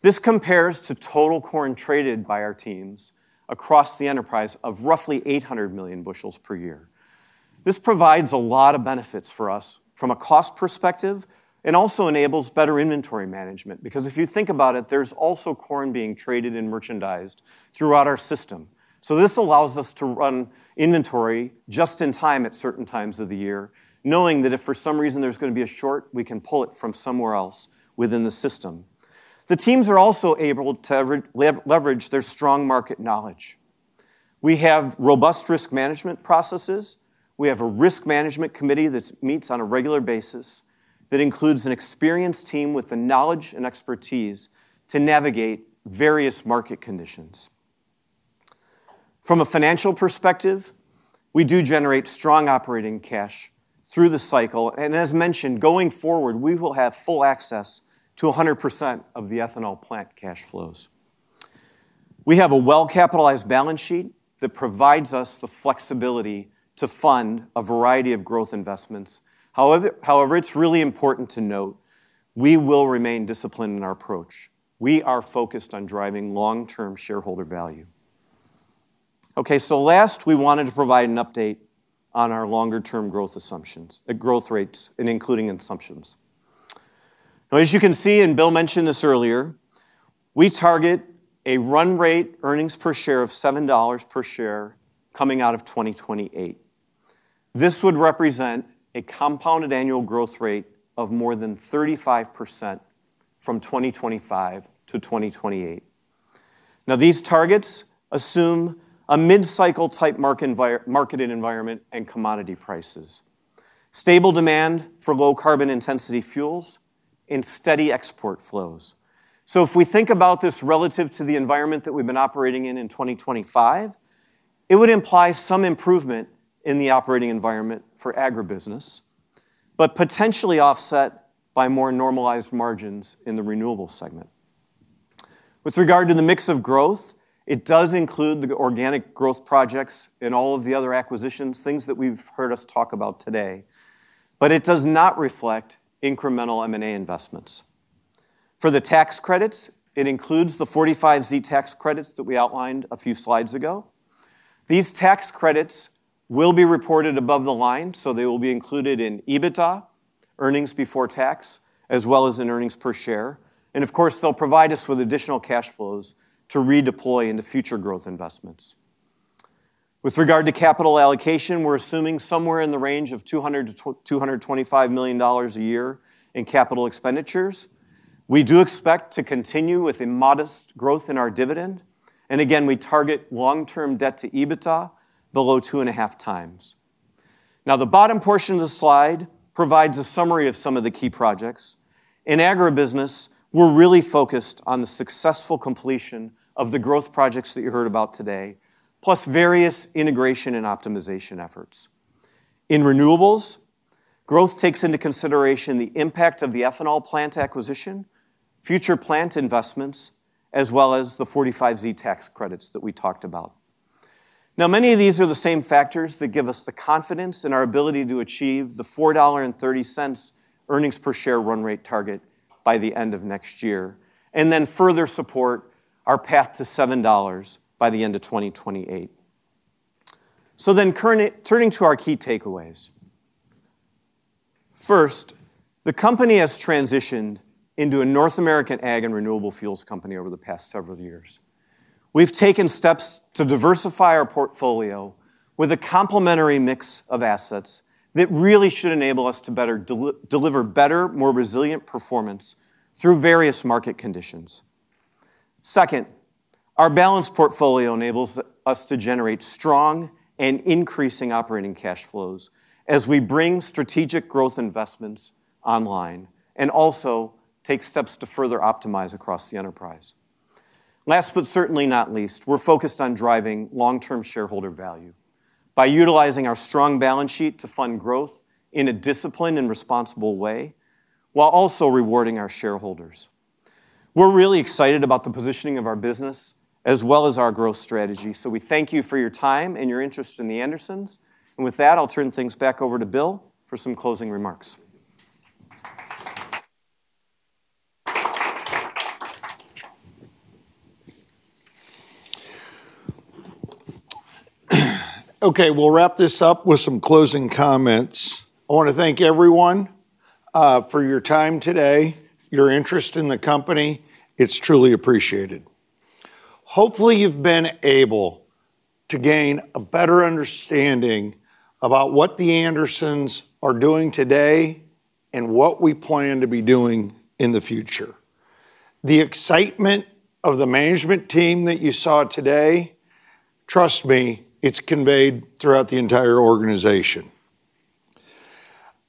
This compares to total corn traded by our teams across the enterprise of roughly 800 million bushels per year. This provides a lot of benefits for us from a cost perspective and also enables better inventory management because, if you think about it, there's also corn being traded and merchandised throughout our system, so this allows us to run inventory just in time at certain times of the year, knowing that if for some reason there's going to be a short, we can pull it from somewhere else within the system. The teams are also able to leverage their strong market knowledge. We have robust risk management processes. We have a risk management committee that meets on a regular basis that includes an experienced team with the knowledge and expertise to navigate various market conditions. From a financial perspective, we do generate strong operating cash through the cycle, and as mentioned, going forward, we will have full access to 100% of the ethanol plant cash flows. We have a well-capitalized balance sheet that provides us the flexibility to fund a variety of growth investments. However, it's really important to note we will remain disciplined in our approach. We are focused on driving long-term shareholder value. Okay, so last, we wanted to provide an update on our longer-term growth assumptions and growth rates and including assumptions. Now, as you can see, and Bill mentioned this earlier, we target a run rate earnings per share of $7 per share coming out of 2028. This would represent a compounded annual growth rate of more than 35% from 2025 to 2028. Now, these targets assume a mid-cycle type marketing environment and commodity prices, stable demand for low carbon intensity fuels, and steady export flows. So, if we think about this relative to the environment that we've been operating in in 2025, it would imply some improvement in the operating environment for agribusiness, but potentially offset by more normalized margins in the Renewables segment. With regard to the mix of growth, it does include the organic growth projects and all of the other acquisitions, things that we've heard us talk about today, but it does not reflect incremental M&A investments. For the tax credits, it includes the 45Z tax credits that we outlined a few slides ago. These tax credits will be reported above the line, so they will be included in EBITDA, earnings before tax, as well as in earnings per share. And of course, they'll provide us with additional cash flows to redeploy into future growth investments. With regard to capital allocation, we're assuming somewhere in the range of $200-$225 million a year in capital expenditures. We do expect to continue with a modest growth in our dividend. And again, we target long-term debt to EBITDA below 2.5x. Now, the bottom portion of the slide provides a summary of some of the key projects. In Agribusiness, we're really focused on the successful completion of the growth projects that you heard about today, plus various integration and optimization efforts. In Renewables, growth takes into consideration the impact of the ethanol plant acquisition, future plant investments, as well as the 45Z tax credits that we talked about. Now, many of these are the same factors that give us the confidence in our ability to achieve the $4.30 earnings per share run rate target by the end of next year and then further support our path to $7 by the end of 2028. So then, turning to our key takeaways. First, the company has transitioned into a North American ag and renewable fuels company over the past several years. We've taken steps to diversify our portfolio with a complementary mix of assets that really should enable us to better deliver more resilient performance through various market conditions. Second, our balanced portfolio enables us to generate strong and increasing operating cash flows as we bring strategic growth investments online and also take steps to further optimize across the enterprise. Last, but certainly not least, we're focused on driving long-term shareholder value by utilizing our strong balance sheet to fund growth in a disciplined and responsible way while also rewarding our shareholders. We're really excited about the positioning of our business as well as our growth strategy. So, we thank you for your time and your interest in The Andersons. And with that, I'll turn things back over to Bill for some closing remarks. Okay, we'll wrap this up with some closing comments. I want to thank everyone for your time today, your interest in the company. It's truly appreciated. Hopefully, you've been able to gain a better understanding about what The Andersons are doing today and what we plan to be doing in the future. The excitement of the management team that you saw today, trust me, it's conveyed throughout the entire organization.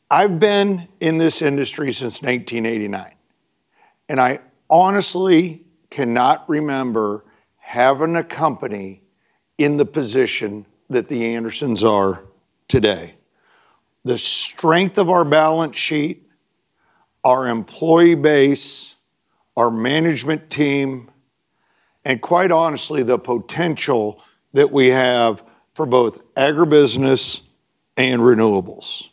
I've been in this industry since 1989, and I honestly cannot remember having a company in the position that The Andersons are today. The strength of our balance sheet, our employee base, our management team, and quite honestly, the potential that we have for both Agribusiness and Renewables.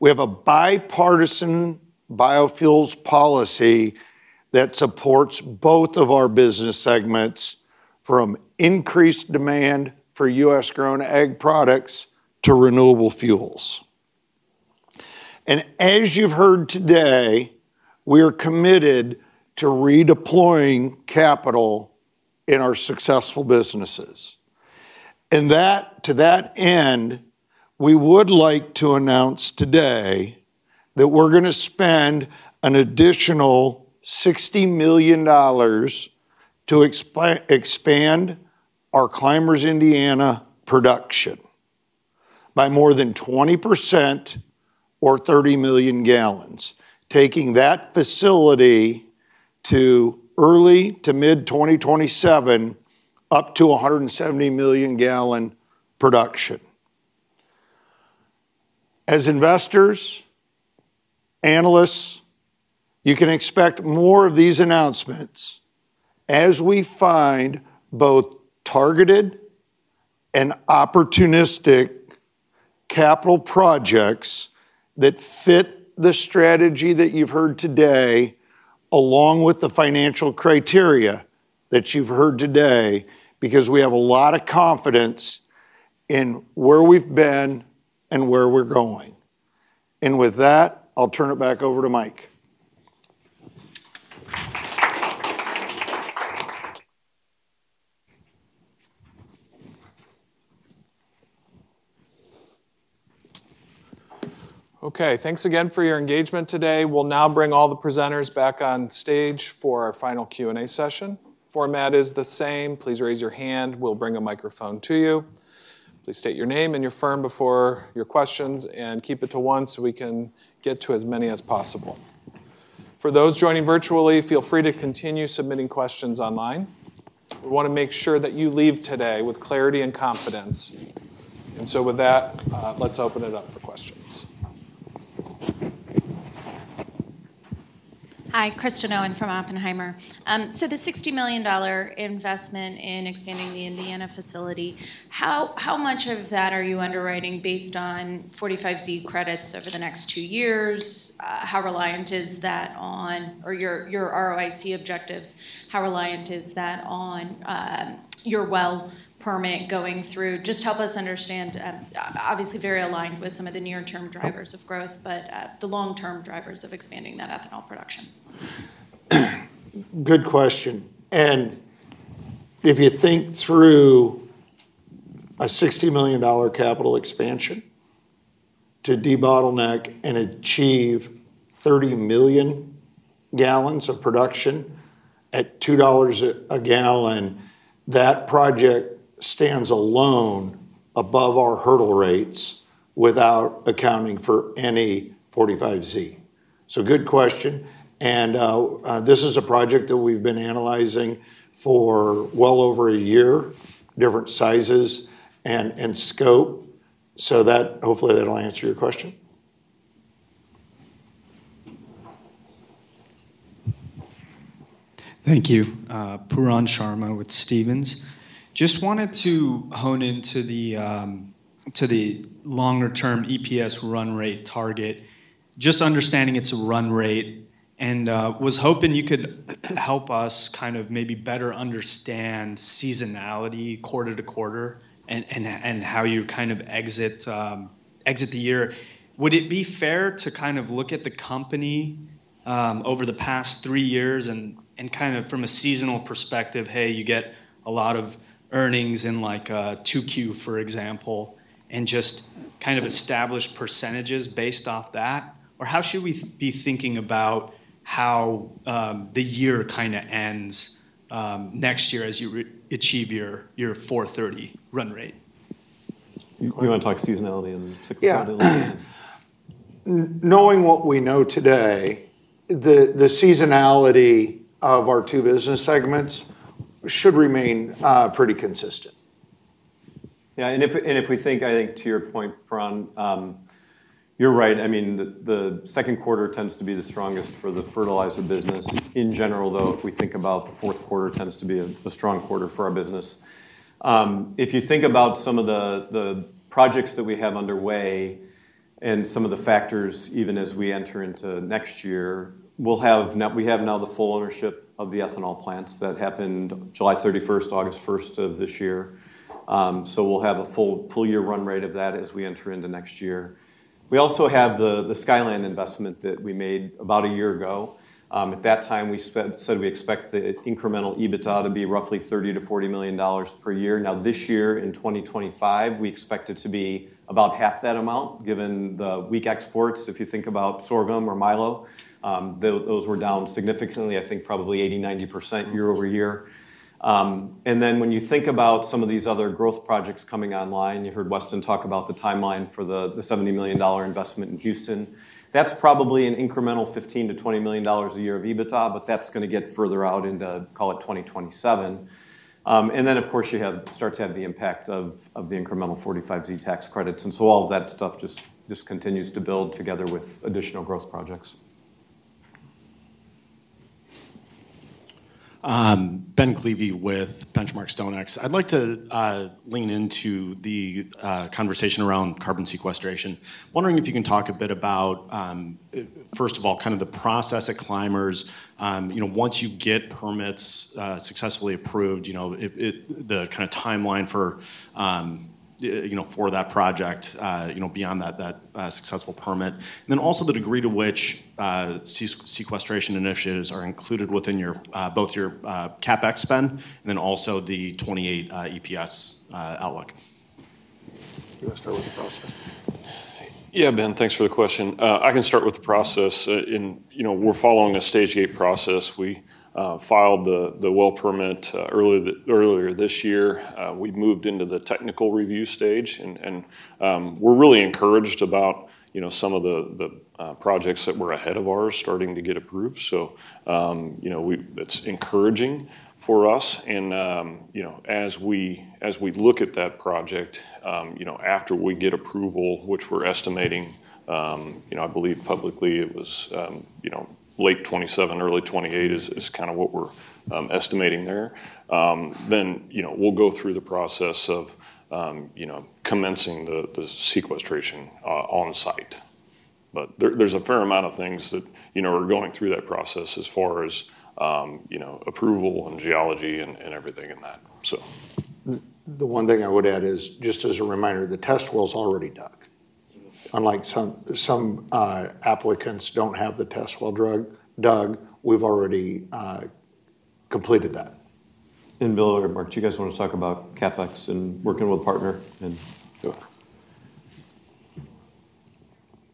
We have a bipartisan biofuels policy that supports both of our business segments, from increased demand for U.S.-grown ag products to renewable fuels. And as you've heard today, we are committed to redeploying capital in our successful businesses. And to that end, we would like to announce today that we're going to spend an additional $60 million to expand our Clymers, Indiana production by more than 20% or 30 million gallons, taking that facility to early to mid-2027, up to 170 million gallon production. As investors, analysts, you can expect more of these announcements as we find both targeted and opportunistic capital projects that fit the strategy that you've heard today, along with the financial criteria that you've heard today, because we have a lot of confidence in where we've been and where we're going. And with that, I'll turn it back over to Mike. Okay, thanks again for your engagement today. We'll now bring all the presenters back on stage for our final Q&A session. Format is the same. Please raise your hand. We'll bring a microphone to you. Please state your name and your firm before your questions and keep it to one so we can get to as many as possible. For those joining virtually, feel free to continue submitting questions online. We want to make sure that you leave today with clarity and confidence. And so, with that, let's open it up for questions. Hi, Kristen Owen from Oppenheimer. So, the $60 million investment in expanding the Indiana facility, how much of that are you underwriting based on 45Z credits over the next two years? How reliant is that on your ROIC objectives? How reliant is that on your well permit going through? Just help us understand, obviously very aligned with some of the near-term drivers of growth, but the long-term drivers of expanding that ethanol production. Good question. And if you think through a $60 million capital expansion to de-bottleneck and achieve 30 million gallons of production at $2 a gallon, that project stands alone above our hurdle rates without accounting for any 45Z. So, good question. And this is a project that we've been analyzing for well over a year, different sizes and scope. So, hopefully, that'll answer your question. Thank you. Pooran Sharma with Stephens. Just wanted to hone into the longer-term EPS run rate target, just understanding its run rate, and was hoping you could help us kind of maybe better understand seasonality, quarter to quarter, and how you kind of exit the year. Would it be fair to kind of look at the company over the past three years and kind of from a seasonal perspective, hey, you get a lot of earnings in like 2Q, for example, and just kind of establish percentages based off that? Or how should we be thinking about how the year kind of ends next year as you achieve your $4.30 run rate? You want to talk seasonality and cyclicality? Yeah. Knowing what we know today, the seasonality of our two business segments should remain pretty consistent. Yeah. And if we think, I think to your point, Pooran, you're right. I mean, the second quarter tends to be the strongest for the fertilizer business in general, though, if we think about the fourth quarter tends to be a strong quarter for our business. If you think about some of the projects that we have underway and some of the factors, even as we enter into next year, we have now the full ownership of the ethanol plants that happened July 31st, August 1st of this year. So, we'll have a full year run rate of that as we enter into next year. We also have the Skyland investment that we made about a year ago. At that time, we said we expect the incremental EBITDA to be roughly $30-$40 million per year. Now, this year, in 2025, we expect it to be about half that amount given the weak exports. If you think about sorghum or milo, those were down significantly, I think probably 80%-90% year-over-year. And then when you think about some of these other growth projects coming online, you heard Weston talk about the timeline for the $70 million investment in Houston. That's probably an incremental $15-$20 million a year of EBITDA, but that's going to get further out into, call it 2027. And then, of course, you start to have the impact of the incremental 45Z tax credits. And so, all of that stuff just continues to build together with additional growth projects. Ben Klieve with Benchmark StoneX. I'd like to lean into the conversation around carbon sequestration. Wondering if you can talk a bit about, first of all, kind of the process at Clymers. Once you get permits successfully approved, the kind of timeline for that project beyond that successful permit, and then also the degree to which sequestration initiatives are included within both your CapEx spend and then also the 2028 EPS outlook. Do you want to start with the process? Yeah, Ben, thanks for the question. I can start with the process. We're following a Stage-Gate process. We filed the well permit earlier this year. We moved into the technical review stage, and we're really encouraged about some of the projects that were ahead of ours starting to get approved. So, it's encouraging for us. As we look at that project, after we get approval, which we're estimating, I believe publicly it was late 2027, early 2028 is kind of what we're estimating there, then we'll go through the process of commencing the sequestration on site. There's a fair amount of things that are going through that process as far as approval and geology and everything in that. The one thing I would add is, just as a reminder, the test well's already dug. Unlike some applicants don't have the test well dug, we've already completed that. Bill or Mark, do you guys want to talk about CapEx and working with a partner?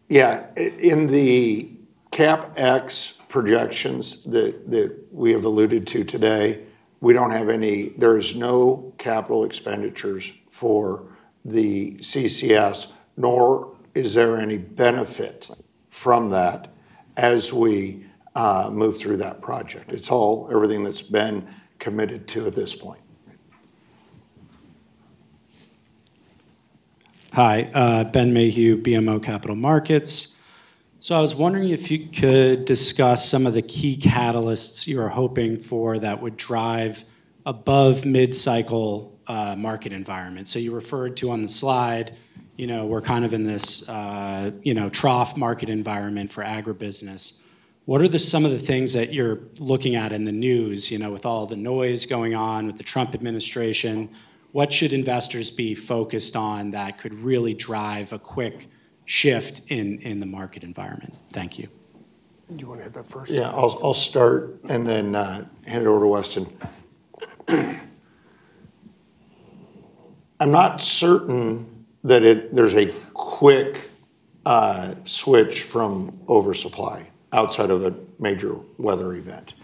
Yeah. In the CapEx projections that we have alluded to today, we don't have any. There's no capital expenditures for the CCS, nor is there any benefit from that as we move through that project. It's all everything that's been committed to at this point. Hi, Ben Mayhew, BMO Capital Markets. I was wondering if you could discuss some of the key catalysts you are hoping for that would drive above mid-cycle market environment. So, you referred to on the slide, we're kind of in this trough market environment for agribusiness. What are some of the things that you're looking at in the news with all the noise going on with the Trump administration? What should investors be focused on that could really drive a quick shift in the market environment? Thank you. You want to add that first? Yeah. I'll start and then hand it over to Weston. I'm not certain that there's a quick switch from oversupply outside of a major weather event.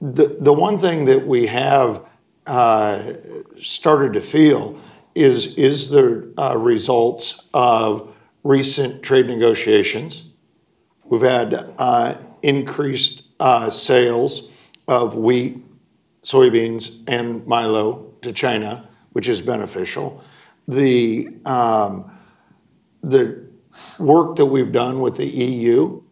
The one thing that we have started to feel is the results of recent trade negotiations. We've had increased sales of wheat, soybeans, and milo to China, which is beneficial. The work that we've done with the EU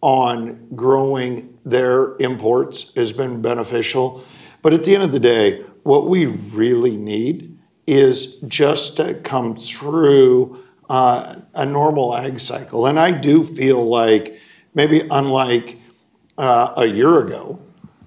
on growing their imports has been beneficial. But at the end of the day, what we really need is just to come through a normal ag cycle. And I do feel like maybe unlike a year ago,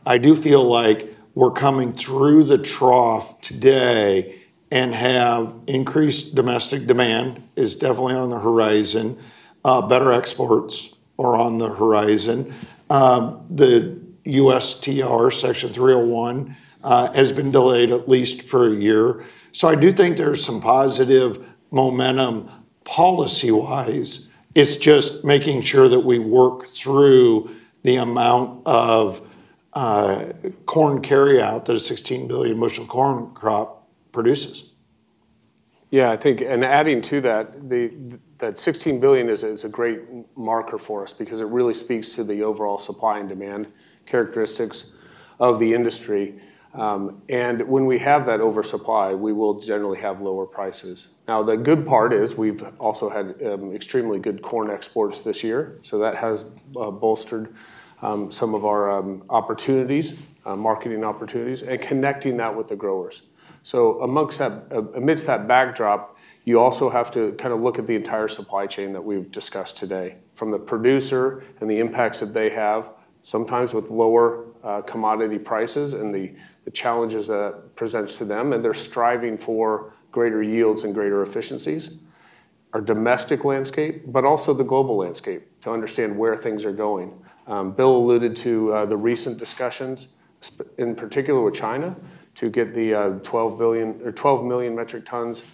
I do feel like we're coming through the trough today and have increased domestic demand is definitely on the horizon. Better exports are on the horizon. The USTR, Section 301, has been delayed at least for a year. So, I do think there's some positive momentum policy-wise. It's just making sure that we work through the amount of corn carryout that a 16 billion bushel corn crop produces. Yeah, I think, and adding to that, that 16 billion is a great marker for us because it really speaks to the overall supply and demand characteristics of the industry. And when we have that oversupply, we will generally have lower prices. Now, the good part is we've also had extremely good corn exports this year. So, that has bolstered some of our opportunities, marketing opportunities, and connecting that with the growers. So, amidst that backdrop, you also have to kind of look at the entire supply chain that we've discussed today from the producer and the impacts that they have, sometimes with lower commodity prices and the challenges that it presents to them, and they're striving for greater yields and greater efficiencies, our domestic landscape, but also the global landscape to understand where things are going. Bill alluded to the recent discussions, in particular with China, to get the 12 million metric tons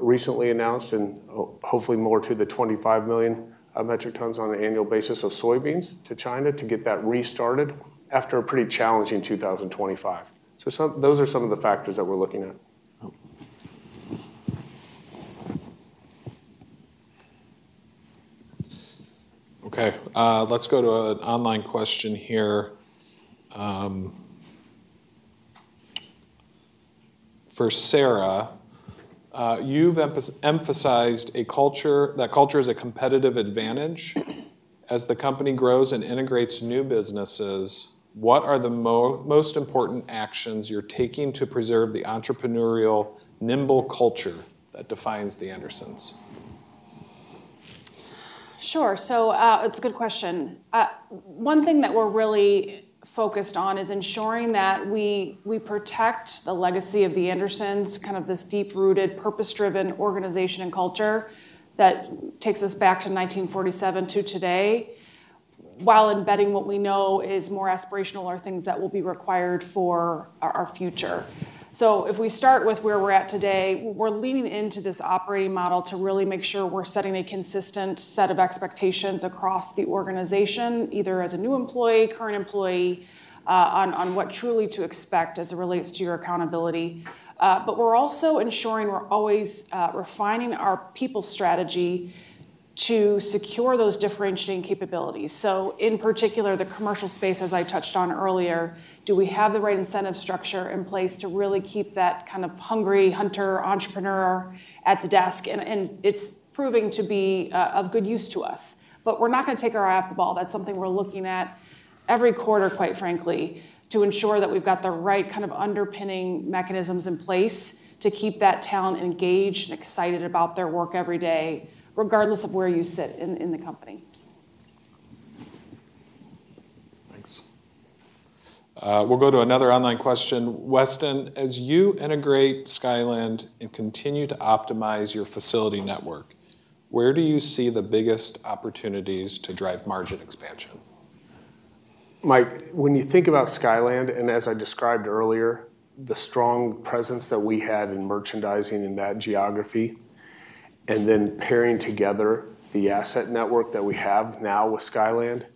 recently announced and hopefully more to the 25 million metric tons on an annual basis of soybeans to China to get that restarted after a pretty challenging 2025. So, those are some of the factors that we're looking at. Okay, let's go to an online question here. For Sarah, you've emphasized a culture that culture is a competitive advantage. As the company grows and integrates new businesses, what are the most important actions you're taking to preserve the entrepreneurial nimble culture that defines The Andersons? Sure. So, it's a good question. One thing that we're really focused on is ensuring that we protect the legacy of The Andersons, kind of this deep-rooted, purpose-driven organization and culture that takes us back to 1947 to today while embedding what we know is more aspirational or things that will be required for our future. So, if we start with where we're at today, we're leaning into this operating model to really make sure we're setting a consistent set of expectations across the organization, either as a new employee, current employee, on what truly to expect as it relates to your accountability. But we're also ensuring we're always refining our people strategy to secure those differentiating capabilities. So, in particular, the commercial space, as I touched on earlier, do we have the right incentive structure in place to really keep that kind of hungry hunter entrepreneur at the desk? And it's proving to be of good use to us. But we're not going to take our eye off the ball. That's something we're looking at every quarter, quite frankly, to ensure that we've got the right kind of underpinning mechanisms in place to keep that talent engaged and excited about their work every day, regardless of where you sit in the company. Thanks. We'll go to another online question. Weston, as you integrate Skyland and continue to optimize your facility network, where do you see the biggest opportunities to drive margin expansion? Mike, when you think about Skyland, and as I described earlier, the strong presence that we had in merchandising in that geography, and then pairing together the asset network that we have now with Skyland,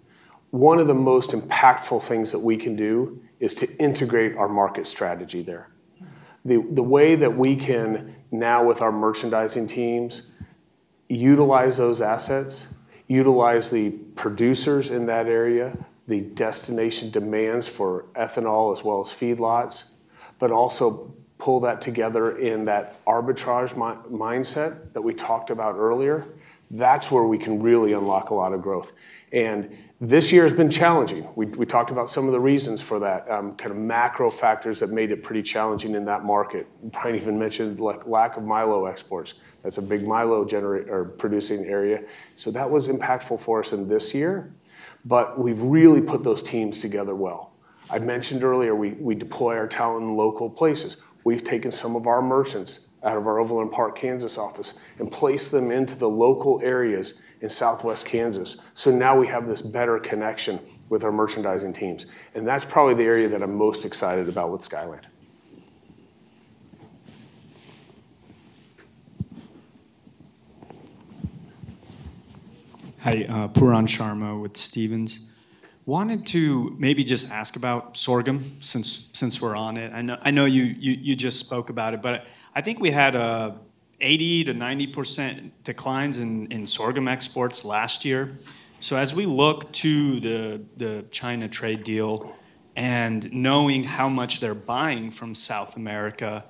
one of the most impactful things that we can do is to integrate our market strategy there. The way that we can now, with our merchandising teams, utilize those assets, utilize the producers in that area, the destination demands for ethanol as well as feedlots, but also pull that together in that arbitrage mindset that we talked about earlier, that's where we can really unlock a lot of growth. And this year has been challenging. We talked about some of the reasons for that, kind of macro factors that made it pretty challenging in that market. We probably even mentioned lack of milo exports. That's a big milo producing area. So, that was impactful for us in this year. But we've really put those teams together well. I mentioned earlier, we deploy our talent in local places. We've taken some of our merchants out of our Overland Park, Kansas office and placed them into the local areas in southwest Kansas. So, now we have this better connection with our merchandising teams. And that's probably the area that I'm most excited about with Skyland. Hi, Pooran Sharma with Stephens. Wanted to maybe just ask about sorghum since we're on it. I know you just spoke about it, but I think we had 80%-90% declines in sorghum exports last year. So, as we look to the China trade deal and knowing how much they're buying from South America,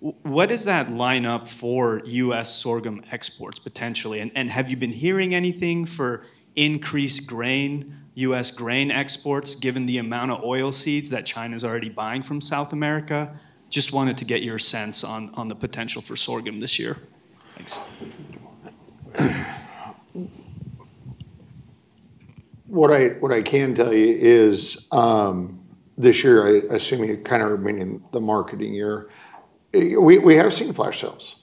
what does that line up for U.S. sorghum exports potentially? And have you been hearing anything for increased U.S. grain exports given the amount of oilseeds that China is already buying from South America? Just wanted to get your sense on the potential for sorghum this year. Thanks. What I can tell you is this year, I assume you're kind of meaning the marketing year, we have seen flash sales.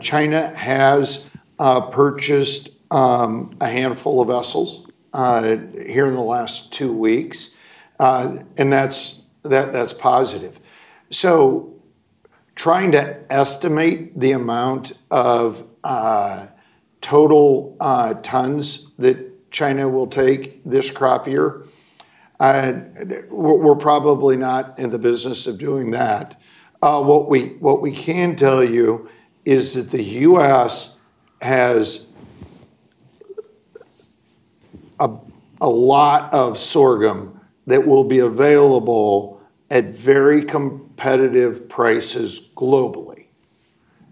China has purchased a handful of vessels here in the last two weeks, and that's positive, so trying to estimate the amount of total tons that China will take this crop year, we're probably not in the business of doing that. What we can tell you is that the U.S. has a lot of sorghum that will be available at very competitive prices globally.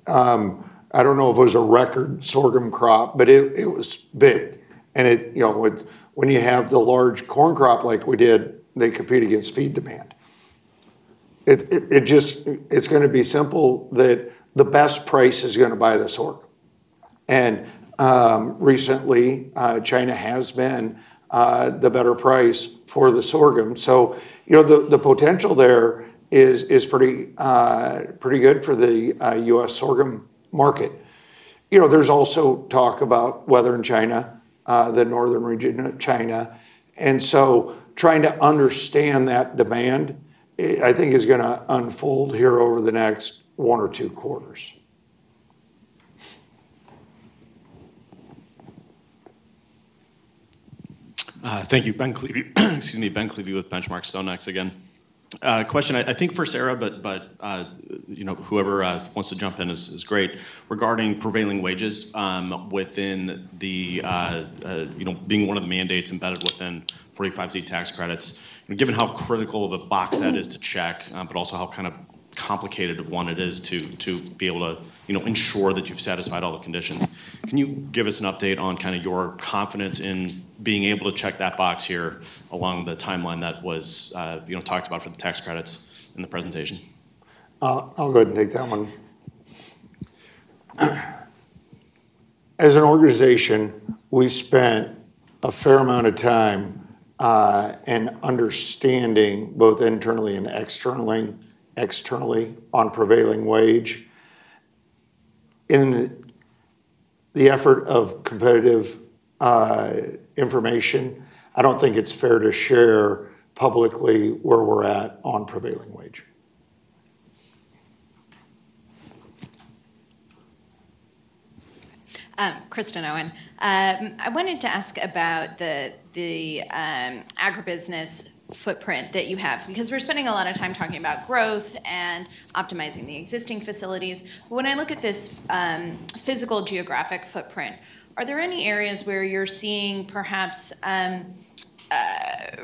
I don't know if it was a record sorghum crop, but it was big, and when you have the large corn crop like we did, they compete against feed demand. It's going to be simple that the best price is going to buy the sorghum, and recently, China has been the better price for the sorghum, so the potential there is pretty good for the U.S. sorghum market. There's also talk about weather in China, the northern region of China. Trying to understand that demand, I think, is going to unfold here over the next one or two quarters. Thank you. Excuse me, Ben Klieve with Benchmark StoneX again. Question, I think for Sarah, but whoever wants to jump in is great. Regarding prevailing wages within being one of the mandates embedded within 45Z tax credits, given how critical of a box that is to check, but also how kind of complicated of one it is to be able to ensure that you've satisfied all the conditions, can you give us an update on kind of your confidence in being able to check that box here along the timeline that was talked about for the tax credits in the presentation? I'll go ahead and take that one. As an organization, we spent a fair amount of time in understanding both internally and externally on prevailing wage. In the interest of competitive information, I don't think it's fair to share publicly where we're at on prevailing wage. Kristen Owen, I wanted to ask about the agribusiness footprint that you have, because we're spending a lot of time talking about growth and optimizing the existing facilities. When I look at this physical geographic footprint, are there any areas where you're seeing perhaps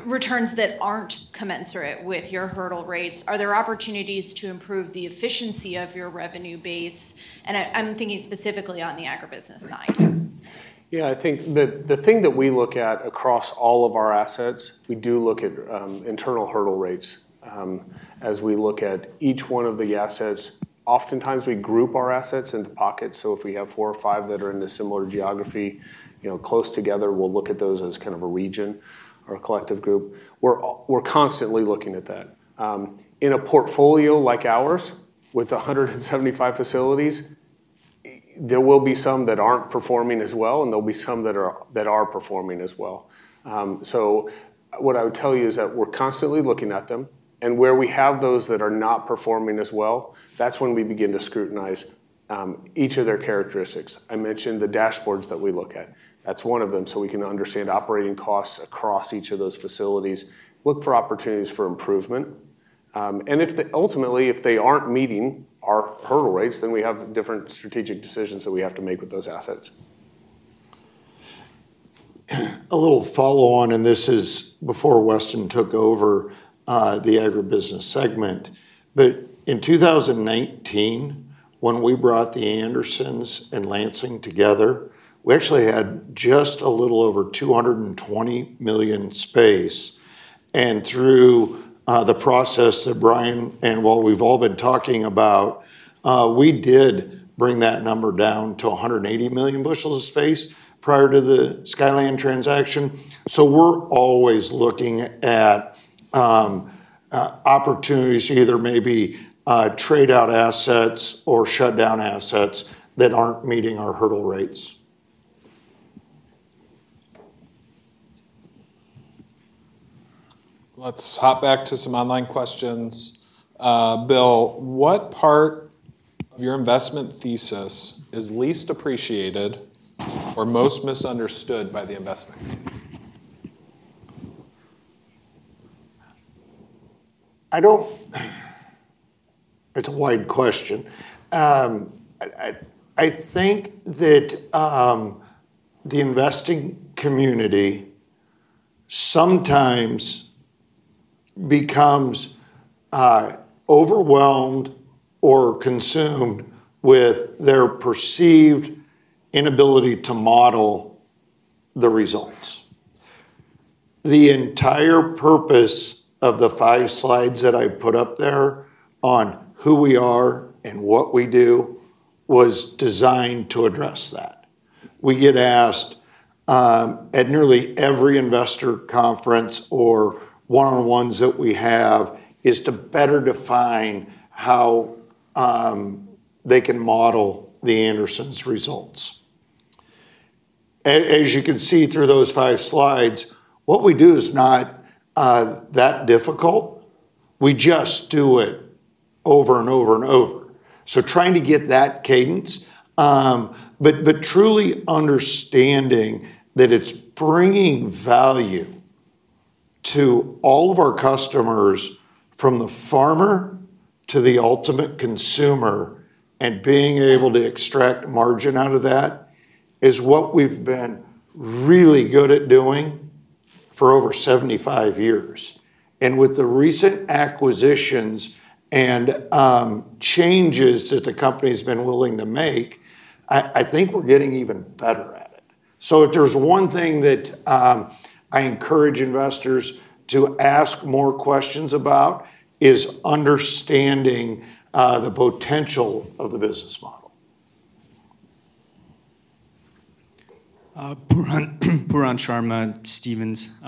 returns that aren't commensurate with your hurdle rates? Are there opportunities to improve the efficiency of your revenue base? And I'm thinking specifically on the agribusiness side. Yeah, I think the thing that we look at across all of our assets, we do look at internal hurdle rates as we look at each one of the assets. Oftentimes, we group our assets into pockets. So, if we have four or five that are in a similar geography close together, we'll look at those as kind of a region or a collective group. We're constantly looking at that. In a portfolio like ours with 175 facilities, there will be some that aren't performing as well, and there'll be some that are performing as well, so what I would tell you is that we're constantly looking at them, and where we have those that are not performing as well, that's when we begin to scrutinize each of their characteristics. I mentioned the dashboards that we look at. That's one of them, so we can understand operating costs across each of those facilities, look for opportunities for improvement, and ultimately, if they aren't meeting our hurdle rates, then we have different strategic decisions that we have to make with those assets. A little follow-on, and this is before Weston took over the Agribusiness segment. But in 2019, when we brought The Andersons and Lansing together, we actually had just a little over 220 million bushels of space. And through the process that Brian and what we've all been talking about, we did bring that number down to 180 million bushels of space prior to the Skyland transaction. So, we're always looking at opportunities to either maybe trade out assets or shut down assets that aren't meeting our hurdle rates. Let's hop back to some online questions. Bill, what part of your investment thesis is least appreciated or most misunderstood by the investment community? It's a wide question. I think that the investing community sometimes becomes overwhelmed or consumed with their perceived inability to model the results. The entire purpose of the five slides that I put up there on who we are and what we do was designed to address that. We get asked at nearly every investor conference or one-on-ones that we have is to better define how they can model The Andersons' results. As you can see through those five slides, what we do is not that difficult. We just do it over and over and over. So, trying to get that cadence, but truly understanding that it's bringing value to all of our customers from the farmer to the ultimate consumer and being able to extract margin out of that is what we've been really good at doing for over 75 years. And with the recent acquisitions and changes that the company has been willing to make, I think we're getting even better at it. So, if there's one thing that I encourage investors to ask more questions about is understanding the potential of the business model. Pooran Sharma, Stephens.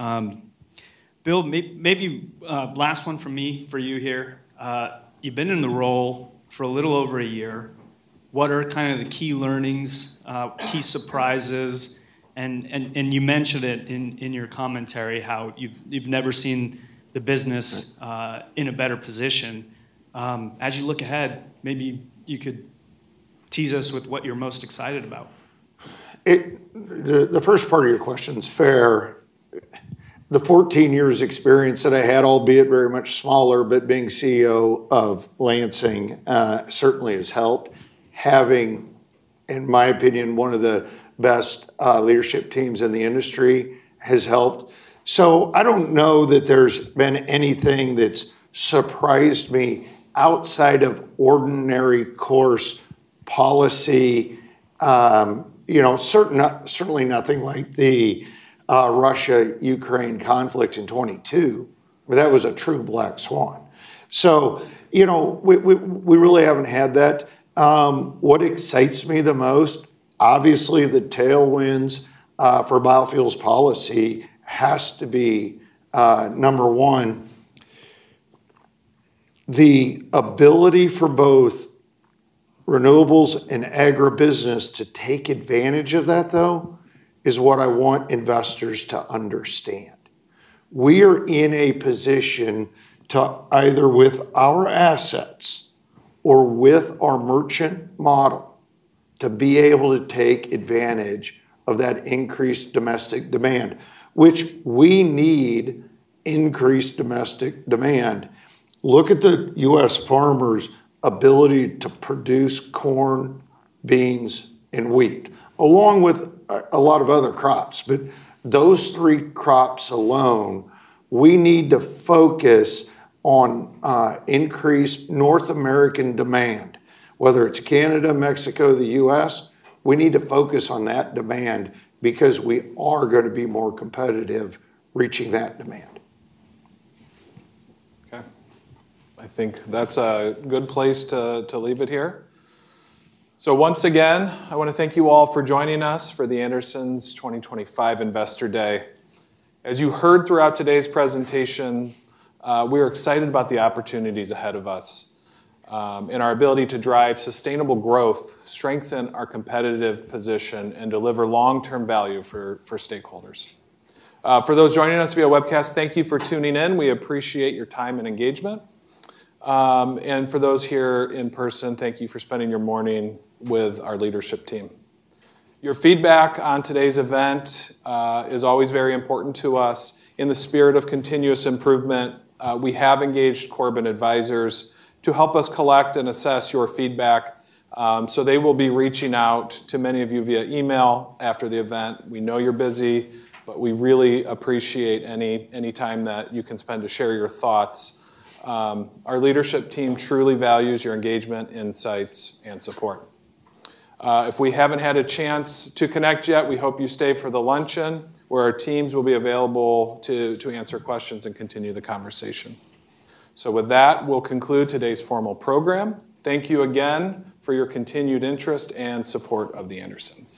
Bill, maybe last one from me for you here. You've been in the role for a little over a year. What are kind of the key learnings, key surprises? And you mentioned it in your commentary how you've never seen the business in a better position. As you look ahead, maybe you could tease us with what you're most excited about. The first part of your question is fair. The 14 years' experience that I had, albeit very much smaller, but being CEO of Lansing certainly has helped. Having, in my opinion, one of the best leadership teams in the industry has helped. So, I don't know that there's been anything that's surprised me outside of ordinary course policy. Certainly nothing like the Russia-Ukraine conflict in 2022, but that was a true black swan. So, we really haven't had that. What excites me the most, obviously the tailwinds for biofuels policy has to be number one. The ability for both renewables and agribusiness to take advantage of that, though, is what I want investors to understand. We are in a position to either with our assets or with our merchant model to be able to take advantage of that increased domestic demand, which we need increased domestic demand. Look at the U.S. farmers' ability to produce corn, beans, and wheat, along with a lot of other crops. But those three crops alone, we need to focus on increased North American demand, whether it's Canada, Mexico, the U.S. We need to focus on that demand because we are going to be more competitive reaching that demand. Okay. I think that's a good place to leave it here, so once again, I want to thank you all for joining us for The Andersons 2025 Investor Day. As you heard throughout today's presentation, we are excited about the opportunities ahead of us and our ability to drive sustainable growth, strengthen our competitive position, and deliver long-term value for stakeholders. For those joining us via webcast, thank you for tuning in. We appreciate your time and engagement, and for those here in person, thank you for spending your morning with our leadership team. Your feedback on today's event is always very important to us. In the spirit of continuous improvement, we have engaged Corbin Advisors to help us collect and assess your feedback, so they will be reaching out to many of you via email after the event. We know you're busy, but we really appreciate any time that you can spend to share your thoughts. Our leadership team truly values your engagement, insights, and support. If we haven't had a chance to connect yet, we hope you stay for the luncheon where our teams will be available to answer questions and continue the conversation. So, with that, we'll conclude today's formal program. Thank you again for your continued interest and support of The Andersons.